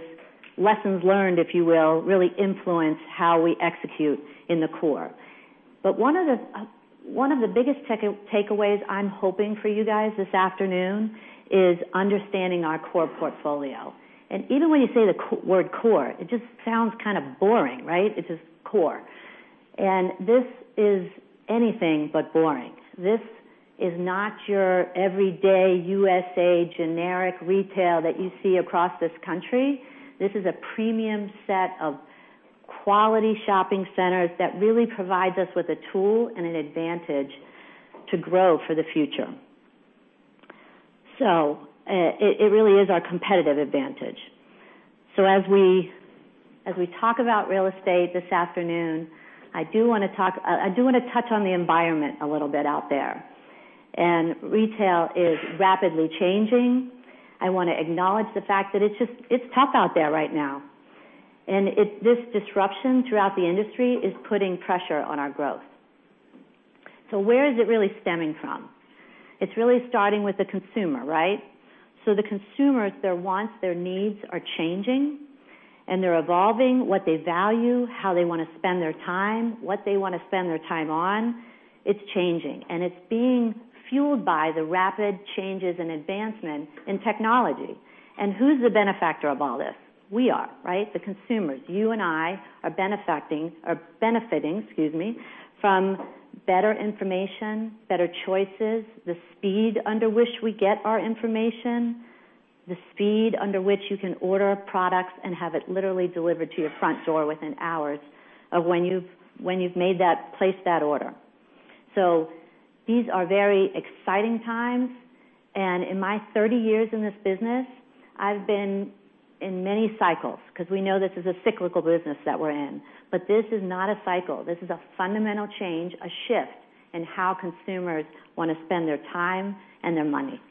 Speaker 19: lessons learned, if you will, really influence how we execute in the core. One of the biggest takeaways I'm hoping for you guys this afternoon is understanding our core portfolio. Even when you say the word core, it just sounds kind of boring, right? It's just core. This is anything but boring. This is not your everyday USA generic retail that you see across this country. This is a premium set of quality shopping centers that really provides us with a tool and an advantage to grow for the future. It really is our competitive advantage. As we talk about real estate this afternoon, I do want to touch on the environment a little bit out there. Retail is rapidly changing. I want to acknowledge the fact that it's tough out there right now, this disruption throughout the industry is putting pressure on our growth. Where is it really stemming from? It's really starting with the consumer, right? The consumers, their wants, their needs are changing, they're evolving what they value, how they want to spend their time, what they want to spend their time on. It's changing, it's being fueled by the rapid changes and advancement in technology. Who's the benefactor of all this? We are, right? The consumers. You and I are benefiting from better information, better choices, the speed under which we get our information, the speed under which you can order products and have it literally delivered to your front door within hours of when you've placed that order. These are very exciting times, in my 30 years in this business, I've been in many cycles because we know this is a cyclical business that we're in. This is not a cycle. This is a fundamental change, a shift in how consumers want to spend their time and their money.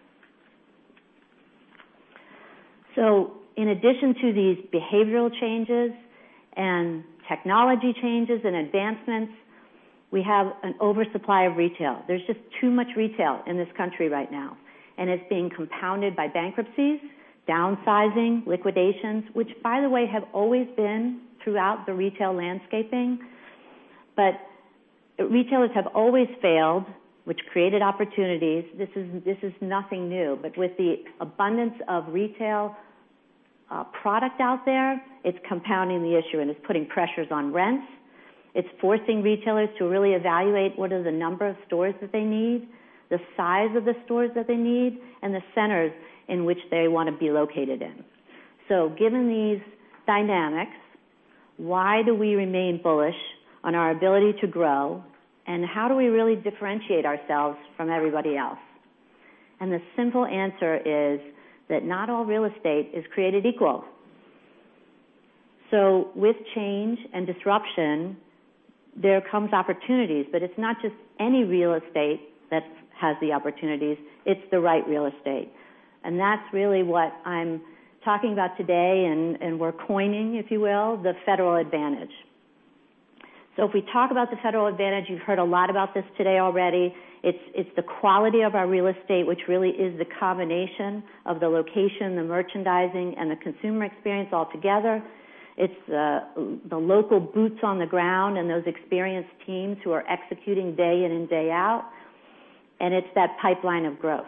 Speaker 19: In addition to these behavioral changes, technology changes and advancements, we have an oversupply of retail. There's just too much retail in this country right now, it's being compounded by bankruptcies, downsizing, liquidations, which, by the way, have always been throughout the retail landscaping. Retailers have always failed, which created opportunities. This is nothing new. With the abundance of retail product out there, it's compounding the issue, it's putting pressures on rents. It's forcing retailers to really evaluate what are the number of stores that they need, the size of the stores that they need, the centers in which they want to be located in. Given these dynamics, why do we remain bullish on our ability to grow, how do we really differentiate ourselves from everybody else? The simple answer is that not all real estate is created equal. With change and disruption, there comes opportunities. It's not just any real estate that has the opportunities, it's the right real estate. That's really what I'm talking about today, and we're coining, if you will, the Federal advantage. If we talk about the Federal advantage, you've heard a lot about this today already. It's the quality of our real estate, which really is the combination of the location, the merchandising, the consumer experience altogether. It's the local boots on the ground and those experienced teams who are executing day in and day out, and it's that pipeline of growth.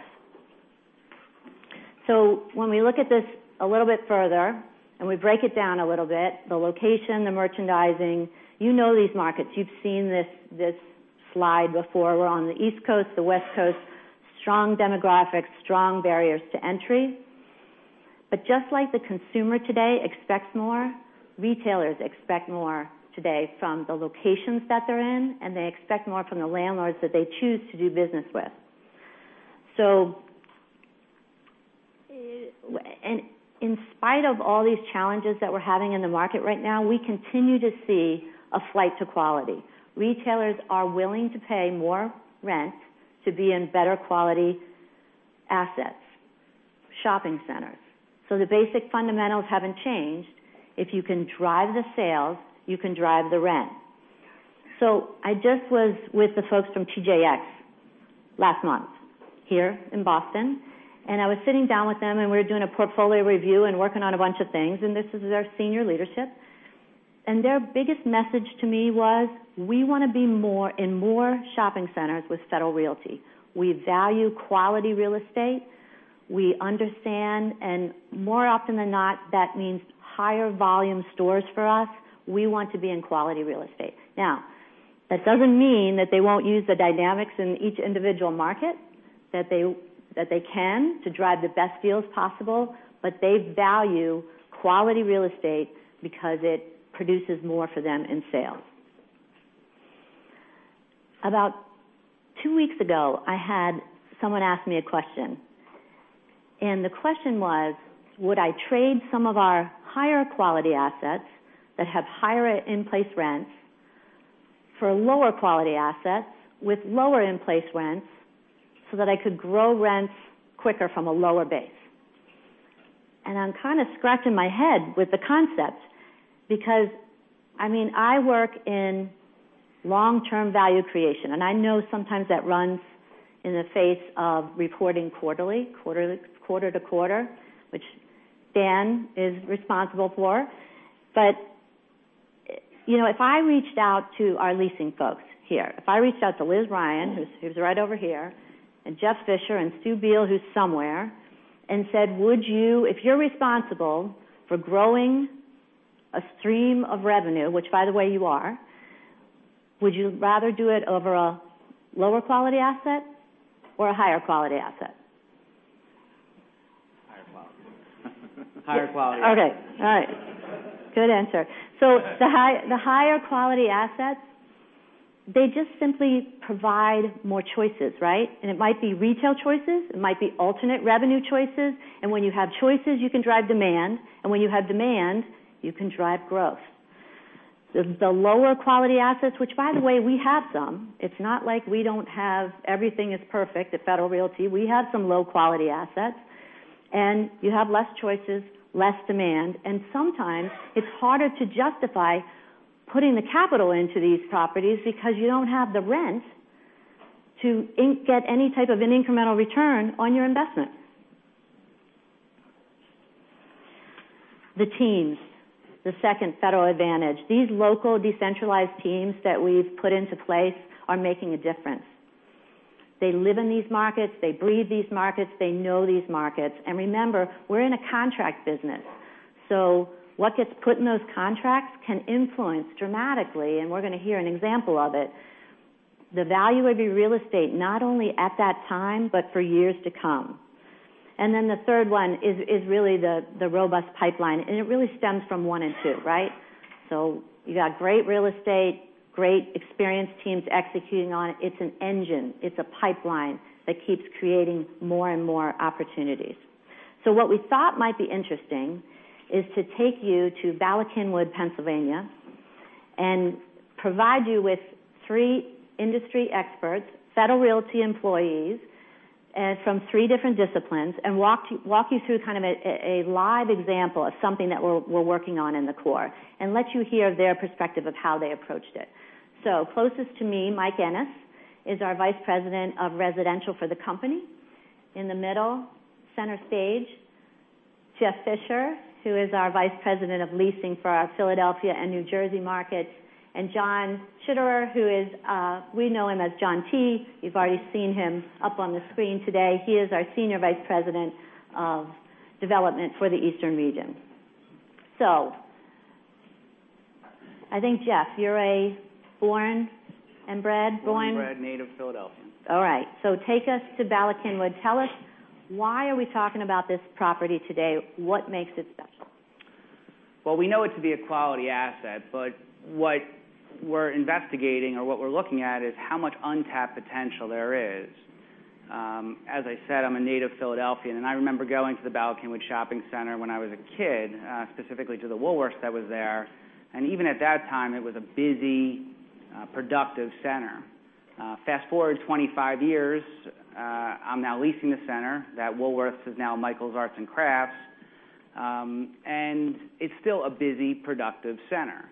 Speaker 19: When we look at this a little bit further, and we break it down a little bit, the location, the merchandising, you know these markets. You've seen this slide before. We're on the East Coast, the West Coast, strong demographics, strong barriers to entry. Just like the consumer today expects more, retailers expect more today from the locations that they're in, and they expect more from the landlords that they choose to do business with. In spite of all these challenges that we're having in the market right now, we continue to see a flight to quality. Retailers are willing to pay more rent to be in better quality assets, shopping centers. The basic fundamentals haven't changed. If you can drive the sales, you can drive the rent. I just was with the folks from TJX last month here in Boston, and I was sitting down with them, and we were doing a portfolio review and working on a bunch of things, and this is their senior leadership. Their biggest message to me was, "We want to be in more shopping centers with Federal Realty. We value quality real estate. We understand, and more often than not, that means higher volume stores for us. We want to be in quality real estate." That doesn't mean that they won't use the dynamics in each individual market that they can to drive the best deals possible, but they value quality real estate because it produces more for them in sales. About two weeks ago, I had someone ask me a question, and the question was, would I trade some of our higher quality assets that have higher in-place rents for lower quality assets with lower in-place rents so that I could grow rents quicker from a lower base? I'm kind of scratching my head with the concept because, I mean, I work in long-term value creation, and I know sometimes that runs in the face of reporting quarterly, quarter to quarter, which Dan is responsible for. If I reached out to our leasing folks here, if I reached out to Liz Ryan, who's right over here, and Jeff Fischer and Stu Biel, who's somewhere, and said, "If you're responsible for growing a stream of revenue," which by the way, you are, "would you rather do it over a lower quality asset or a higher quality asset?
Speaker 20: Higher quality. Higher quality asset.
Speaker 19: Okay. All right. Good answer. The higher quality assets. They just simply provide more choices, right? It might be retail choices, it might be alternate revenue choices. When you have choices, you can drive demand. When you have demand, you can drive growth. The lower quality assets, which by the way, we have some. It's not like we don't have everything is perfect at Federal Realty. We have some low-quality assets. You have less choices, less demand, and sometimes it's harder to justify putting the capital into these properties because you don't have the rent to get any type of an incremental return on your investment. The teams, the second Federal advantage. These local decentralized teams that we've put into place are making a difference. They live in these markets. They breathe these markets. They know these markets. Remember, we're in a contract business. What gets put in those contracts can influence dramatically, and we're going to hear an example of it. The value of your real estate, not only at that time, but for years to come. The third one is really the robust pipeline, and it really stems from one and two, right? You got great real estate, great experienced teams executing on it. It's an engine. It's a pipeline that keeps creating more and more opportunities. What we thought might be interesting is to take you to Bala Cynwyd, Pennsylvania and provide you with three industry experts, Federal Realty employees from three different disciplines, and walk you through kind of a live example of something that we're working on in the core and let you hear their perspective of how they approached it. Closest to me, Mike Ennes, is our Vice President of Residential for the company. In the middle, center stage, Jeffrey Fischer, who is our Vice President of Leasing for our Philadelphia and New Jersey markets, and John Tschiderer, who is, we know him as John T. You've already seen him up on the screen today. He is our Senior Vice President of Development for the Eastern Region. I think, Jeff, you're a born and bred.
Speaker 15: Born and bred native Philadelphian.
Speaker 19: Take us to Bala Cynwyd. Tell us why are we talking about this property today? What makes it special?
Speaker 15: Well, we know it to be a quality asset, but what we're investigating or what we're looking at is how much untapped potential there is. As I said, I'm a native Philadelphian, I remember going to the Bala Cynwyd Shopping Center when I was a kid, specifically to the Woolworth's that was there. Even at that time, it was a busy, productive center. Fast-forward 25 years, I'm now leasing the center. That Woolworth's is now Michaels Arts and Crafts. It's still a busy, productive center.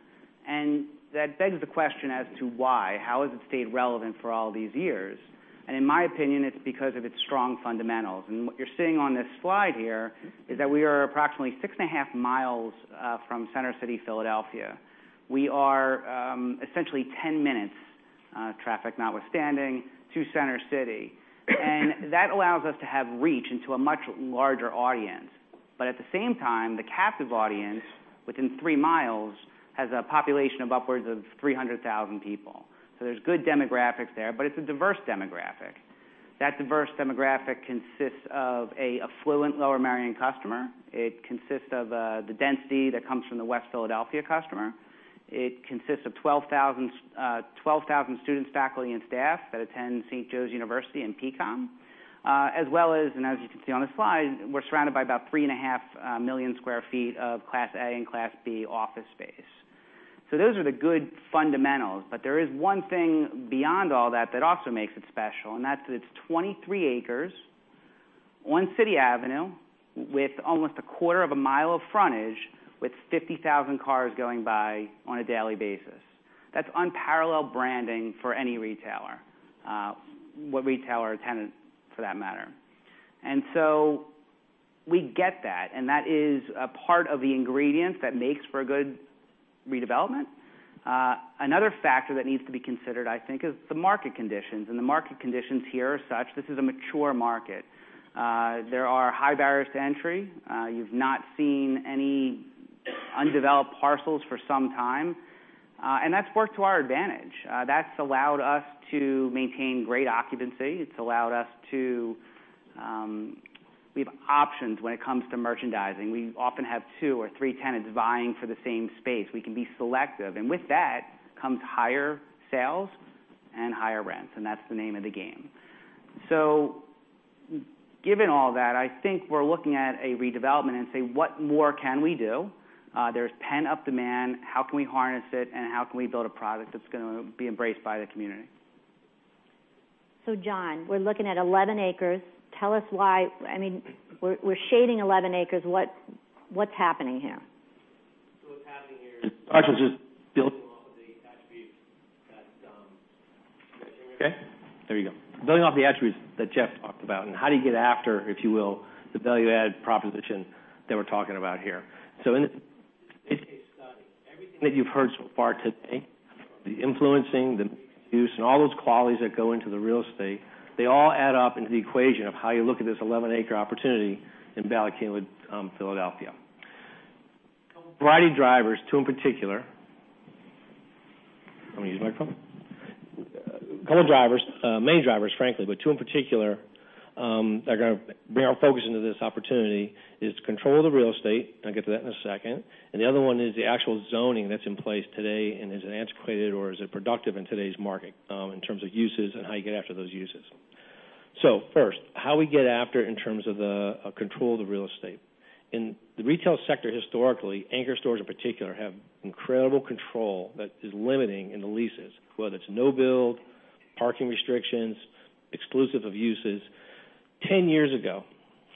Speaker 15: That begs the question as to why, how has it stayed relevant for all these years? In my opinion, it's because of its strong fundamentals. What you're seeing on this slide here is that we are approximately six and a half miles from Center City, Philadelphia. We are essentially 10 minutes, traffic notwithstanding, to Center City. That allows us to have reach into a much larger audience. At the same time, the captive audience within three miles has a population of upwards of 300,000 people. There's good demographics there, but it's a diverse demographic. That diverse demographic consists of an affluent, lower-marrying customer. It consists of the density that comes from the West Philadelphia customer. It consists of 12,000 students, faculty, and staff that attend Saint Joseph's University and PCOM, as well as, and as you can see on the slide, we're surrounded by about three and a half million square feet of Class A and Class B office space. Those are the good fundamentals, but there is one thing beyond all that that also makes it special, and that's that it's 23 acres on City Avenue with almost a quarter of a mile of frontage with 50,000 cars going by on a daily basis. That's unparalleled branding for any retailer, what retailer or tenant for that matter. We get that, and that is a part of the ingredient that makes for a good redevelopment. Another factor that needs to be considered, I think, is the market conditions. The market conditions here are such, this is a mature market. There are high barriers to entry. You've not seen any undeveloped parcels for some time. That's worked to our advantage. That's allowed us to maintain great occupancy. It's allowed us to have options when it comes to merchandising. We often have two or three tenants vying for the same space. We can be selective, and with that comes higher sales and higher rents, and that's the name of the game. Given all that, I think we're looking at a redevelopment and say, what more can we do? There's pent-up demand, how can we harness it, and how can we build a product that's going to be embraced by the community?
Speaker 19: John, we're looking at 11 acres. Tell us why. We're shading 11 acres. What's happening here?
Speaker 14: What's happening here- Okay. There you go. Building off the attributes that Jeff talked about, and how do you get after, if you will, the value-add proposition that we're talking about here? In this case study, everything that you've heard so far today, the influencing, the use, and all those qualities that go into the real estate, they all add up into the equation of how you look at this 11-acre opportunity in Bala Cynwyd, Philadelphia. A variety of drivers, a couple of drivers, main drivers frankly, but two in particular that are going to bear our focus into this opportunity is to control the real estate, and I'll get to that in a second. The other one is the actual zoning that's in place today, and is it antiquated or is it productive in today's market in terms of uses and how you get after those uses. First, how we get after in terms of the control of the real estate. In the retail sector historically, anchor stores in particular, have incredible control that is limiting in the leases, whether it's no build, parking restrictions, exclusive of uses. 10 years ago,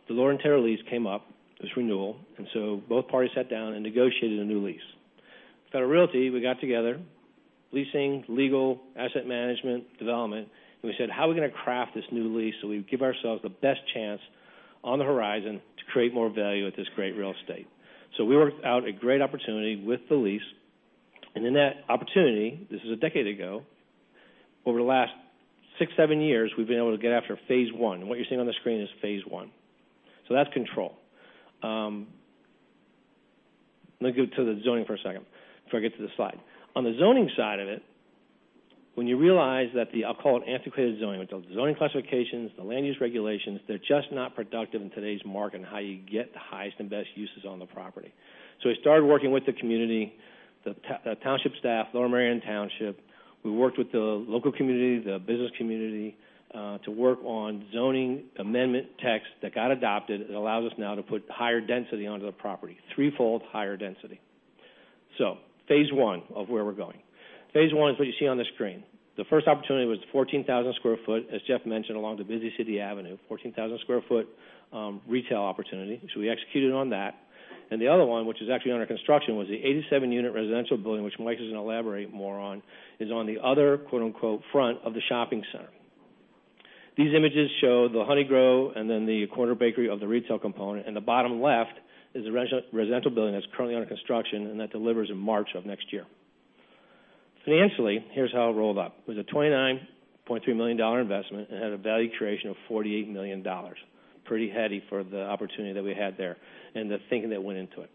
Speaker 14: the Lord & Taylor lease came up, this renewal, both parties sat down and negotiated a new lease. At Federal Realty, we got together, leasing, legal, asset management, development, and we said, "How are we going to craft this new lease so we give ourselves the best chance on the horizon to create more value at this great real estate?" We worked out a great opportunity with the lease. In that opportunity, this is a decade ago. Over the last six, seven years, we have been able to get after phase 1. What you are seeing on the screen is phase 1. That is control. Let me go to the zoning for a second before I get to the slide. On the zoning side of it, when you realize that the, I will call it antiquated zoning, with the zoning classifications, the land use regulations, they are just not productive in today's market and how you get the highest and best uses on the property. We started working with the community, the township staff, Lower Merion Township. We worked with the local community, the business community, to work on zoning amendment text that got adopted. It allows us now to put higher density onto the property, threefold higher density. Phase 1 of where we are going. Phase 1 is what you see on the screen. The first opportunity was the 14,000 sq ft, as Jeff mentioned, along the busy City Avenue, 14,000 sq ft retail opportunity. We executed on that. The other one, which is actually under construction, was the 87-unit residential building, which Mike is going to elaborate more on, is on the other, quote-unquote, front of the shopping center. These images show the Honeygrow and then the Corner Bakery Cafe of the retail component. The bottom left is the residential building that is currently under construction, and that delivers in March of next year. Financially, here is how it rolled up. It was a $29.3 million investment and had a value creation of $48 million. Pretty heady for the opportunity that we had there and the thinking that went into it.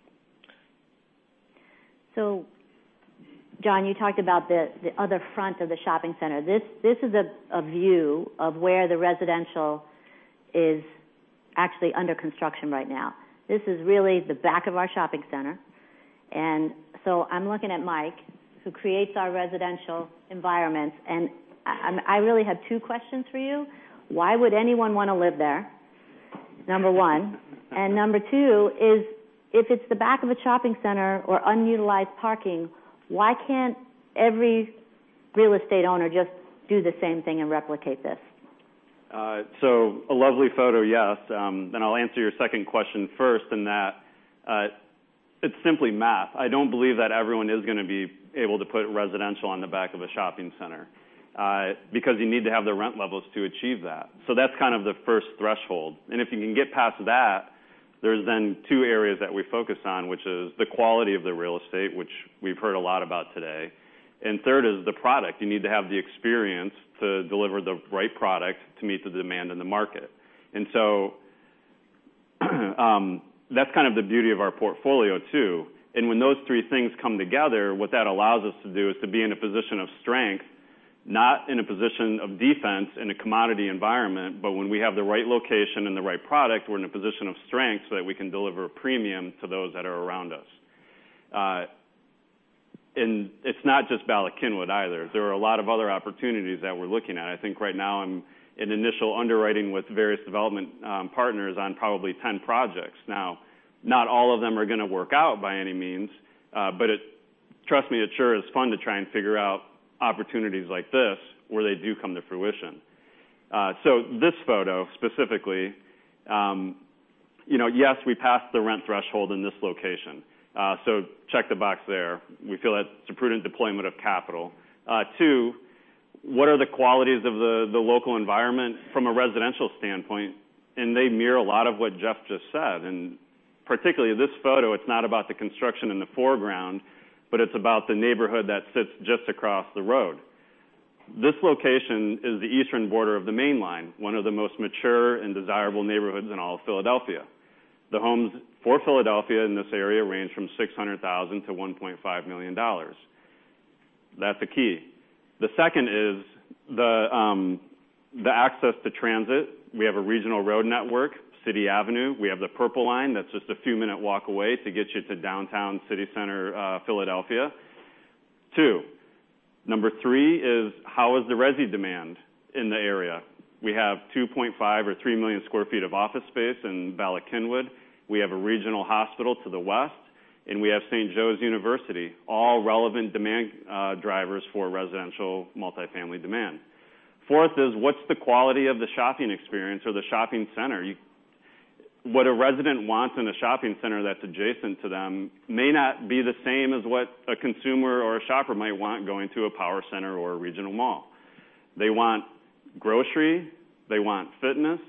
Speaker 19: John, you talked about the other front of the shopping center. This is a view of where the residential is actually under construction right now. This is really the back of our shopping center. I am looking at Mike, who creates our residential environments. I really have two questions for you. Why would anyone want to live there? Number 1. Number 2 is, if it is the back of a shopping center or unutilized parking, why can not every real estate owner just do the same thing and replicate this?
Speaker 21: A lovely photo, yes. I will answer your second question first in that it is simply math. I do not believe that everyone is going to be able to put residential on the back of a shopping center, because you need to have the rent levels to achieve that. That is kind of the first threshold. If you can get past that, there is then two areas that we focus on, which is the quality of the real estate, which we have heard a lot about today. Third is the product. You need to have the experience to deliver the right product to meet the demand in the market. That is kind of the beauty of our portfolio too. When those three things come together, what that allows us to do is to be in a position of strength, not in a position of defense in a commodity environment, but when we have the right location and the right product, we're in a position of strength so that we can deliver a premium to those that are around us. It's not just Bala Cynwyd either. There are a lot of other opportunities that we're looking at. I think right now I'm in initial underwriting with various development partners on probably 10 projects. Not all of them are going to work out by any means. Trust me, it sure is fun to try and figure out opportunities like this where they do come to fruition. This photo specifically, yes, we passed the rent threshold in this location. Check the box there. We feel that's a prudent deployment of capital. Two, what are the qualities of the local environment from a residential standpoint? They mirror a lot of what Jeff just said. Particularly this photo, it's not about the construction in the foreground, but it's about the neighborhood that sits just across the road. This location is the eastern border of the Main Line, one of the most mature and desirable neighborhoods in all of Philadelphia. The homes for Philadelphia in this area range from $600,000 to $1.5 million. That's a key. The second is the access to transit. We have a regional road network, City Avenue. We have the Purple Line that's just a few minute walk away to get you to downtown Center City Philadelphia. Two. Number three is how is the resi demand in the area? We have 2.5 or 3 million square feet of office space in Bala Cynwyd. We have a regional hospital to the west, and we have Saint Joseph's University, all relevant demand drivers for residential multifamily demand. Fourth is what's the quality of the shopping experience or the shopping center? What a resident wants in a shopping center that's adjacent to them may not be the same as what a consumer or a shopper might want going to a power center or a regional mall. They want grocery. They want fitness.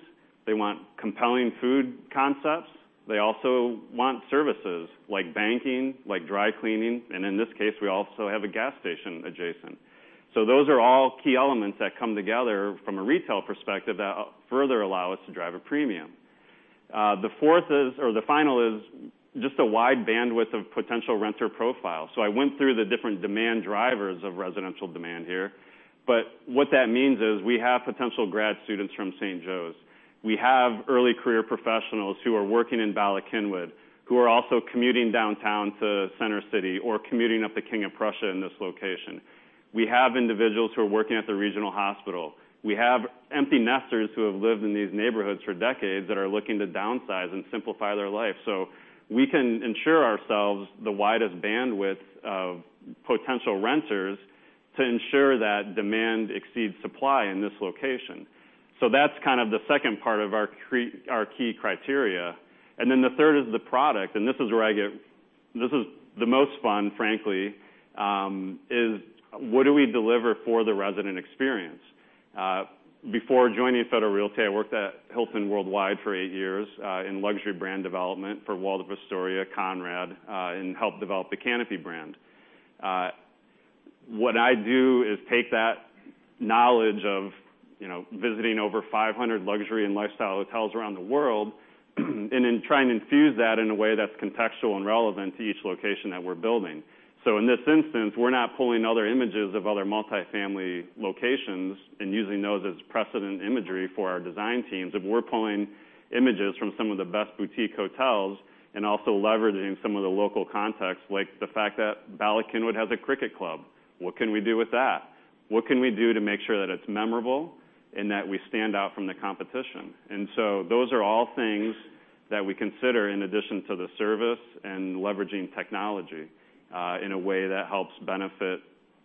Speaker 21: They want compelling food concepts. They also want services like banking, like dry cleaning, and in this case, we also have a gas station adjacent. Those are all key elements that come together from a retail perspective that further allow us to drive a premium. The final is just a wide bandwidth of potential renter profiles. I went through the different demand drivers of residential demand here. What that means is we have potential grad students from Saint Joseph's. We have early career professionals who are working in Bala Cynwyd, who are also commuting downtown to Center City or commuting up to King of Prussia in this location. We have individuals who are working at the regional hospital. We have empty nesters who have lived in these neighborhoods for decades that are looking to downsize and simplify their life. We can ensure ourselves the widest bandwidth of potential renters to ensure that demand exceeds supply in this location. That's kind of the second part of our key criteria. Then the third is the product, and this is the most fun, frankly, is what do we deliver for the resident experience? Before joining Federal Realty, I worked at Hilton Worldwide for eight years in luxury brand development for Waldorf Astoria, Conrad, and helped develop the Canopy brand. What I do is take that knowledge of visiting over 500 luxury and lifestyle hotels around the world, and then try and infuse that in a way that's contextual and relevant to each location that we're building. In this instance, we're not pulling other images of other multi-family locations and using those as precedent imagery for our design teams. If we're pulling images from some of the best boutique hotels and also leveraging some of the local context, like the fact that Bala Cynwyd has a cricket club. What can we do with that? What can we do to make sure that it's memorable and that we stand out from the competition? Those are all things that we consider in addition to the service and leveraging technology in a way that helps benefit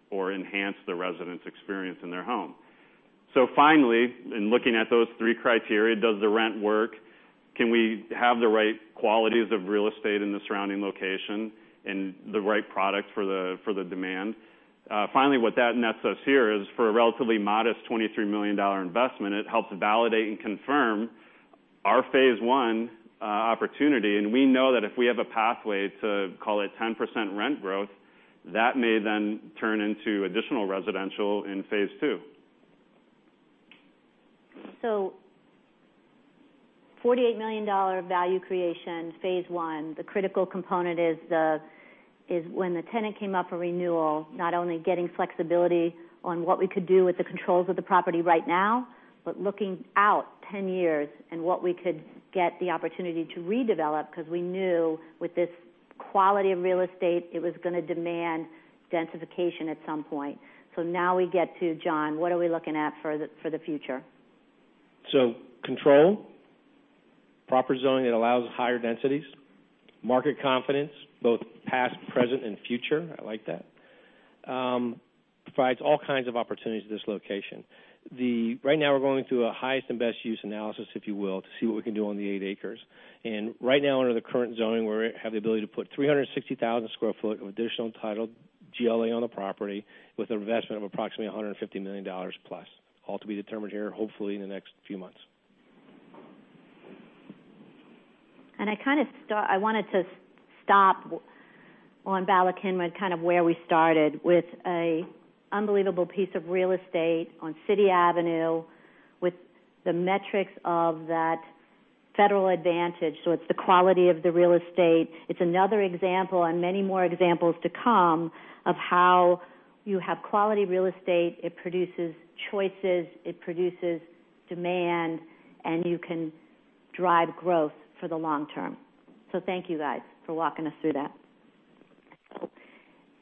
Speaker 21: or enhance the resident's experience in their home. Finally, in looking at those three criteria, does the rent work? Can we have the right qualities of real estate in the surrounding location and the right product for the demand? Finally, what that nets us here is for a relatively modest $23 million investment, it helps validate and confirm our phase one opportunity. We know that if we have a pathway to call it 10% rent growth, that may then turn into additional residential in phase two.
Speaker 19: $48 million value creation, phase one. The critical component is when the tenant came up for renewal, not only getting flexibility on what we could do with the controls of the property right now, but looking out 10 years and what we could get the opportunity to redevelop, because we knew with this quality of real estate, it was going to demand densification at some point. Now we get to John, what are we looking at for the future?
Speaker 14: Control, proper zoning that allows higher densities, market confidence, both past, present, and future. I like that. Provides all kinds of opportunities at this location. Right now, we're going through a highest and best use analysis, if you will, to see what we can do on the eight acres. Right now, under the current zoning, we have the ability to put 360,000 square foot of additional titled GLA on the property with an investment of approximately $150 million plus. All to be determined here, hopefully in the next few months.
Speaker 19: I wanted to stop on Bala Cynwyd, kind of where we started with a unbelievable piece of real estate on City Avenue with the metrics of that Federal advantage. It's the quality of the real estate. It's another example and many more examples to come of how you have quality real estate. It produces choices, it produces demand, and you can drive growth for the long term. Thank you guys for walking us through that.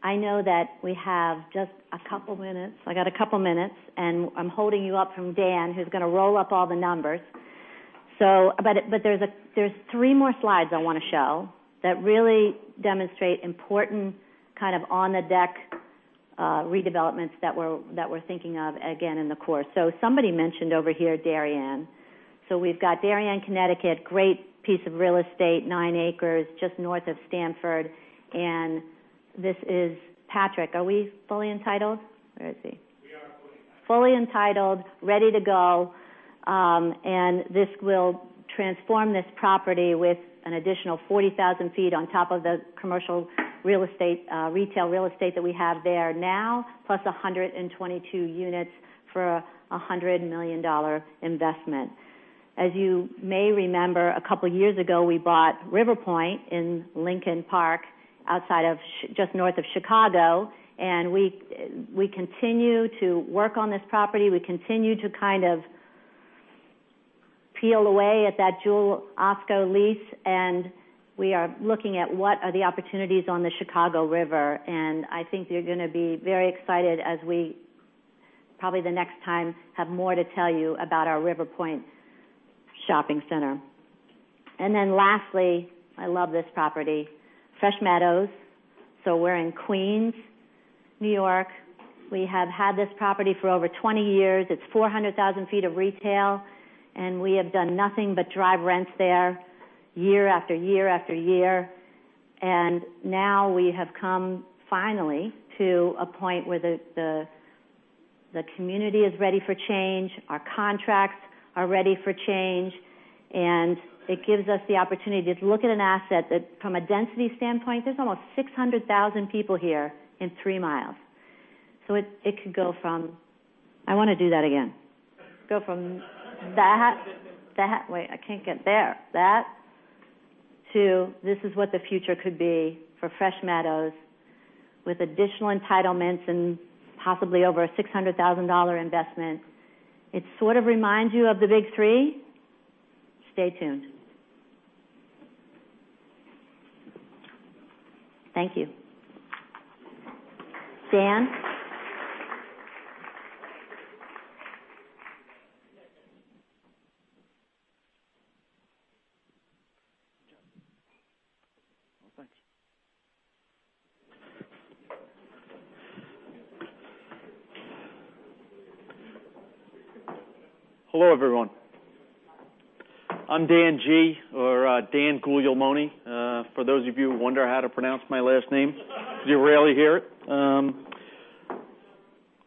Speaker 19: I know that we have just a couple minutes. I got a couple minutes, and I'm holding you up from Dan, who's going to roll up all the numbers. There's three more slides I want to show that really demonstrate important kind of on-the-deck redevelopments that we're thinking of again in the course. Somebody mentioned over here Darien. We've got Darien, Connecticut, great piece of real estate, nine acres just north of Stamford. This is Patrick. Are we fully entitled? Where is he?
Speaker 6: We are fully entitled. Fully entitled, ready to go. This will transform this property with an additional 40,000 feet on top of the commercial retail real estate that we have there now, plus 122 units for $100 million investment. You may remember, a couple of years ago, we bought River Point in Lincoln Park, just north of Chicago, we continue to work on this property. We continue to kind of peel away at that Jewel-Osco lease, we are looking at what are the opportunities on the Chicago River. I think you're going to be very excited as we probably the next time have more to tell you about our River Point shopping center. Then lastly, I love this property, Fresh Meadows. We're in Queens, New York. We have had this property for over 20 years.
Speaker 19: It's 400,000 feet of retail, we have done nothing but drive rents there year after year after year. Now we have come finally to a point where the community is ready for change, our contracts are ready for change, and it gives us the opportunity to look at an asset that from a density standpoint, there's almost 600,000 people here in three miles. That to this is what the future could be for Fresh Meadows with additional entitlements and possibly over a $600,000 investment. It sort of reminds you of the Big Three. Stay tuned. Thank you. Dan.
Speaker 22: Well, thanks. Hello, everyone. I'm Dan G. Or Dan Guglielmone, for those of you who wonder how to pronounce my last name. Because you rarely hear it.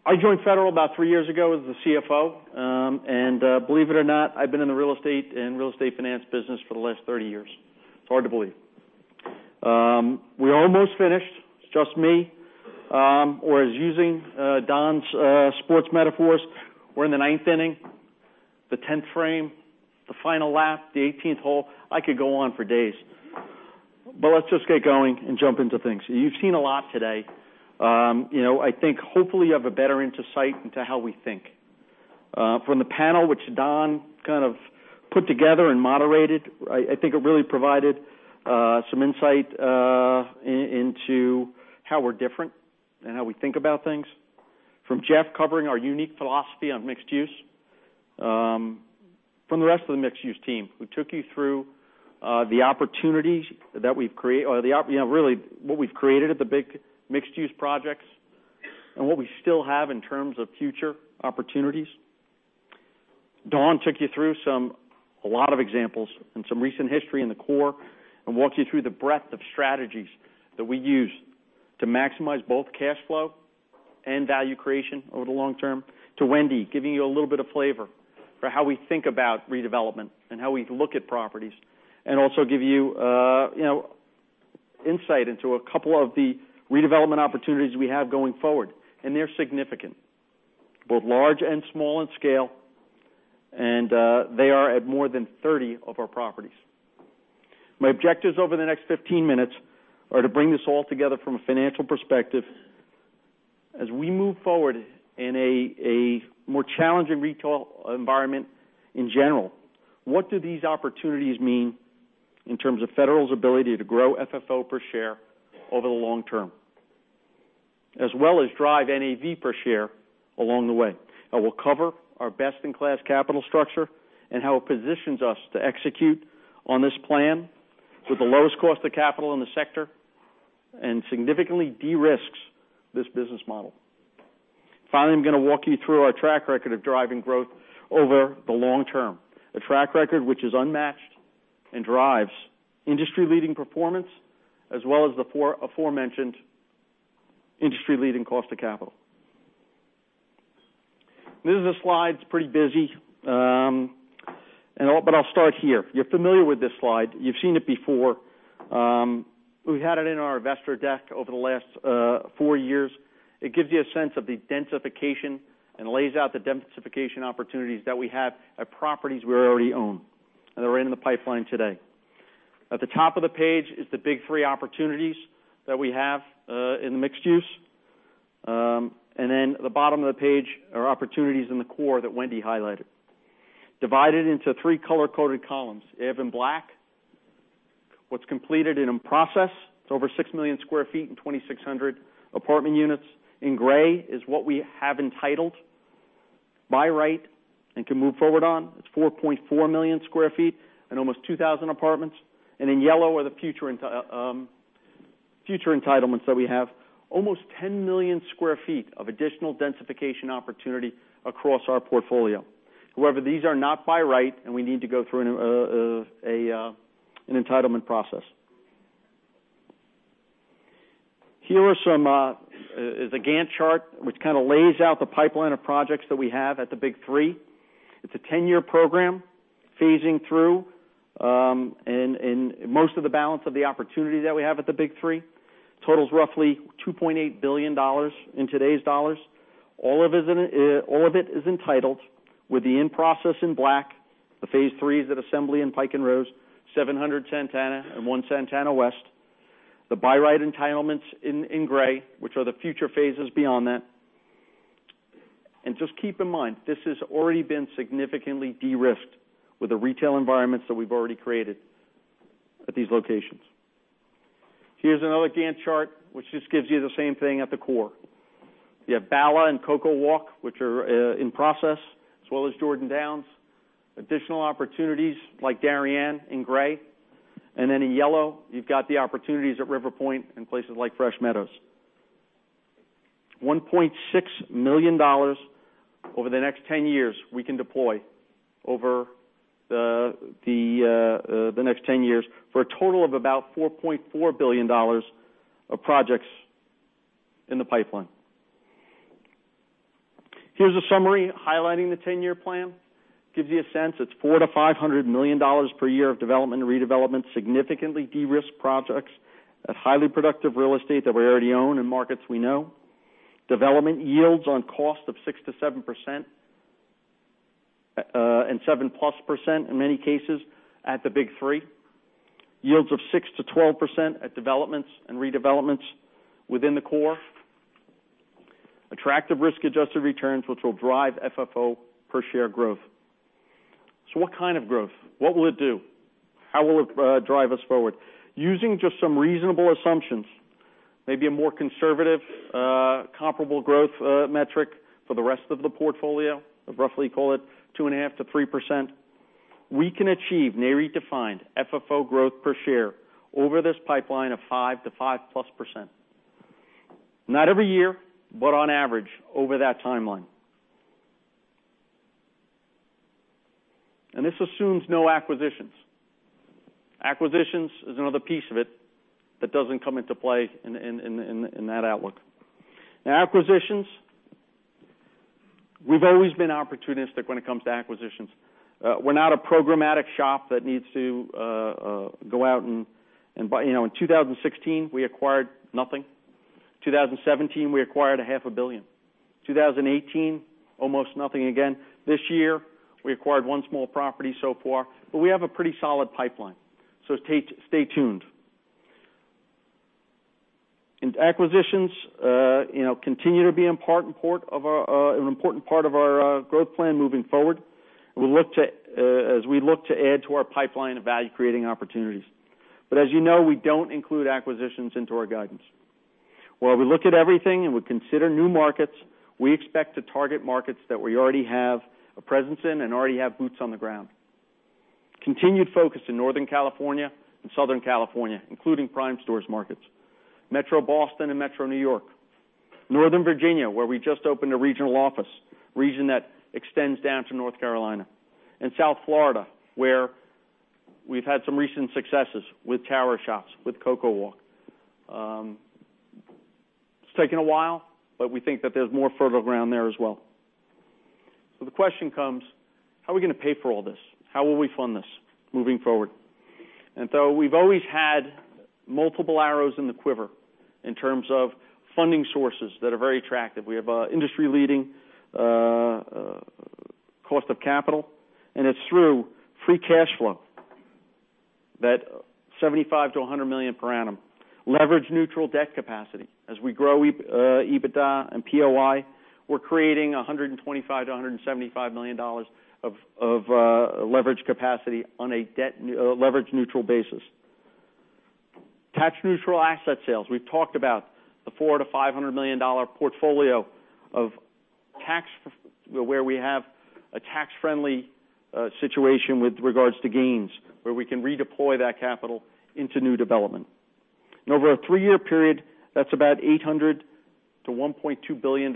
Speaker 22: I joined Federal about three years ago as the CFO. Believe it or not, I've been in the real estate and real estate finance business for the last 30 years. It's hard to believe. We're almost finished. It's just me. As using Don's sports metaphors, we're in the ninth inning, the 10th frame, the final lap, the 18th hole. I could go on for days. Let's just get going and jump into things. You've seen a lot today. I think hopefully you have a better insight into how we think. From the panel, which Dawn kind of put together and moderated, I think it really provided some insight into how we're different and how we think about things. From Jeff covering our unique philosophy on mixed-use. From the rest of the mixed-use team, who took you through the opportunities that we've created, really what we've created at the big mixed-use projects and what we still have in terms of future opportunities. Dawn took you through a lot of examples and some recent history in the core, and walked you through the breadth of strategies that we use to maximize both cash flow and value creation over the long term. To Wendy, giving you a little bit of flavor for how we think about redevelopment and how we look at properties, and also give you insight into a couple of the redevelopment opportunities we have going forward. They're significant, both large and small in scale, and they are at more than 30 of our properties. My objectives over the next 15 minutes are to bring this all together from a financial perspective. As we move forward in a more challenging retail environment in general, what do these opportunities mean in terms of Federal's ability to grow FFO per share over the long term, as well as drive NAV per share along the way? I will cover our best-in-class capital structure and how it positions us to execute on this plan with the lowest cost of capital in the sector and significantly de-risks this business model. Finally, I'm going to walk you through our track record of driving growth over the long term. A track record which is unmatched and drives industry-leading performance, as well as the aforementioned industry-leading cost of capital. This is a slide that's pretty busy, but I'll start here. You're familiar with this slide. You've seen it before. We've had it in our investor deck over the last four years. It gives you a sense of the densification and lays out the densification opportunities that we have at properties we already own and that are in the pipeline today. At the top of the page is the big three opportunities that we have in the mixed use. At the bottom of the page are opportunities in the core that Wendy highlighted. Divided into three color-coded columns. You have in black what's completed and in process. It's over 6 million sq ft and 2,600 apartment units. In gray is what we have entitled by right and can move forward on. It's 4.4 million sq ft and almost 2,000 apartments. In yellow are the future entitlements that we have. Almost 10 million sq ft of additional densification opportunity across our portfolio. However, these are not by right, we need to go through an entitlement process. Here is a Gantt chart, which kind of lays out the pipeline of projects that we have at the big three. It's a 10-year program phasing through, most of the balance of the opportunity that we have at the big three totals roughly $2.8 billion in today's dollars. All of it is entitled with the in-process in black. The Phase 3s at Assembly in Pike & Rose, 700 Santana, and 1 Santana West. The buy-right entitlements in gray, which are the future phases beyond that. Just keep in mind, this has already been significantly de-risked with the retail environments that we've already created at these locations. Here's another Gantt chart, which just gives you the same thing at the core. You have Bala and CocoWalk, which are in process, as well as Jordan Downs. Additional opportunities like Darien in gray, in yellow, you've got the opportunities at River Point and places like Fresh Meadows. $1.6 million over the next 10 years we can deploy over the next 10 years for a total of about $4.4 billion of projects in the pipeline. Here's a summary highlighting the 10-year plan. Gives you a sense, it's $400 million-$500 million per year of development and redevelopment, significantly de-risk projects of highly productive real estate that we already own in markets we know. Development yields on cost of 6%-7%, and 7+% in many cases at the big three. Yields of 6%-12% at developments and redevelopments within the core. Attractive risk-adjusted returns, which will drive FFO per share growth. What kind of growth? What will it do? How will it drive us forward? Using just some reasonable assumptions, maybe a more conservative comparable growth metric for the rest of the portfolio, I'd roughly call it 2.5%-3%, we can achieve NAREIT-defined FFO growth per share over this pipeline of 5%-5+%. Not every year, but on average over that timeline. This assumes no acquisitions. Acquisitions is another piece of it that doesn't come into play in that outlook. Acquisitions, we've always been opportunistic when it comes to acquisitions. We're not a programmatic shop that needs to go out and buy. In 2016, we acquired nothing. 2017, we acquired a half a billion. 2018, almost nothing again. This year, we acquired one small property so far, but we have a pretty solid pipeline, so stay tuned. Acquisitions continue to be an important part of our growth plan moving forward, as we look to add to our pipeline of value-creating opportunities. As you know, we don't include acquisitions into our guidance. While we look at everything and we consider new markets, we expect to target markets that we already have a presence in and already have boots on the ground. Continued focus in Northern California and Southern California, including Primestor Markets, Metro Boston and Metro New York, Northern Virginia, where we just opened a regional office, a region that extends down to North Carolina, and South Florida, where we've had some recent successes with tower shops, with CocoWalk. It's taken a while. We think that there's more fertile ground there as well. The question comes, how are we going to pay for all this? How will we fund this moving forward? We've always had multiple arrows in the quiver in terms of funding sources that are very attractive. We have industry-leading cost of capital, and it's through free cash flow, that $75 million to $100 million per annum. Leverage-neutral debt capacity. As we grow EBITDA and POI, we're creating $125 million to $175 million of leverage capacity on a leverage-neutral basis. Tax-neutral asset sales. We've talked about the $400 million to $500 million portfolio where we have a tax-friendly situation with regards to gains, where we can redeploy that capital into new development. Over a three-year period, that's about $800 million to $1.2 billion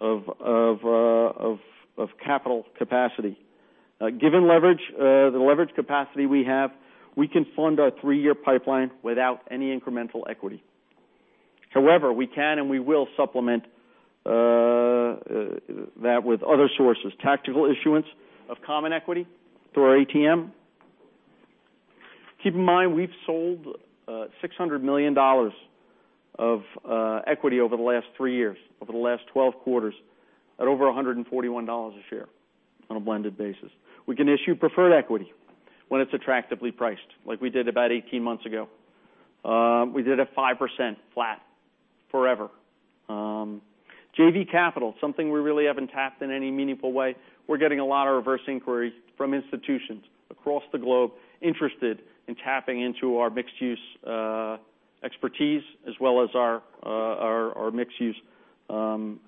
Speaker 22: of capital capacity. Given the leverage capacity we have, we can fund our three-year pipeline without any incremental equity. We can and we will supplement that with other sources. Tactical issuance of common equity through our ATM. Keep in mind, we've sold $600 million of equity over the last three years, over the last 12 quarters, at over $141 a share on a blended basis. We can issue preferred equity when it's attractively priced, like we did about 18 months ago. We did a 5% flat forever. JV capital, something we really haven't tapped in any meaningful way. We're getting a lot of reverse inquiries from institutions across the globe interested in tapping into our mixed-use expertise as well as our mixed-use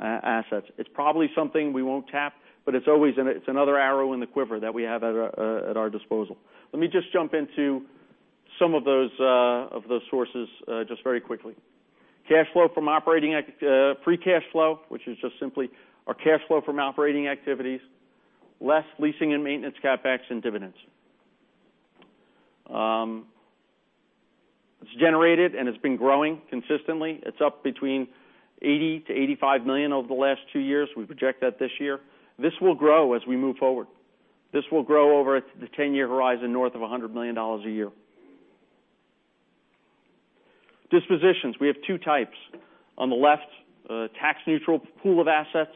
Speaker 22: assets. It's probably something we won't tap. It's another arrow in the quiver that we have at our disposal. Let me just jump into some of those sources just very quickly. Free cash flow, which is just simply our cash flow from operating activities, less leasing and maintenance CapEx and dividends. It's generated. It's been growing consistently. It's up between $80 million to $85 million over the last two years. We project that this year. This will grow as we move forward. This will grow over the 10-year horizon north of $100 million a year. Dispositions. We have two types. On the left, a tax-neutral pool of assets,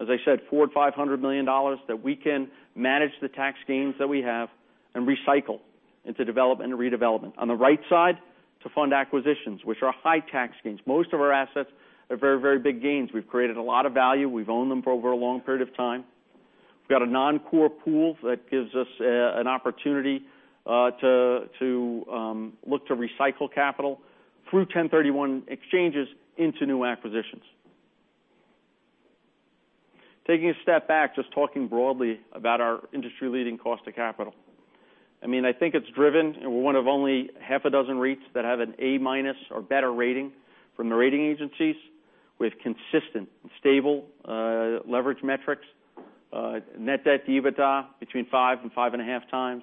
Speaker 22: as I said, $400 million, $500 million, that we can manage the tax gains that we have and recycle into development and redevelopment. On the right side, to fund acquisitions, which are high tax gains. Most of our assets are very, very big gains. We've created a lot of value. We've owned them for over a long period of time. We've got a non-core pool that gives us an opportunity to look to recycle capital through 1031 exchanges into new acquisitions. Taking a step back, just talking broadly about our industry-leading cost of capital. I think it's driven, we're one of only half a dozen REITs that have an A-minus or better rating from the rating agencies with consistent and stable leverage metrics. Net debt to EBITDA between 5 and 5.5 times.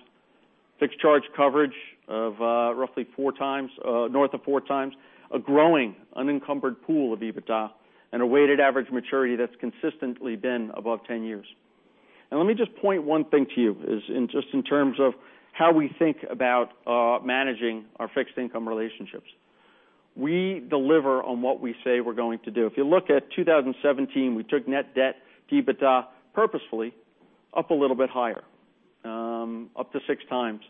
Speaker 22: Fixed charge coverage of roughly north of 4 times, a growing unencumbered pool of EBITDA, and a weighted average maturity that's consistently been above 10 years. Let me just point one thing to you, just in terms of how we think about managing our fixed income relationships. We deliver on what we say we're going to do. If you look at 2017, we took net debt to EBITDA purposefully up a little bit higher, up to 6 times.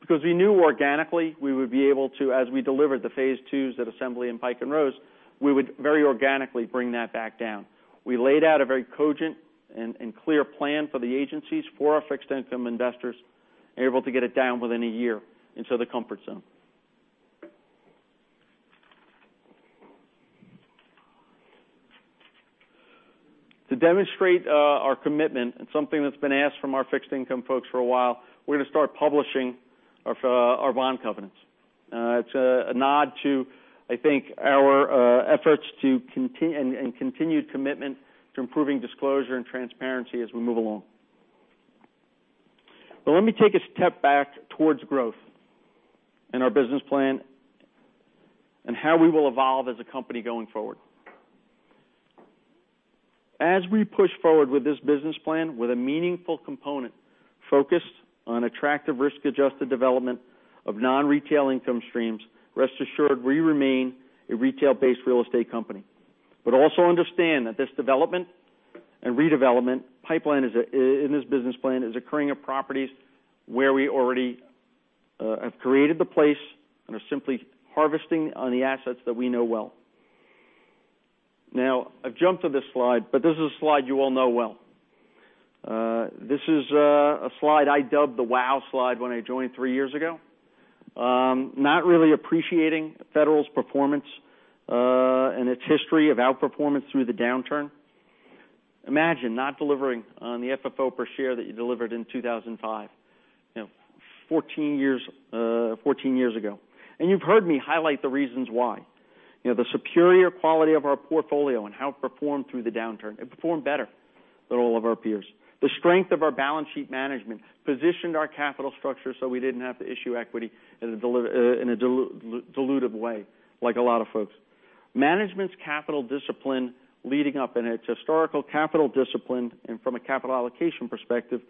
Speaker 22: Because we knew organically we would be able to, as we delivered the phase 2s at Assembly and Pike & Rose, we would very organically bring that back down. We laid out a very cogent and clear plan for the agencies for our fixed income investors, able to get it down within a year into the comfort zone. To demonstrate our commitment and something that's been asked from our fixed income folks for a while, we're going to start publishing our bond covenants. It's a nod to, I think, our efforts and continued commitment to improving disclosure and transparency as we move along. Let me take a step back towards growth and our business plan, and how we will evolve as a company going forward. As we push forward with this business plan with a meaningful component focused on attractive risk-adjusted development of non-retail income streams, rest assured we remain a retail-based real estate company. Also understand that this development and redevelopment pipeline in this business plan is occurring at properties where we already have created the place and are simply harvesting on the assets that we know well. I've jumped to this slide, this is a slide you all know well. This is a slide I dubbed the wow slide when I joined three years ago, not really appreciating Federal's performance, and its history of outperformance through the downturn. Imagine not delivering on the FFO per share that you delivered in 2005, 14 years ago. You've heard me highlight the reasons why. The superior quality of our portfolio and how it performed through the downturn. It performed better than all of our peers. The strength of our balance sheet management positioned our capital structure so we didn't have to issue equity in a dilutive way, like a lot of folks. Management's capital discipline leading up, its historical capital discipline, and from a capital allocation perspective,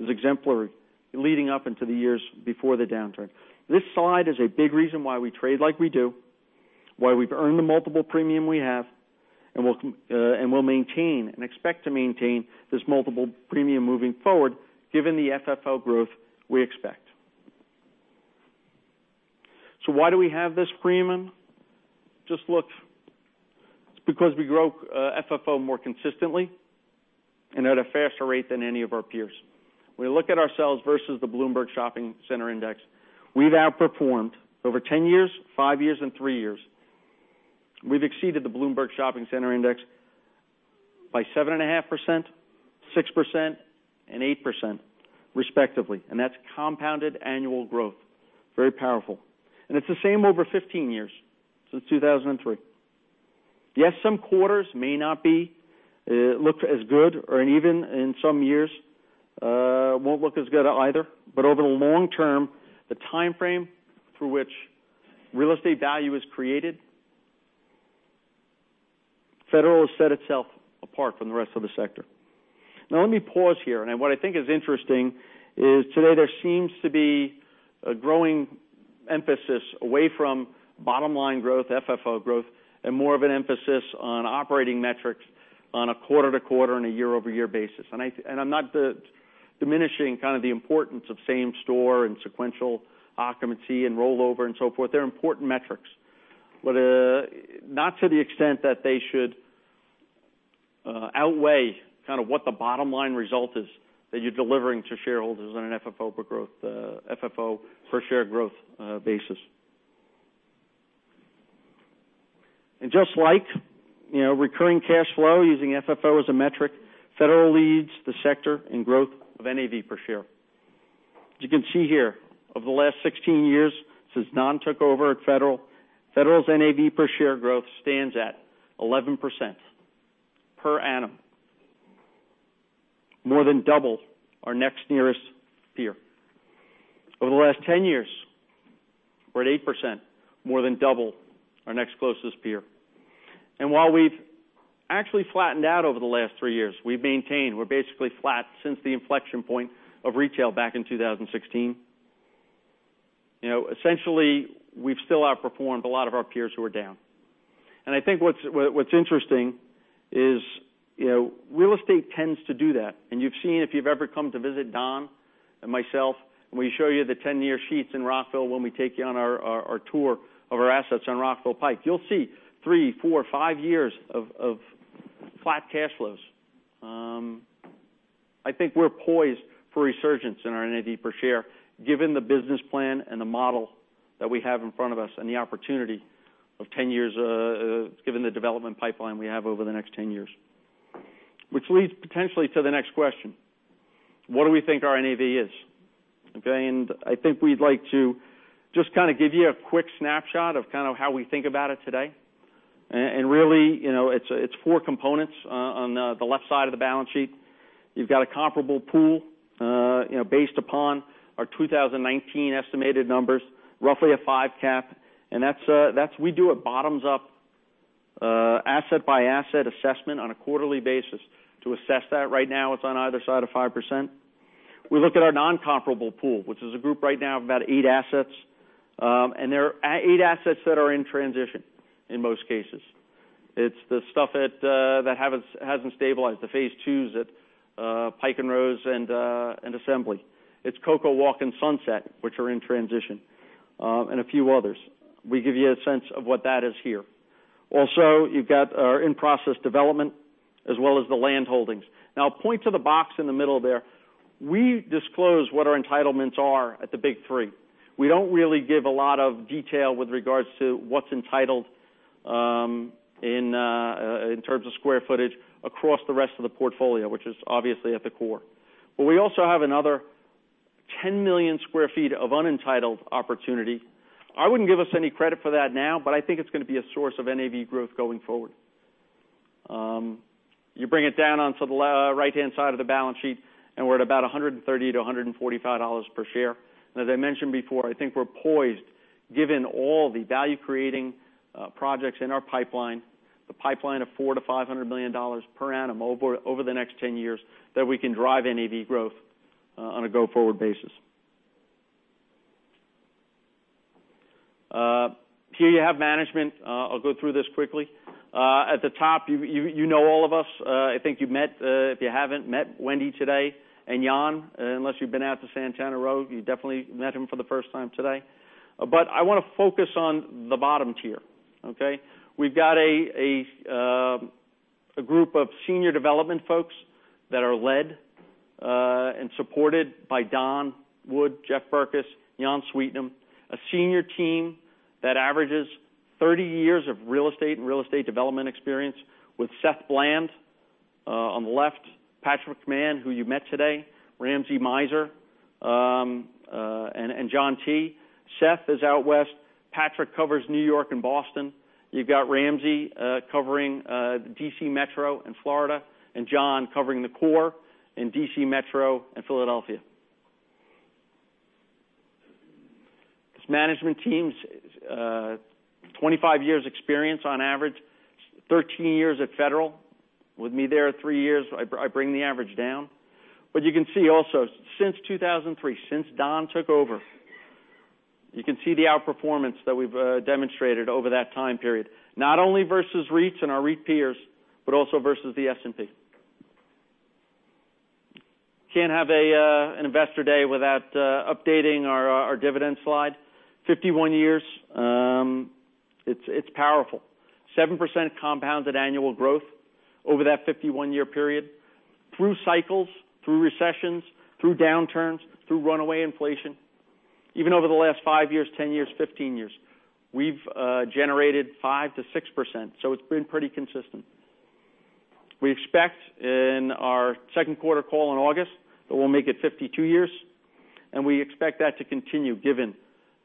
Speaker 22: is exemplary leading up into the years before the downturn. This slide is a big reason why we trade like we do, why we've earned the multiple premium we have, and will maintain and expect to maintain this multiple premium moving forward, given the FFO growth we expect. Why do we have this premium? Just look. It's because we grow FFO more consistently and at a faster rate than any of our peers. When we look at ourselves versus the Bloomberg Shopping Center Index, we've outperformed over 10 years, five years, and three years. We've exceeded the Bloomberg Shopping Center Index by 7.5%, 6%, and 8% respectively, and that's compounded annual growth. Very powerful. It's the same over 15 years, since 2003. Yes, some quarters may not look as good, or even in some years, won't look as good either. Over the long term, the timeframe through which real estate value is created, Federal has set itself apart from the rest of the sector. Now, let me pause here. What I think is interesting is today there seems to be a growing emphasis away from bottom-line growth, FFO growth, and more of an emphasis on operating metrics on a quarter-to-quarter and a year-over-year basis. I'm not diminishing kind of the importance of same store and sequential occupancy and rollover and so forth. They're important metrics. Not to the extent that they should outweigh kind of what the bottom-line result is that you're delivering to shareholders on an FFO per share growth basis. Just like recurring cash flow, using FFO as a metric, Federal leads the sector in growth of NAV per share. As you can see here, over the last 16 years since Dawn took over at Federal's NAV per share growth stands at 11% per annum. More than double our next nearest peer. Over the last 10 years, we're at 8%, more than double our next closest peer. While we've actually flattened out over the last three years, we're basically flat since the inflection point of retail back in 2016. Essentially, we've still outperformed a lot of our peers who are down. I think what's interesting is real estate tends to do that. You've seen if you've ever come to visit Dawn and myself, we show you the 10-year sheets in Rockville when we take you on our tour of our assets on Rockville Pike. You'll see three, four, five years of flat cash flows. I think we're poised for resurgence in our NAV per share, given the business plan and the model that we have in front of us and the opportunity of 10 years, given the development pipeline we have over the next 10 years. Which leads potentially to the next question. What do we think our NAV is? Okay. I think we'd like to just kind of give you a quick snapshot of kind of how we think about it today. Really, it's four components on the left side of the balance sheet. You've got a comparable pool based upon our 2019 estimated numbers, roughly a five cap. We do a bottoms-up, asset-by-asset assessment on a quarterly basis to assess that. Right now, it's on either side of 5%. We look at our non-comparable pool, which is a group right now of about eight assets. They're eight assets that are in transition in most cases. It's the stuff that hasn't stabilized, the phase 2s at Pike & Rose and Assembly. It's CocoWalk and Sunset, which are in transition, and a few others. We give you a sense of what that is here. Also, you've got our in-process development as well as the land holdings. Now, I'll point to the box in the middle there. We disclose what our entitlements are at the big three. We don't really give a lot of detail with regards to what's entitled in terms of square footage across the rest of the portfolio, which is obviously at the core. We also have another 10 million sq ft of unentitled opportunity. I wouldn't give us any credit for that now. I think it's going to be a source of NAV growth going forward. You bring it down onto the right-hand side of the balance sheet, and we're at about $130-$145 per share. As I mentioned before, I think we're poised, given all the value-creating projects in our pipeline, the pipeline of four to $500 million per annum over the next 10 years, that we can drive NAV growth on a go-forward basis. Here you have management. I'll go through this quickly. At the top, you know all of us. I think you've met. If you haven't met Wendy today and Jan, unless you've been out to Santana Row, you definitely met him for the first time today. I want to focus on the bottom tier, okay? We've got a group of senior development folks that are led and supported by Don Wood, Jeff Berkes, Jan Sweetnam. A senior team that averages 30 years of real estate and real estate development experience with Seth Bland on the left, Patrick McMahon, who you met today, Ramsey Meiser, and John T. Seth is out west. Patrick covers New York and Boston. You've got Ramsey covering D.C. Metro and Florida, and John covering the core in D.C. Metro and Philadelphia. This management team's 25 years experience on average, 13 years at Federal. With me there three years, I bring the average down. You can see also since 2003, since Don took over, you can see the outperformance that we've demonstrated over that time period, not only versus REITs and our REIT peers, but also versus the S&P. Can't have an investor day without updating our dividend slide. 51 years. It's powerful. 7% compounded annual growth over that 51-year period through cycles, through recessions, through downturns, through runaway inflation. Even over the last 5 years, 10 years, 15 years, we've generated 5%-6%, so it's been pretty consistent. We expect in our second quarter call in August that we'll make it 52 years, and we expect that to continue given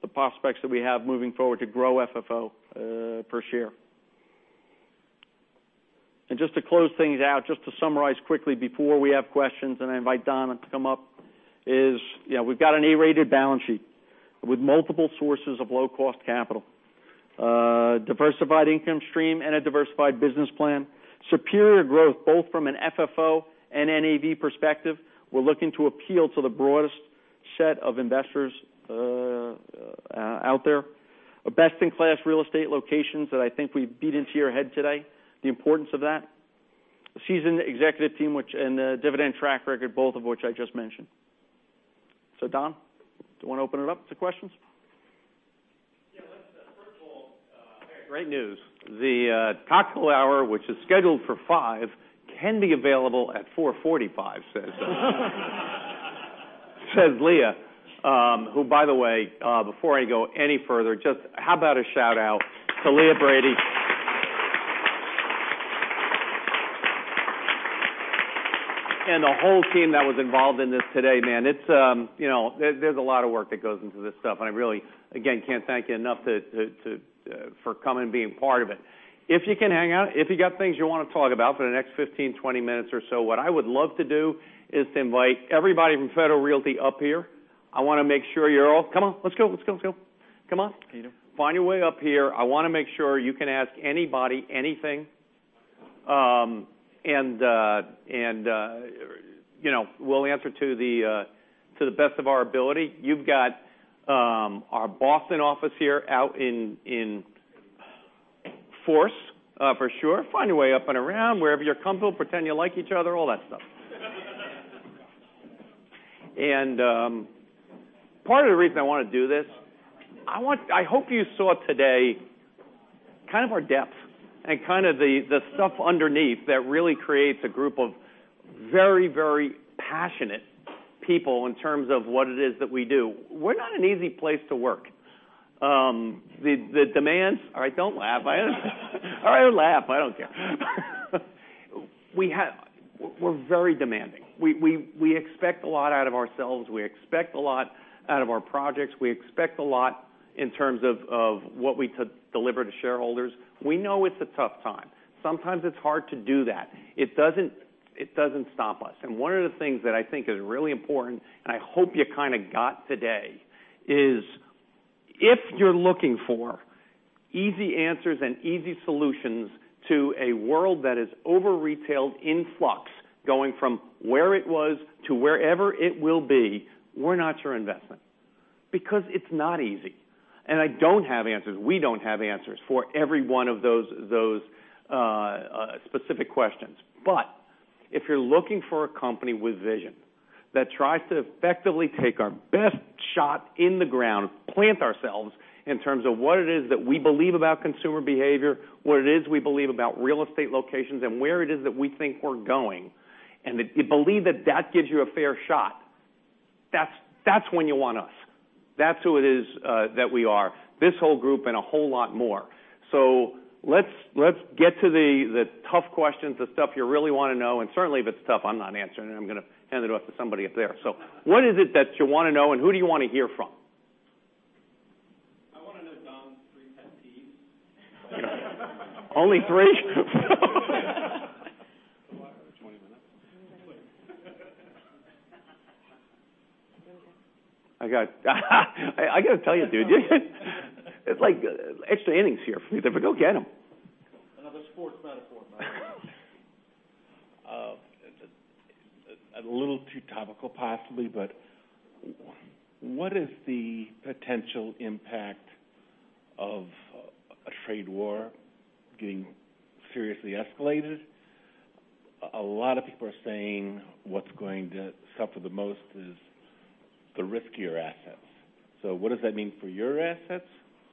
Speaker 22: the prospects that we have moving forward to grow FFO per share. Just to close things out, just to summarize quickly before we have questions, and I invite Don to come up, is we've got an A-rated balance sheet with multiple sources of low-cost capital. A diversified income stream and a diversified business plan. Superior growth, both from an FFO and NAV perspective. We're looking to appeal to the broadest set of investors out there. A best-in-class real estate locations that I think we beat into your head today, the importance of that. A seasoned executive team and a dividend track record, both of which I just mentioned. Don, do you want to open it up to questions?
Speaker 10: Great news. The cocktail hour, which is scheduled for 5:00 P.M., can be available at 4:45 P.M. Says Leah, who by the way, before I go any further, just how about a shout-out to Leah Brady? The whole team that was involved in this today, man. There's a lot of work that goes into this stuff, and I really, again, can't thank you enough for coming and being part of it. If you can hang out, if you got things you want to talk about for the next 15, 20 minutes or so, what I would love to do is to invite everybody from Federal Realty up here. I want to make sure you're all. Come on. Let's go. Come on.
Speaker 22: Peter.
Speaker 10: Find your way up here. I want to make sure you can ask anybody anything. We'll answer to the best of our ability. You've got our Boston office here out in force for sure. Find your way up and around, wherever you're comfortable. Pretend you like each other, all that stuff. Part of the reason I want to do this, I hope you saw today kind of our depth and kind of the stuff underneath that really creates a group of very passionate people in terms of what it is that we do. We're not an easy place to work. The demands. All right, don't laugh. All right, laugh. I don't care. We're very demanding. We expect a lot out of ourselves. We expect a lot out of our projects. We expect a lot in terms of what we could deliver to shareholders. We know it's a tough time. Sometimes it's hard to do that. It doesn't stop us. One of the things that I think is really important, and I hope you kind of got today, is if you're looking for easy answers and easy solutions to a world that is over-retailed, in flux, going from where it was to wherever it will be, we're not your investment. It's not easy, and I don't have answers. We don't have answers for every one of those specific questions. If you're looking for a company with vision that tries to effectively take our best shot in the ground, plant ourselves in terms of what it is that we believe about consumer behavior, what it is we believe about real estate locations, and where it is that we think we're going, and that you believe that that gives you a fair shot, that's when you want us. That's who it is that we are, this whole group and a whole lot more. Let's get to the tough questions, the stuff you really want to know. Certainly, if it's tough, I'm not answering it. I'm going to hand it off to somebody up there. What is it that you want to know, and who do you want to hear from?
Speaker 7: I want to know Don's three pet peeves.
Speaker 10: Only three?
Speaker 2: 20 minutes.
Speaker 10: I got to tell you, dude, it's like extra innings here for you. Go get them.
Speaker 7: Another sports metaphor. A little too topical possibly, but what is the potential impact of a trade war getting seriously escalated? A lot of people are saying what's going to suffer the most is the riskier assets. What does that mean for your assets?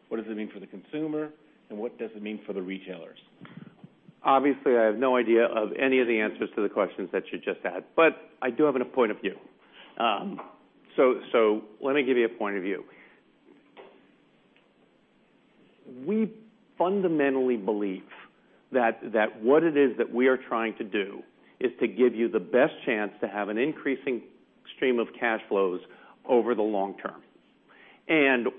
Speaker 7: What does it mean for the consumer, and what does it mean for the retailers?
Speaker 10: Obviously, I have no idea of any of the answers to the questions that you just had, but I do have a point of view. Let me give you a point of view. We fundamentally believe that what it is that we are trying to do is to give you the best chance to have an increasing stream of cash flows over the long term.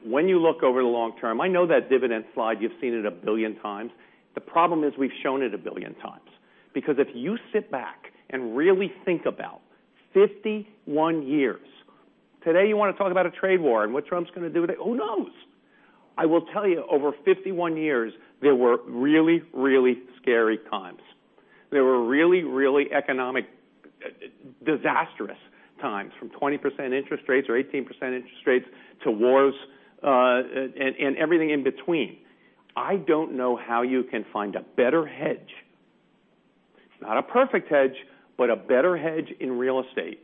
Speaker 10: When you look over the long term, I know that dividend slide, you've seen it 1 billion times. The problem is we've shown it 1 billion times. If you sit back and really think about 51 years, today you want to talk about a trade war and what Trump's going to do today. Who knows? I will tell you, over 51 years, there were really, really scary times. There were really, really economic disastrous times, from 20% interest rates or 18% interest rates to wars, and everything in between. I don't know how you can find a better hedge. It's not a perfect hedge, but a better hedge in real estate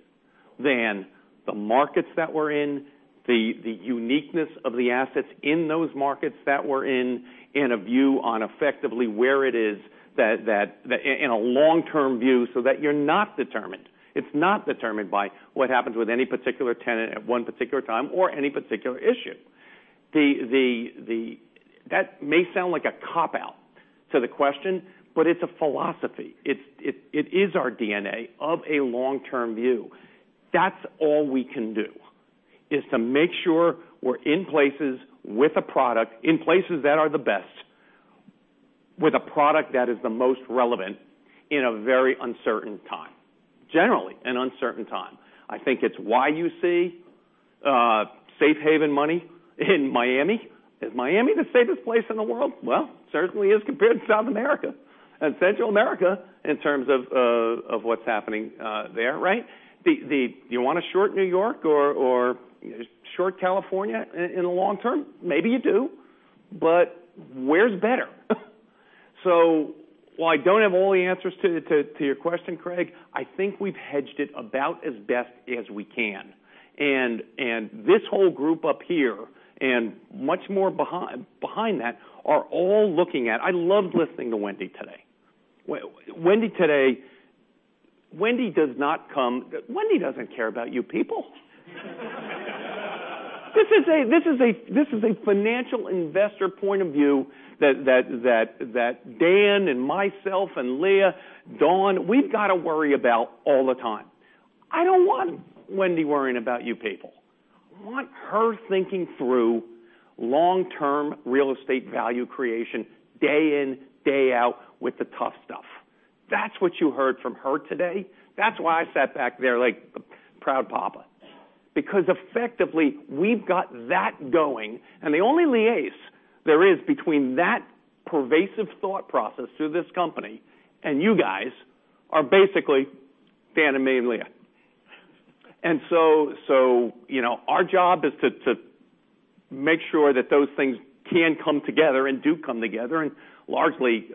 Speaker 10: than the markets that we're in, the uniqueness of the assets in those markets that we're in, and a view on effectively where it is in a long-term view so that you're not determined. It's not determined by what happens with any particular tenant at one particular time or any particular issue. That may sound like a cop-out to the question, but it's a philosophy. It is our DNA of a long-term view. That's all we can do, is to make sure we're in places with a product, in places that are the best, with a product that is the most relevant in a very uncertain time. Generally, an uncertain time. I think it's why you see safe haven money in Miami. Is Miami the safest place in the world? Well, certainly is compared to South America and Central America in terms of what's happening there, right? Do you want to short New York or short California in the long term? Maybe you do, but where's better? While I don't have all the answers to your question, Craig, I think we've hedged it about as best as we can. This whole group up here, and much more behind that, are all looking. I loved listening to Wendy today. Wendy today, Wendy doesn't care about you people. This is a financial investor point of view that Dan and myself and Leah, Don, we've got to worry about all the time. I don't want Wendy worrying about you people. I want her thinking through long-term real estate value creation day in, day out with the tough stuff. That's what you heard from her today. That's why I sat back there like a proud papa. Because effectively, we've got that going, and the only liaison there is between that pervasive thought process through this company and you guys are basically Dan, me, and Leah. Our job is to make sure that those things can come together and do come together, and largely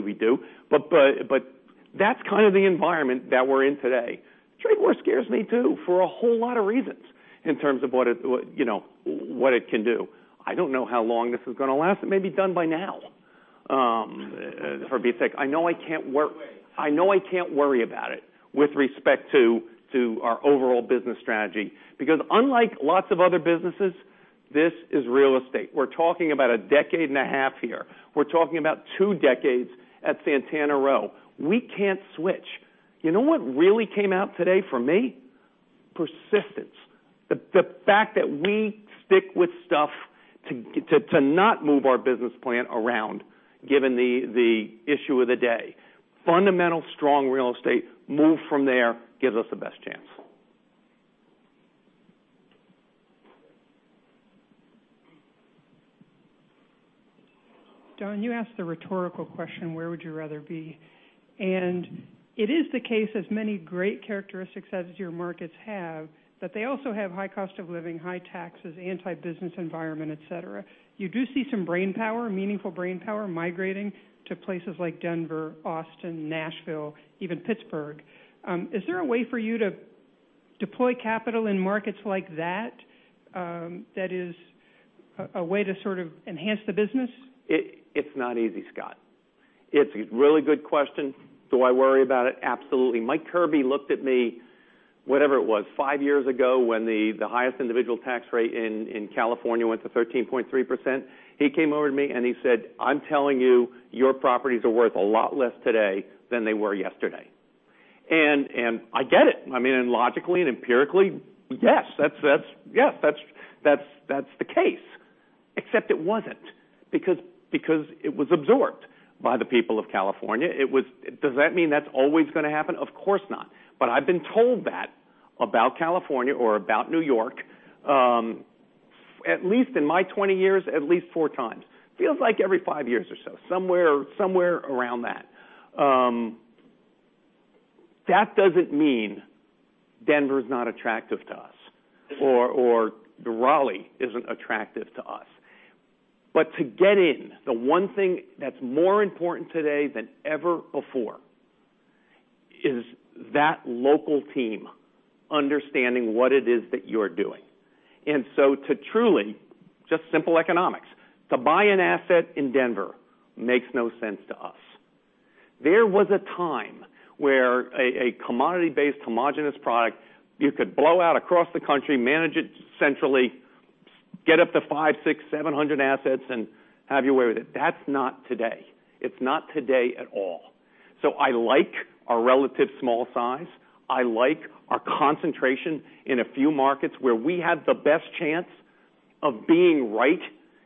Speaker 10: we do. That's kind of the environment that we're in today. Trade war scares me, too, for a whole lot of reasons in terms of what it can do. I don't know how long this is going to last. It may be done by now for a fact.
Speaker 7: No way
Speaker 10: I know I can't worry about it with respect to our overall business strategy. Unlike lots of other businesses, this is real estate. We're talking about a decade and a half here. We're talking about 2 decades at Santana Row. We can't switch. You know what really came out today for me? Persistence. The fact that we stick with stuff to not move our business plan around, given the issue of the day. Fundamental strong real estate, move from there, gives us the best chance.
Speaker 23: Don, you asked the rhetorical question, where would you rather be? It is the case, as many great characteristics as your markets have, that they also have high cost of living, high taxes, anti-business environment, et cetera. You do see some brainpower, meaningful brainpower, migrating to places like Denver, Austin, Nashville, even Pittsburgh. Is there a way for you to deploy capital in markets like that is a way to sort of enhance the business?
Speaker 10: It's not easy, Scott. It's a really good question. Do I worry about it? Absolutely. Mike Kirby looked at me, whatever it was, five years ago, when the highest individual tax rate in California went to 13.3%. He came over to me and he said, "I'm telling you, your properties are worth a lot less today than they were yesterday." I get it. I mean, logically and empirically, yes, that's the case. Except it wasn't, because it was absorbed by the people of California. Does that mean that's always going to happen? Of course not. I've been told that about California or about New York, at least in my 20 years, at least four times. Feels like every five years or so. Somewhere around that. That doesn't mean Denver's not attractive to us, or Raleigh isn't attractive to us. To get in, the one thing that's more important today than ever before, is that local team understanding what it is that you're doing. To truly, just simple economics, to buy an asset in Denver makes no sense to us. There was a time where a commodity-based homogenous product, you could blow out across the country, manage it centrally, get up to 5, 6, 700 assets and have your way with it. That's not today. It's not today at all. I like our relative small size. I like our concentration in a few markets where we have the best chance of being right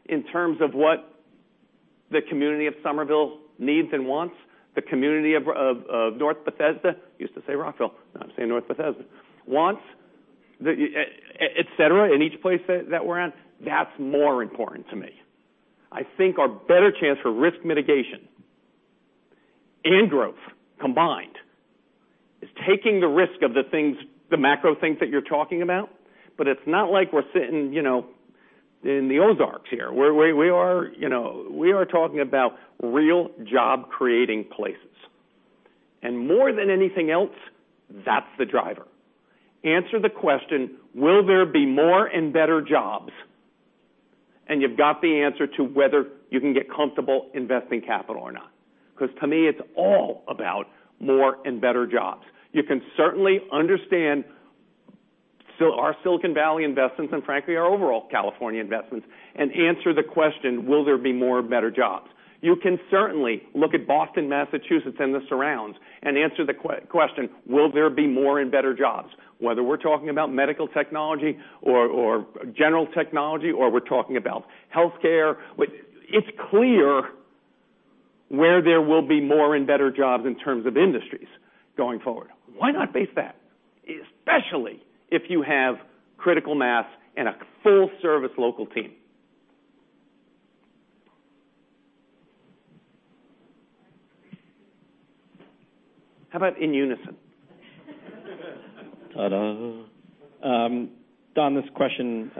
Speaker 10: in terms of what the community of Somerville needs and wants, the community of North Bethesda, used to say Rockville, now I'm saying North Bethesda, wants, et cetera, in each place that we're in. That's more important to me. I think our better chance for risk mitigation and growth combined is taking the risk of the macro things that you're talking about, but it's not like we're sitting in the Ozarks here. We are talking about real job-creating places. More than anything else, that's the driver. Answer the question, will there be more and better jobs? You've got the answer to whether you can get comfortable investing capital or not. Because to me, it's all about more and better jobs. You can certainly understand our Silicon Valley investments, and frankly, our overall California investments, and answer the question, will there be more and better jobs? You can certainly look at Boston, Massachusetts, and the surrounds and answer the question, will there be more and better jobs? Whether we're talking about medical technology or general technology, or we're talking about healthcare, it's clear where there will be more and better jobs in terms of industries going forward. Why not base that? Especially if you have critical mass and a full-service local team. How about in unison?
Speaker 8: Ta-da. Don, this question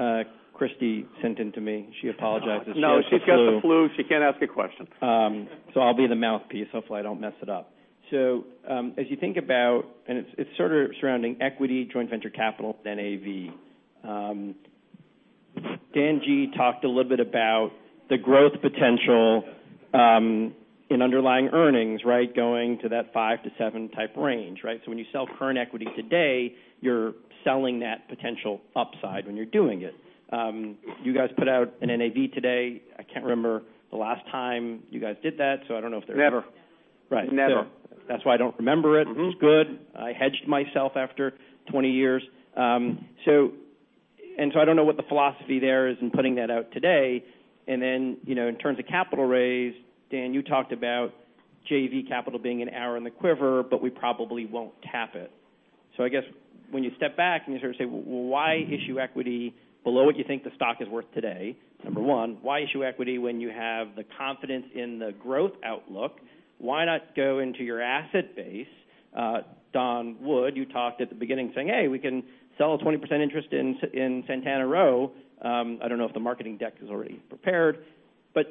Speaker 8: Christy sent in to me. She apologizes. She has the flu.
Speaker 10: No, she's got the flu. She can't ask a question.
Speaker 8: I'll be the mouthpiece. Hopefully, I don't mess it up. It's sort of surrounding equity, joint venture capital, NAV. Dan G. talked a little bit about the growth potential in underlying earnings, right? Going to that 5 to 7 type range, right? When you sell current equity today, you're selling that potential upside when you're doing it. You guys put out an NAV today. I can't remember the last time you guys did that, so I don't know if there.
Speaker 10: Never.
Speaker 8: Right.
Speaker 10: Never.
Speaker 8: That's why I don't remember it. It's good. I hedged myself after 20 years. I don't know what the philosophy there is in putting that out today. In terms of capital raise, Dan, you talked about JV capital being an arrow in the quiver, but we probably won't tap it. I guess when you step back and you sort of say, "Well, why issue equity below what you think the stock is worth today?" Number one, why issue equity when you have the confidence in the growth outlook? Why not go into your asset base? Don Wood, you talked at the beginning saying, "Hey, we can sell a 20% interest in Santana Row." I don't know if the marketing deck is already prepared.
Speaker 10: Did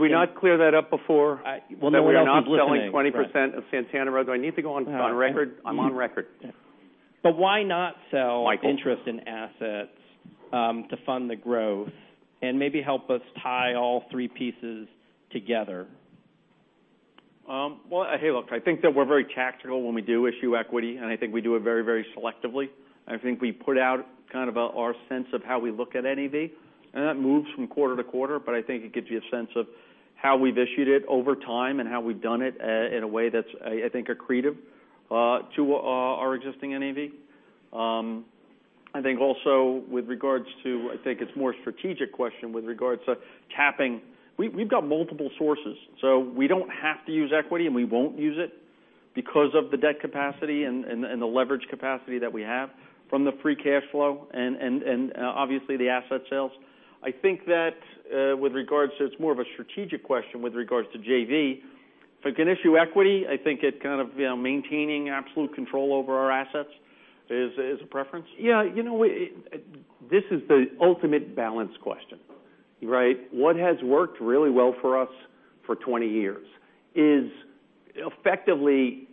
Speaker 10: we not clear that up before?
Speaker 8: Well, no one else is listening.
Speaker 10: That we are not selling 20% of Santana Row. Do I need to go on record? I'm on record.
Speaker 8: Why not sell-
Speaker 10: Michael
Speaker 8: interest in assets to fund the growth and maybe help us tie all three pieces together?
Speaker 22: Well, hey, look, I think that we're very tactical when we do issue equity, and I think we do it very selectively. I think we put out kind of our sense of how we look at NAV, and that moves from quarter to quarter, but I think it gives you a sense of how we've issued it over time and how we've done it in a way that's, I think, accretive to our existing NAV. I think also with regards to, I think it's more a strategic question with regards to capping. We've got multiple sources, so we don't have to use equity, and we won't use it because of the debt capacity and the leverage capacity that we have from the free cash flow and obviously the asset sales. I think that with regards to, it's more of a strategic question with regards to JV. If we can issue equity, I think it kind of maintaining absolute control over our assets is a preference.
Speaker 10: Yeah. This is the ultimate balance question, right? What has worked really well for us for 20 years is effectively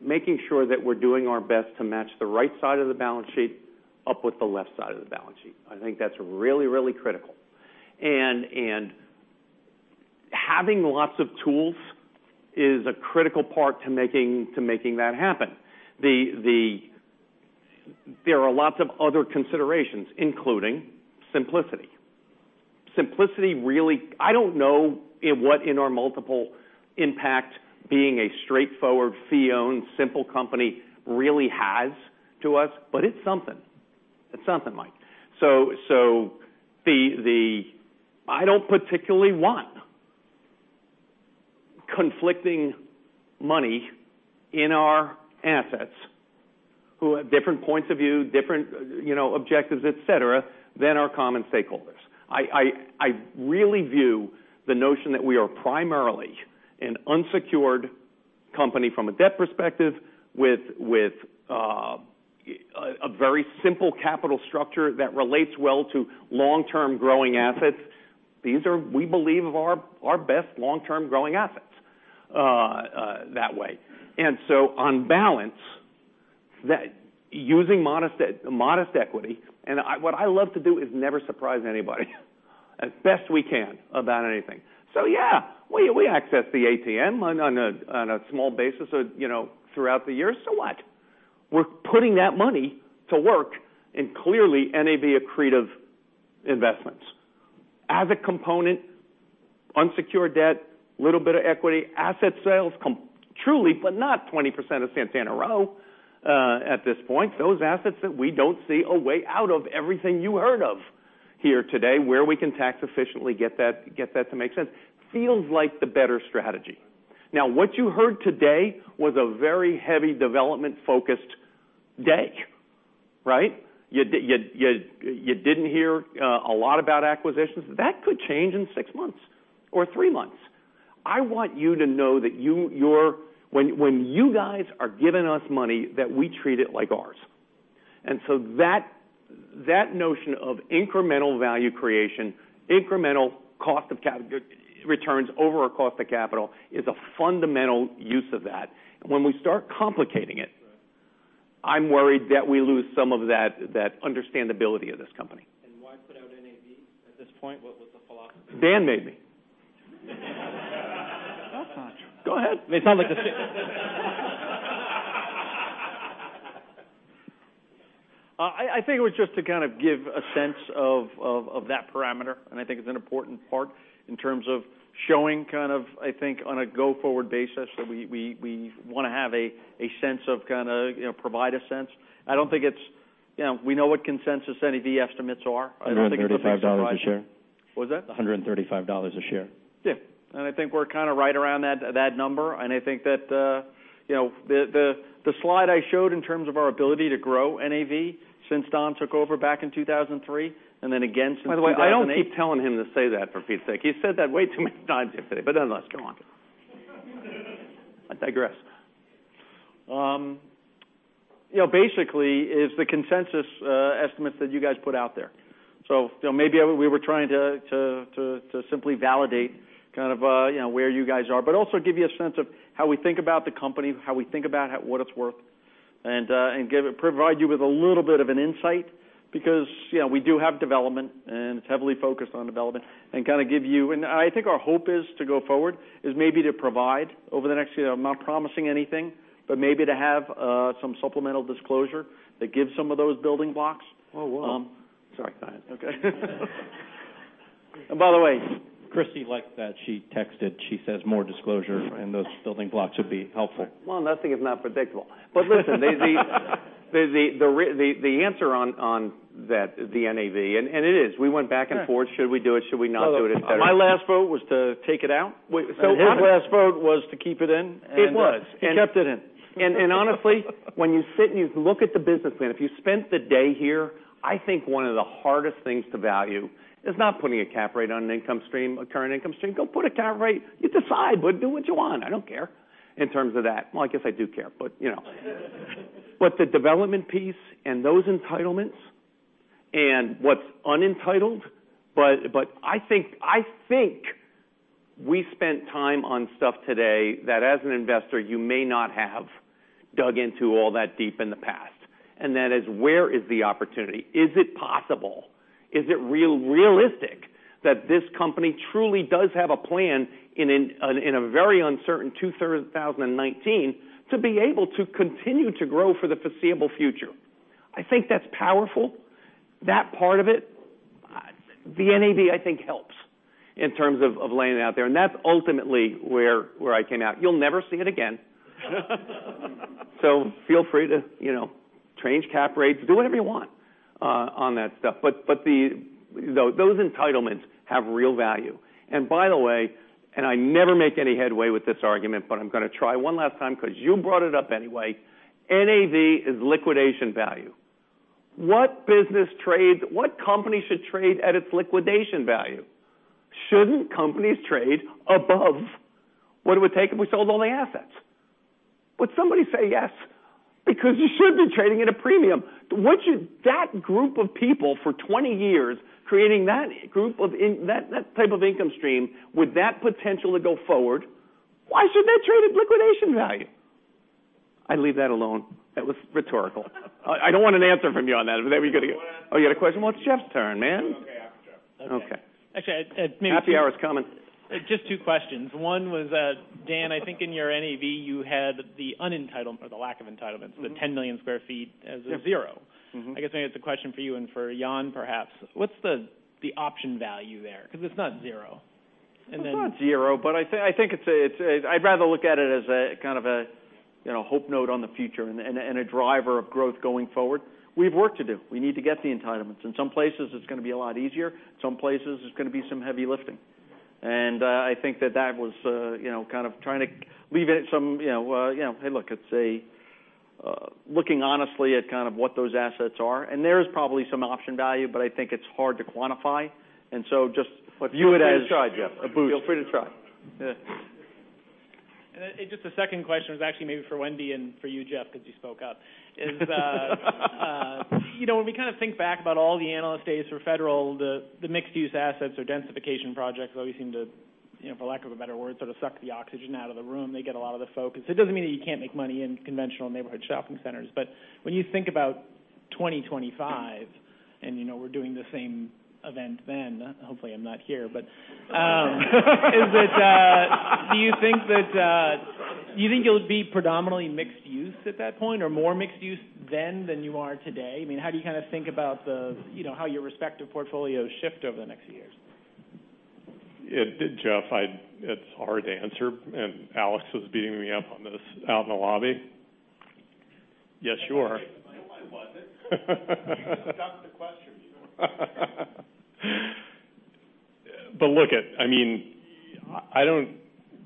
Speaker 10: making sure that we're doing our best to match the right side of the balance sheet up with the left side of the balance sheet. I think that's really critical. Having lots of tools is a critical part to making that happen. There are lots of other considerations, including simplicity. I don't know what in our multiple impact being a straightforward fee-owned simple company really has to us, but it's something, Mike. I don't particularly want conflicting money in our assets who have different points of view, different objectives, et cetera, than our common stakeholders. I really view the notion that we are primarily an unsecured company from a debt perspective with a very simple capital structure that relates well to long-term growing assets. These are, we believe, are our best long-term growing assets that way. On balance, using modest equity, and what I love to do is never surprise anybody as best we can about anything. Yeah, we access the ATM on a small basis throughout the year. So what? We're putting that money to work in clearly NAV accretive investments. Asset component, unsecured debt, little bit of equity, asset sales truly, but not 20% of Santana Row at this point. Those assets that we don't see a way out of everything you heard of here today, where we can tax efficiently get that to make sense, feels like the better strategy. What you heard today was a very heavy development-focused day, right? You didn't hear a lot about acquisitions. That could change in six months or three months. I want you to know that when you guys are giving us money, that we treat it like ours. That notion of incremental value creation, incremental returns over our cost of capital is a fundamental use of that. When we start complicating it.
Speaker 22: Right
Speaker 10: I'm worried that we lose some of that understandability of this company.
Speaker 22: Why put out NAV at this point? What was the philosophy?
Speaker 10: Dan made me.
Speaker 22: That's not true.
Speaker 10: Go ahead.
Speaker 22: I think it was just to kind of give a sense of that parameter, and I think it's an important part in terms of showing kind of, I think, on a go-forward basis that we want to have a sense of kind of provide a sense. We know what consensus NAV estimates are. I don't think it's going to be a surprise.
Speaker 10: $135 a share.
Speaker 22: What's that?
Speaker 10: $135 a share.
Speaker 22: Yeah. I think we're kind of right around that number, and I think that the slide I showed in terms of our ability to grow NAV since Don took over back in 2003 and then again since 2008.
Speaker 10: By the way, I don't keep telling him to say that, for Pete's sake. He said that way too many times yesterday. Nonetheless, come on. I digress.
Speaker 22: Basically is the consensus estimates that you guys put out there. Maybe we were trying to simply validate kind of where you guys are, but also give you a sense of how we think about the company, how we think about what it's worth, and provide you with a little bit of an insight because we do have development and it's heavily focused on development. I think our hope is to go forward is maybe to provide over the next year. I'm not promising anything, maybe to have some supplemental disclosure that gives some of those building blocks.
Speaker 10: Oh, wow.
Speaker 22: Sorry.
Speaker 10: Go ahead.
Speaker 22: Okay.
Speaker 10: Christy liked that. She texted. She says more disclosure and those building blocks would be helpful.
Speaker 22: Well, nothing is not predictable. Listen, the answer on that, the NAV, it is. We went back and forth. Should we do it? Should we not do it, et cetera?
Speaker 10: My last vote was to take it out.
Speaker 22: Wait.
Speaker 10: His last vote was to keep it in.
Speaker 22: It was.
Speaker 10: He kept it in.
Speaker 22: Honestly, when you sit and you look at the business plan, if you spent the day here, I think one of the hardest things to value is not putting a cap rate on an income stream, a current income stream. Go put a cap rate. You decide. Do what you want. I don't care in terms of that. Well, I guess I do care, but, you know. The development piece and those entitlements and what's unentitled. I think we spent time on stuff today that as an investor, you may not have
Speaker 10: Dug into all that deep in the past, and that is: where is the opportunity? Is it possible, is it realistic that this company truly does have a plan in a very uncertain 2019 to be able to continue to grow for the foreseeable future? I think that's powerful. That part of it, the NAV, I think helps in terms of laying it out there, and that's ultimately where I came out. You'll never see it again. Feel free to change cap rates. Do whatever you want on that stuff. Those entitlements have real value. By the way, and I never make any headway with this argument, but I'm going to try one last time because you brought it up anyway. NAV is liquidation value. What business trades, what company should trade at its liquidation value? Shouldn't companies trade above what it would take if we sold all the assets? Would somebody say yes? Because you should be trading at a premium. That group of people for 20 years, creating that type of income stream, with that potential to go forward, why should they trade at liquidation value? I'd leave that alone. That was rhetorical. I don't want an answer from you on that. Were you going to give?
Speaker 2: I got a question.
Speaker 10: Oh, you got a question? Well, it's Jeff's turn, man.
Speaker 2: Okay, after Jeff.
Speaker 10: Okay.
Speaker 24: Okay. Actually.
Speaker 10: Happy hour's coming.
Speaker 24: Just two questions. One was, Dan, I think in your NAV, you had the un-entitlement.
Speaker 22: the 10 million square feet as a zero.
Speaker 24: I guess maybe it's a question for you and for Jan, perhaps. What's the option value there? Because it's not zero.
Speaker 10: It's not zero, I'd rather look at it as a kind of a hope note on the future and a driver of growth going forward. We've work to do. We need to get the entitlements. In some places, it's going to be a lot easier. Some places, there's going to be some heavy lifting. I think that that was kind of trying to leave it at some Hey, look, it's looking honestly at kind of what those assets are, there is probably some option value, I think it's hard to quantify.
Speaker 2: Feel free to try, Jeff
Speaker 10: a boost.
Speaker 2: Feel free to try. Yeah.
Speaker 24: Just the second question was actually maybe for Wendy and for you, Jeff, because you spoke up, when we kind of think back about all the Analyst Days for Federal, the mixed-use assets or densification projects always seem to, for lack of a better word, sort of suck the oxygen out of the room. They get a lot of the focus. It doesn't mean that you can't make money in conventional neighborhood shopping centers. When you think about 2025, and we're doing the same event then. Hopefully, I'm not here, but. Do you think it'll be predominantly mixed use at that point, or more mixed use then than you are today? How do you kind of think about how your respective portfolios shift over the next few years?
Speaker 2: Jeff, it's hard to answer, Alex was beating me up on this out in the lobby. Yeah, sure.
Speaker 9: No, I wasn't. You just dumped the question.
Speaker 2: Look, I don't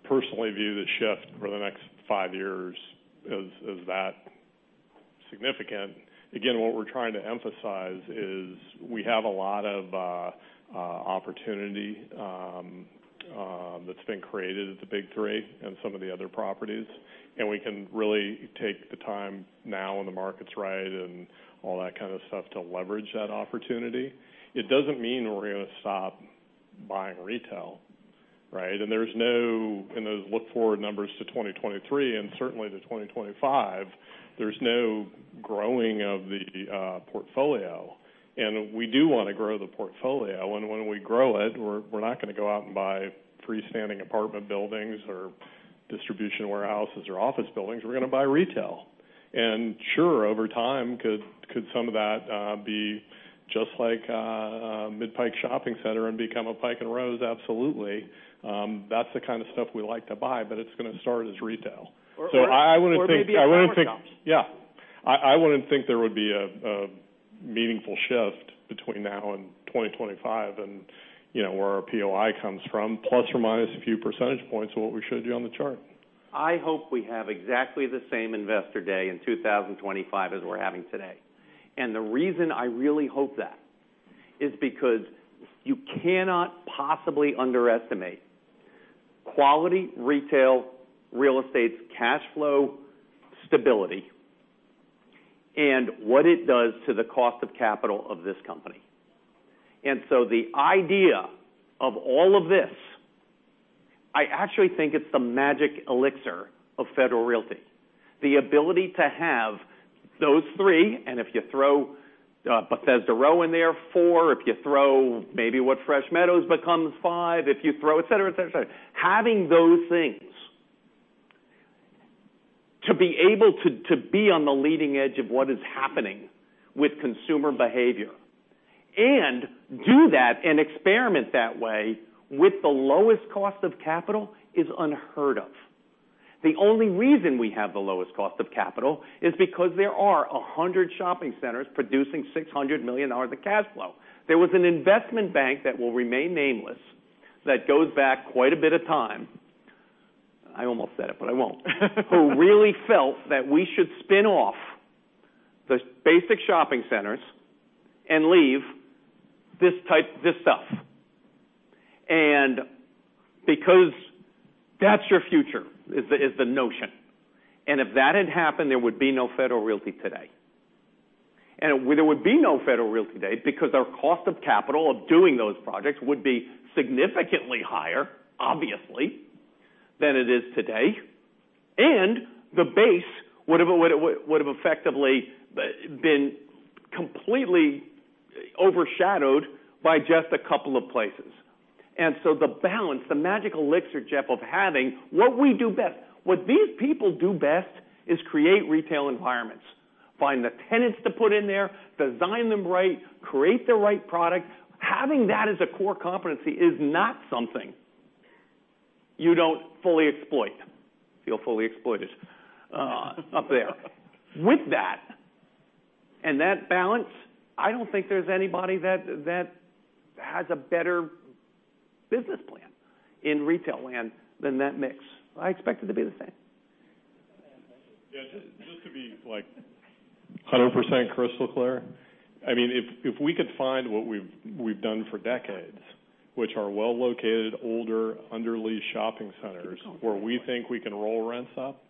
Speaker 2: personally view the shift over the next five years as that significant. Again, what we're trying to emphasize is we have a lot of opportunity that's been created at the big three and some of the other properties, and we can really take the time now when the market's right and all that kind of stuff to leverage that opportunity. It doesn't mean we're going to stop buying retail, right? In those look-forward numbers to 2023 and certainly to 2025, there's no growing of the portfolio. We do want to grow the portfolio. When we grow it, we're not going to go out and buy freestanding apartment buildings or distribution warehouses or office buildings. We're going to buy retail. Sure, over time, could some of that be just like Mid Pike Shopping Center and become a Pike & Rose? Absolutely. That's the kind of stuff we like to buy, but it's going to start as retail. I wouldn't think-
Speaker 10: Maybe apartment homes.
Speaker 2: Yeah. I wouldn't think there would be a meaningful shift between now and 2025 and where our POI comes from, plus or minus a few percentage points of what we showed you on the chart.
Speaker 10: I hope we have exactly the same investor day in 2025 as we're having today. The reason I really hope that is because you cannot possibly underestimate quality retail real estate's cash flow stability and what it does to the cost of capital of this company. The idea of all of this, I actually think it's the magic elixir of Federal Realty. The ability to have those three, and if you throw Bethesda Row in there, four, if you throw maybe what Fresh Meadows becomes, five, if you throw et cetera. Having those things to be able to be on the leading edge of what is happening with consumer behavior and do that and experiment that way with the lowest cost of capital is unheard of. The only reason we have the lowest cost of capital is because there are 100 shopping centers producing $600 million of cash flow. There was an investment bank that will remain nameless that goes back quite a bit of time, I almost said it, but I won't who really felt that we should spin off the basic shopping centers and leave this stuff. Because that's your future, is the notion. If that had happened, there would be no Federal Realty today. There would be no Federal Realty today because our cost of capital of doing those projects would be significantly higher, obviously, than it is today, and the base would've effectively been completely overshadowed by just a couple of places. The balance, the magic elixir, Jeff, of having what we do best. What these people do best is create retail environments, find the tenants to put in there, design them right, create the right product. Having that as a core competency is not something you don't fully exploit. Feel fully exploited up there. With that and that balance, I don't think there's anybody that has a better business plan in retail land than that mix. I expect it to be the same.
Speaker 2: Yeah, just to be 100% crystal clear. If we could find what we've done for decades, which are well-located, older, under-leased shopping centers where we think we can roll rents up,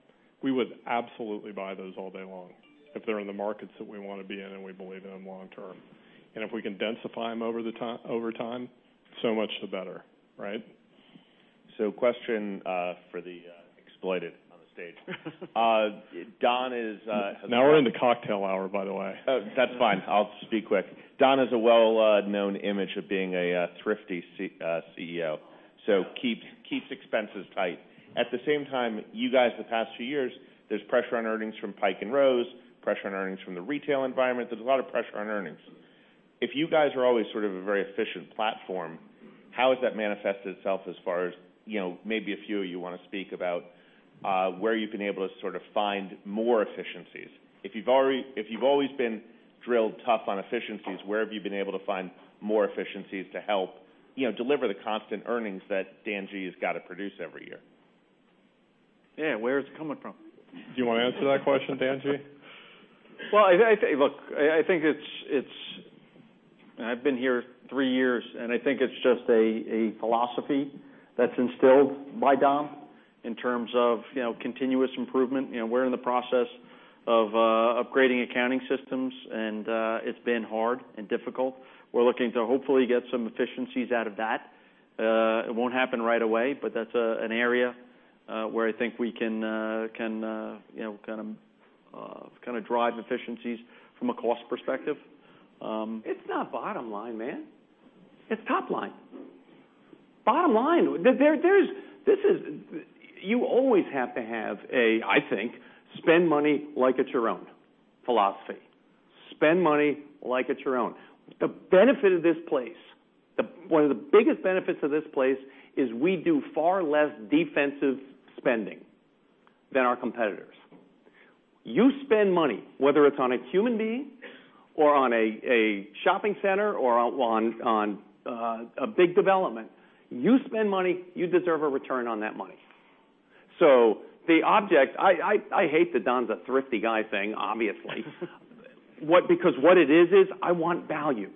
Speaker 2: we would absolutely buy those all day long if they're in the markets that we want to be in and we believe in them long term. If we can densify them over time, so much the better. Right?
Speaker 25: Question for the experts on the stage. Don
Speaker 2: We're in the cocktail hour, by the way.
Speaker 25: Oh, that's fine. I'll just be quick. Don has a well-known image of being a thrifty CEO, so keeps expenses tight. At the same time, you guys, the past few years, there's pressure on earnings from Pike & Rose, pressure on earnings from the retail environment. There's a lot of pressure on earnings. If you guys are always sort of a very efficient platform, how has that manifested itself as far as, maybe a few of you want to speak about, where you've been able to sort of find more efficiencies. If you've always been drilled tough on efficiencies, where have you been able to find more efficiencies to help deliver the constant earnings that Dan Gee has got to produce every year?
Speaker 10: Yeah, where is it coming from?
Speaker 2: Do you want to answer that question, Dan G.?
Speaker 22: Well, look, I've been here three years. I think it's just a philosophy that's instilled by Don in terms of continuous improvement. We're in the process of upgrading accounting systems. It's been hard and difficult. We're looking to hopefully get some efficiencies out of that. It won't happen right away, that's an area where I think we can kind of drive efficiencies from a cost perspective.
Speaker 10: It's not bottom line, man. It's top line. Bottom line, you always have to have a, I think, spend money like it's your own philosophy. Spend money like it's your own. The benefit of this place, one of the biggest benefits of this place is we do far less defensive spending than our competitors. You spend money, whether it's on a human being or on a shopping center or on a big development. You spend money, you deserve a return on that money. The object, I hate the Don's a thrifty guy thing, obviously. What it is I want value.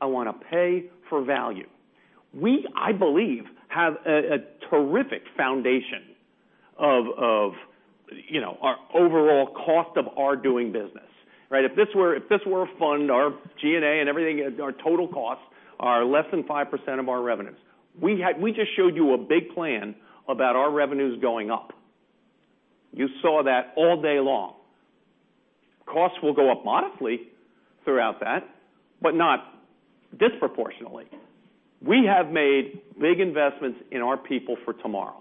Speaker 10: I want to pay for value. We, I believe, have a terrific foundation of our overall cost of our doing business. Right? If this were a fund, our G&A and everything, our total costs are less than 5% of our revenues. We just showed you a big plan about our revenues going up. You saw that all day long. Costs will go up modestly throughout that, not disproportionately. We have made big investments in our people for tomorrow.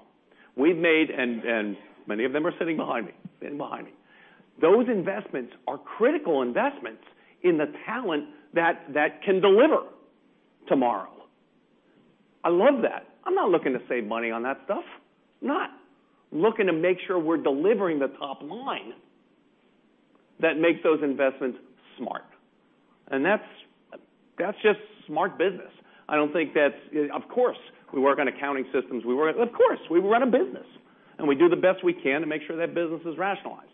Speaker 10: Many of them are sitting behind me. Those investments are critical investments in the talent that can deliver tomorrow. I love that. I'm not looking to save money on that stuff. Not looking to make sure we're delivering the top line that makes those investments smart, that's just smart business. Of course, we work on accounting systems. Of course, we run a business, we do the best we can to make sure that business is rationalized.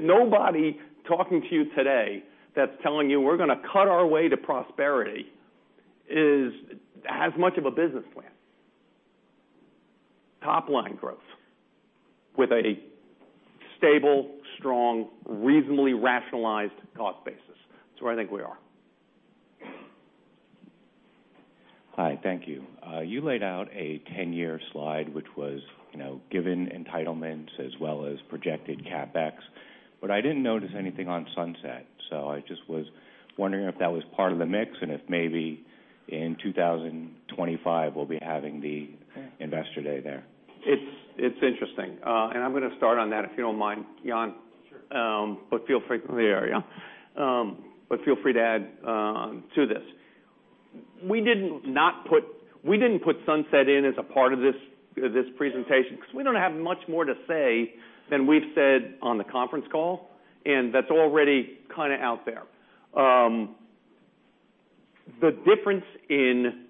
Speaker 10: Nobody talking to you today that's telling you we're going to cut our way to prosperity has much of a business plan. Top-line growth with a stable, strong, reasonably rationalized cost basis. That's where I think we are.
Speaker 26: Hi. Thank you. You laid out a 10-year slide, which was given entitlements as well as projected CapEx. I didn't notice anything on Sunset, so I just was wondering if that was part of the mix, and if maybe in 2025, we'll be having the investor day there.
Speaker 10: It's interesting. I'm going to start on that, if you don't mind, Jan.
Speaker 3: Sure.
Speaker 10: There you are. Feel free to add to this. We didn't put Sunset in as a part of this presentation because we don't have much more to say than we've said on the conference call, and that's already kind of out there. The difference in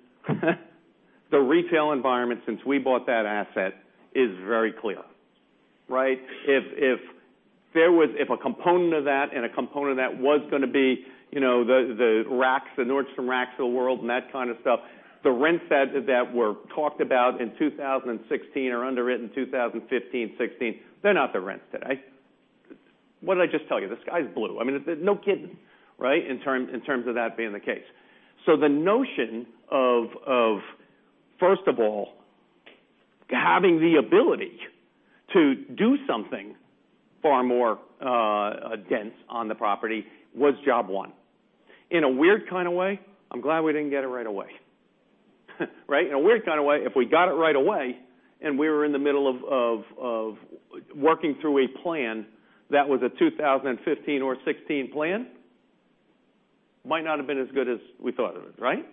Speaker 10: the retail environment since we bought that asset is very clear, right? If a component of that, and a component of that was going to be the Nordstrom Rack of the world and that kind of stuff, the rents that were talked about in 2016 or underwritten 2015, 2016, they're not the rents today. What did I just tell you? The sky's blue. I mean, no kidding, right? In terms of that being the case. The notion of first of all, having the ability to do something far more dense on the property was job one. In a weird kind of way, I'm glad we didn't get it right away. Right? In a weird kind of way, if we got it right away, and we were in the middle of working through a plan that was a 2015 or 2016 plan, might not have been as good as we thought of it, right?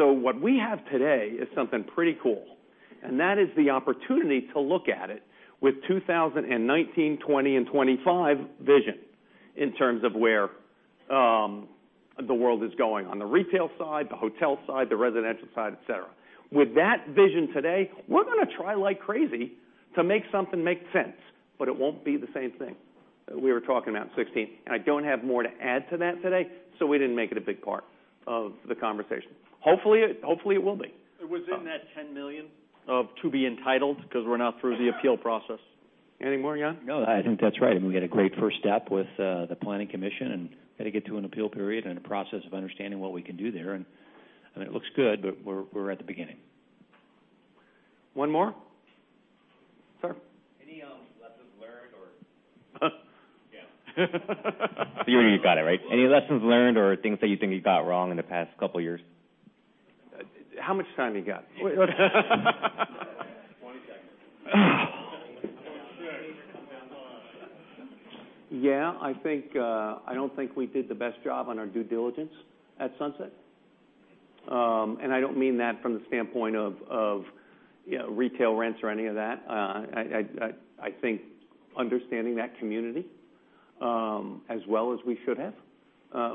Speaker 10: What we have today is something pretty cool, and that is the opportunity to look at it with 2019, 2020, and 2025 vision in terms of where the world is going on the retail side, the hotel side, the residential side, et cetera. With that vision today, we're going to try like crazy to make something make sense, but it won't be the same thing that we were talking about in 2016. I don't have more to add to that today, so we didn't make it a big part of the conversation. Hopefully, it will be.
Speaker 22: It was in that $10 million of to be entitled because we're not through the appeal process. Any more, Jan?
Speaker 3: No, I think that's right. I mean, we had a great first step with the planning commission and had to get to an appeal period and a process of understanding what we can do there, and it looks good, but we're at the beginning.
Speaker 10: One more? Sir.
Speaker 27: Any lessons learned or Yeah. You know where you got it, right? Any lessons learned or things that you think you got wrong in the past couple years?
Speaker 10: How much time you got?
Speaker 9: 20 seconds.
Speaker 10: Yeah, I don't think we did the best job on our due diligence at Sunset. I don't mean that from the standpoint of retail rents or any of that. I think understanding that community, as well as we should have,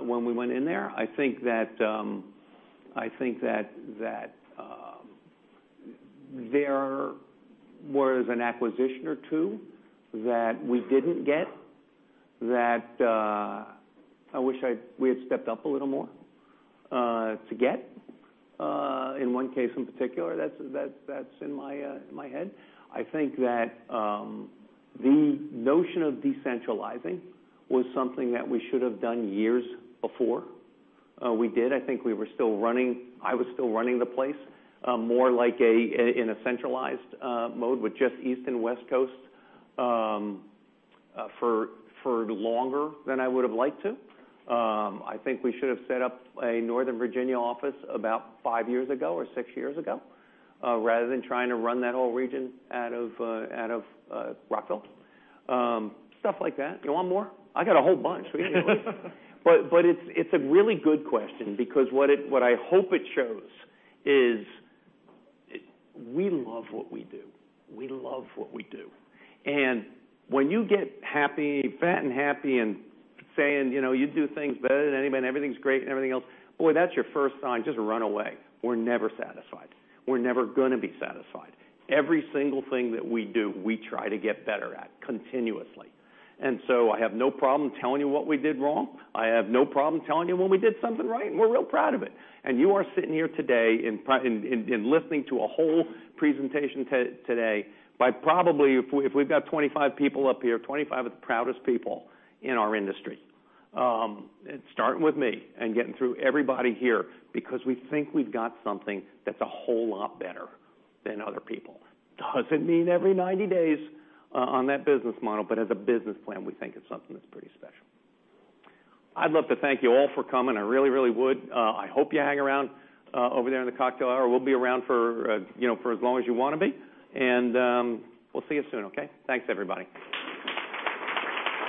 Speaker 10: when we went in there. I think that there was an acquisition or two that we didn't get that I wish we had stepped up a little more, to get. In one case in particular that's in my head. I think that the notion of decentralizing was something that we should have done years before we did. I think I was still running the place more like in a centralized mode with just East and West Coasts for longer than I would've liked to. I think we should have set up a Northern Virginia office about five years ago or six years ago, rather than trying to run that whole region out of Rockville. Stuff like that. You want more? I got a whole bunch. We can do it. It's a really good question because what I hope it shows is we love what we do. We love what we do. When you get fat and happy and saying you do things better than anybody and everything's great and everything else, boy, that's your first sign. Just run away. We're never satisfied. We're never going to be satisfied. Every single thing that we do, we try to get better at continuously. I have no problem telling you what we did wrong. I have no problem telling you when we did something right, and we're real proud of it. You are sitting here today and listening to a whole presentation today by probably, if we've got 25 people up here, 25 of the proudest people in our industry. Starting with me and getting through everybody here because we think we've got something that's a whole lot better than other people. Doesn't mean every 90 days on that business model, but as a business plan, we think it's something that's pretty special. I'd love to thank you all for coming. I really, really would. I hope you hang around over there in the cocktail hour. We'll be around for as long as you want to be. We'll see you soon, okay? Thanks, everybody.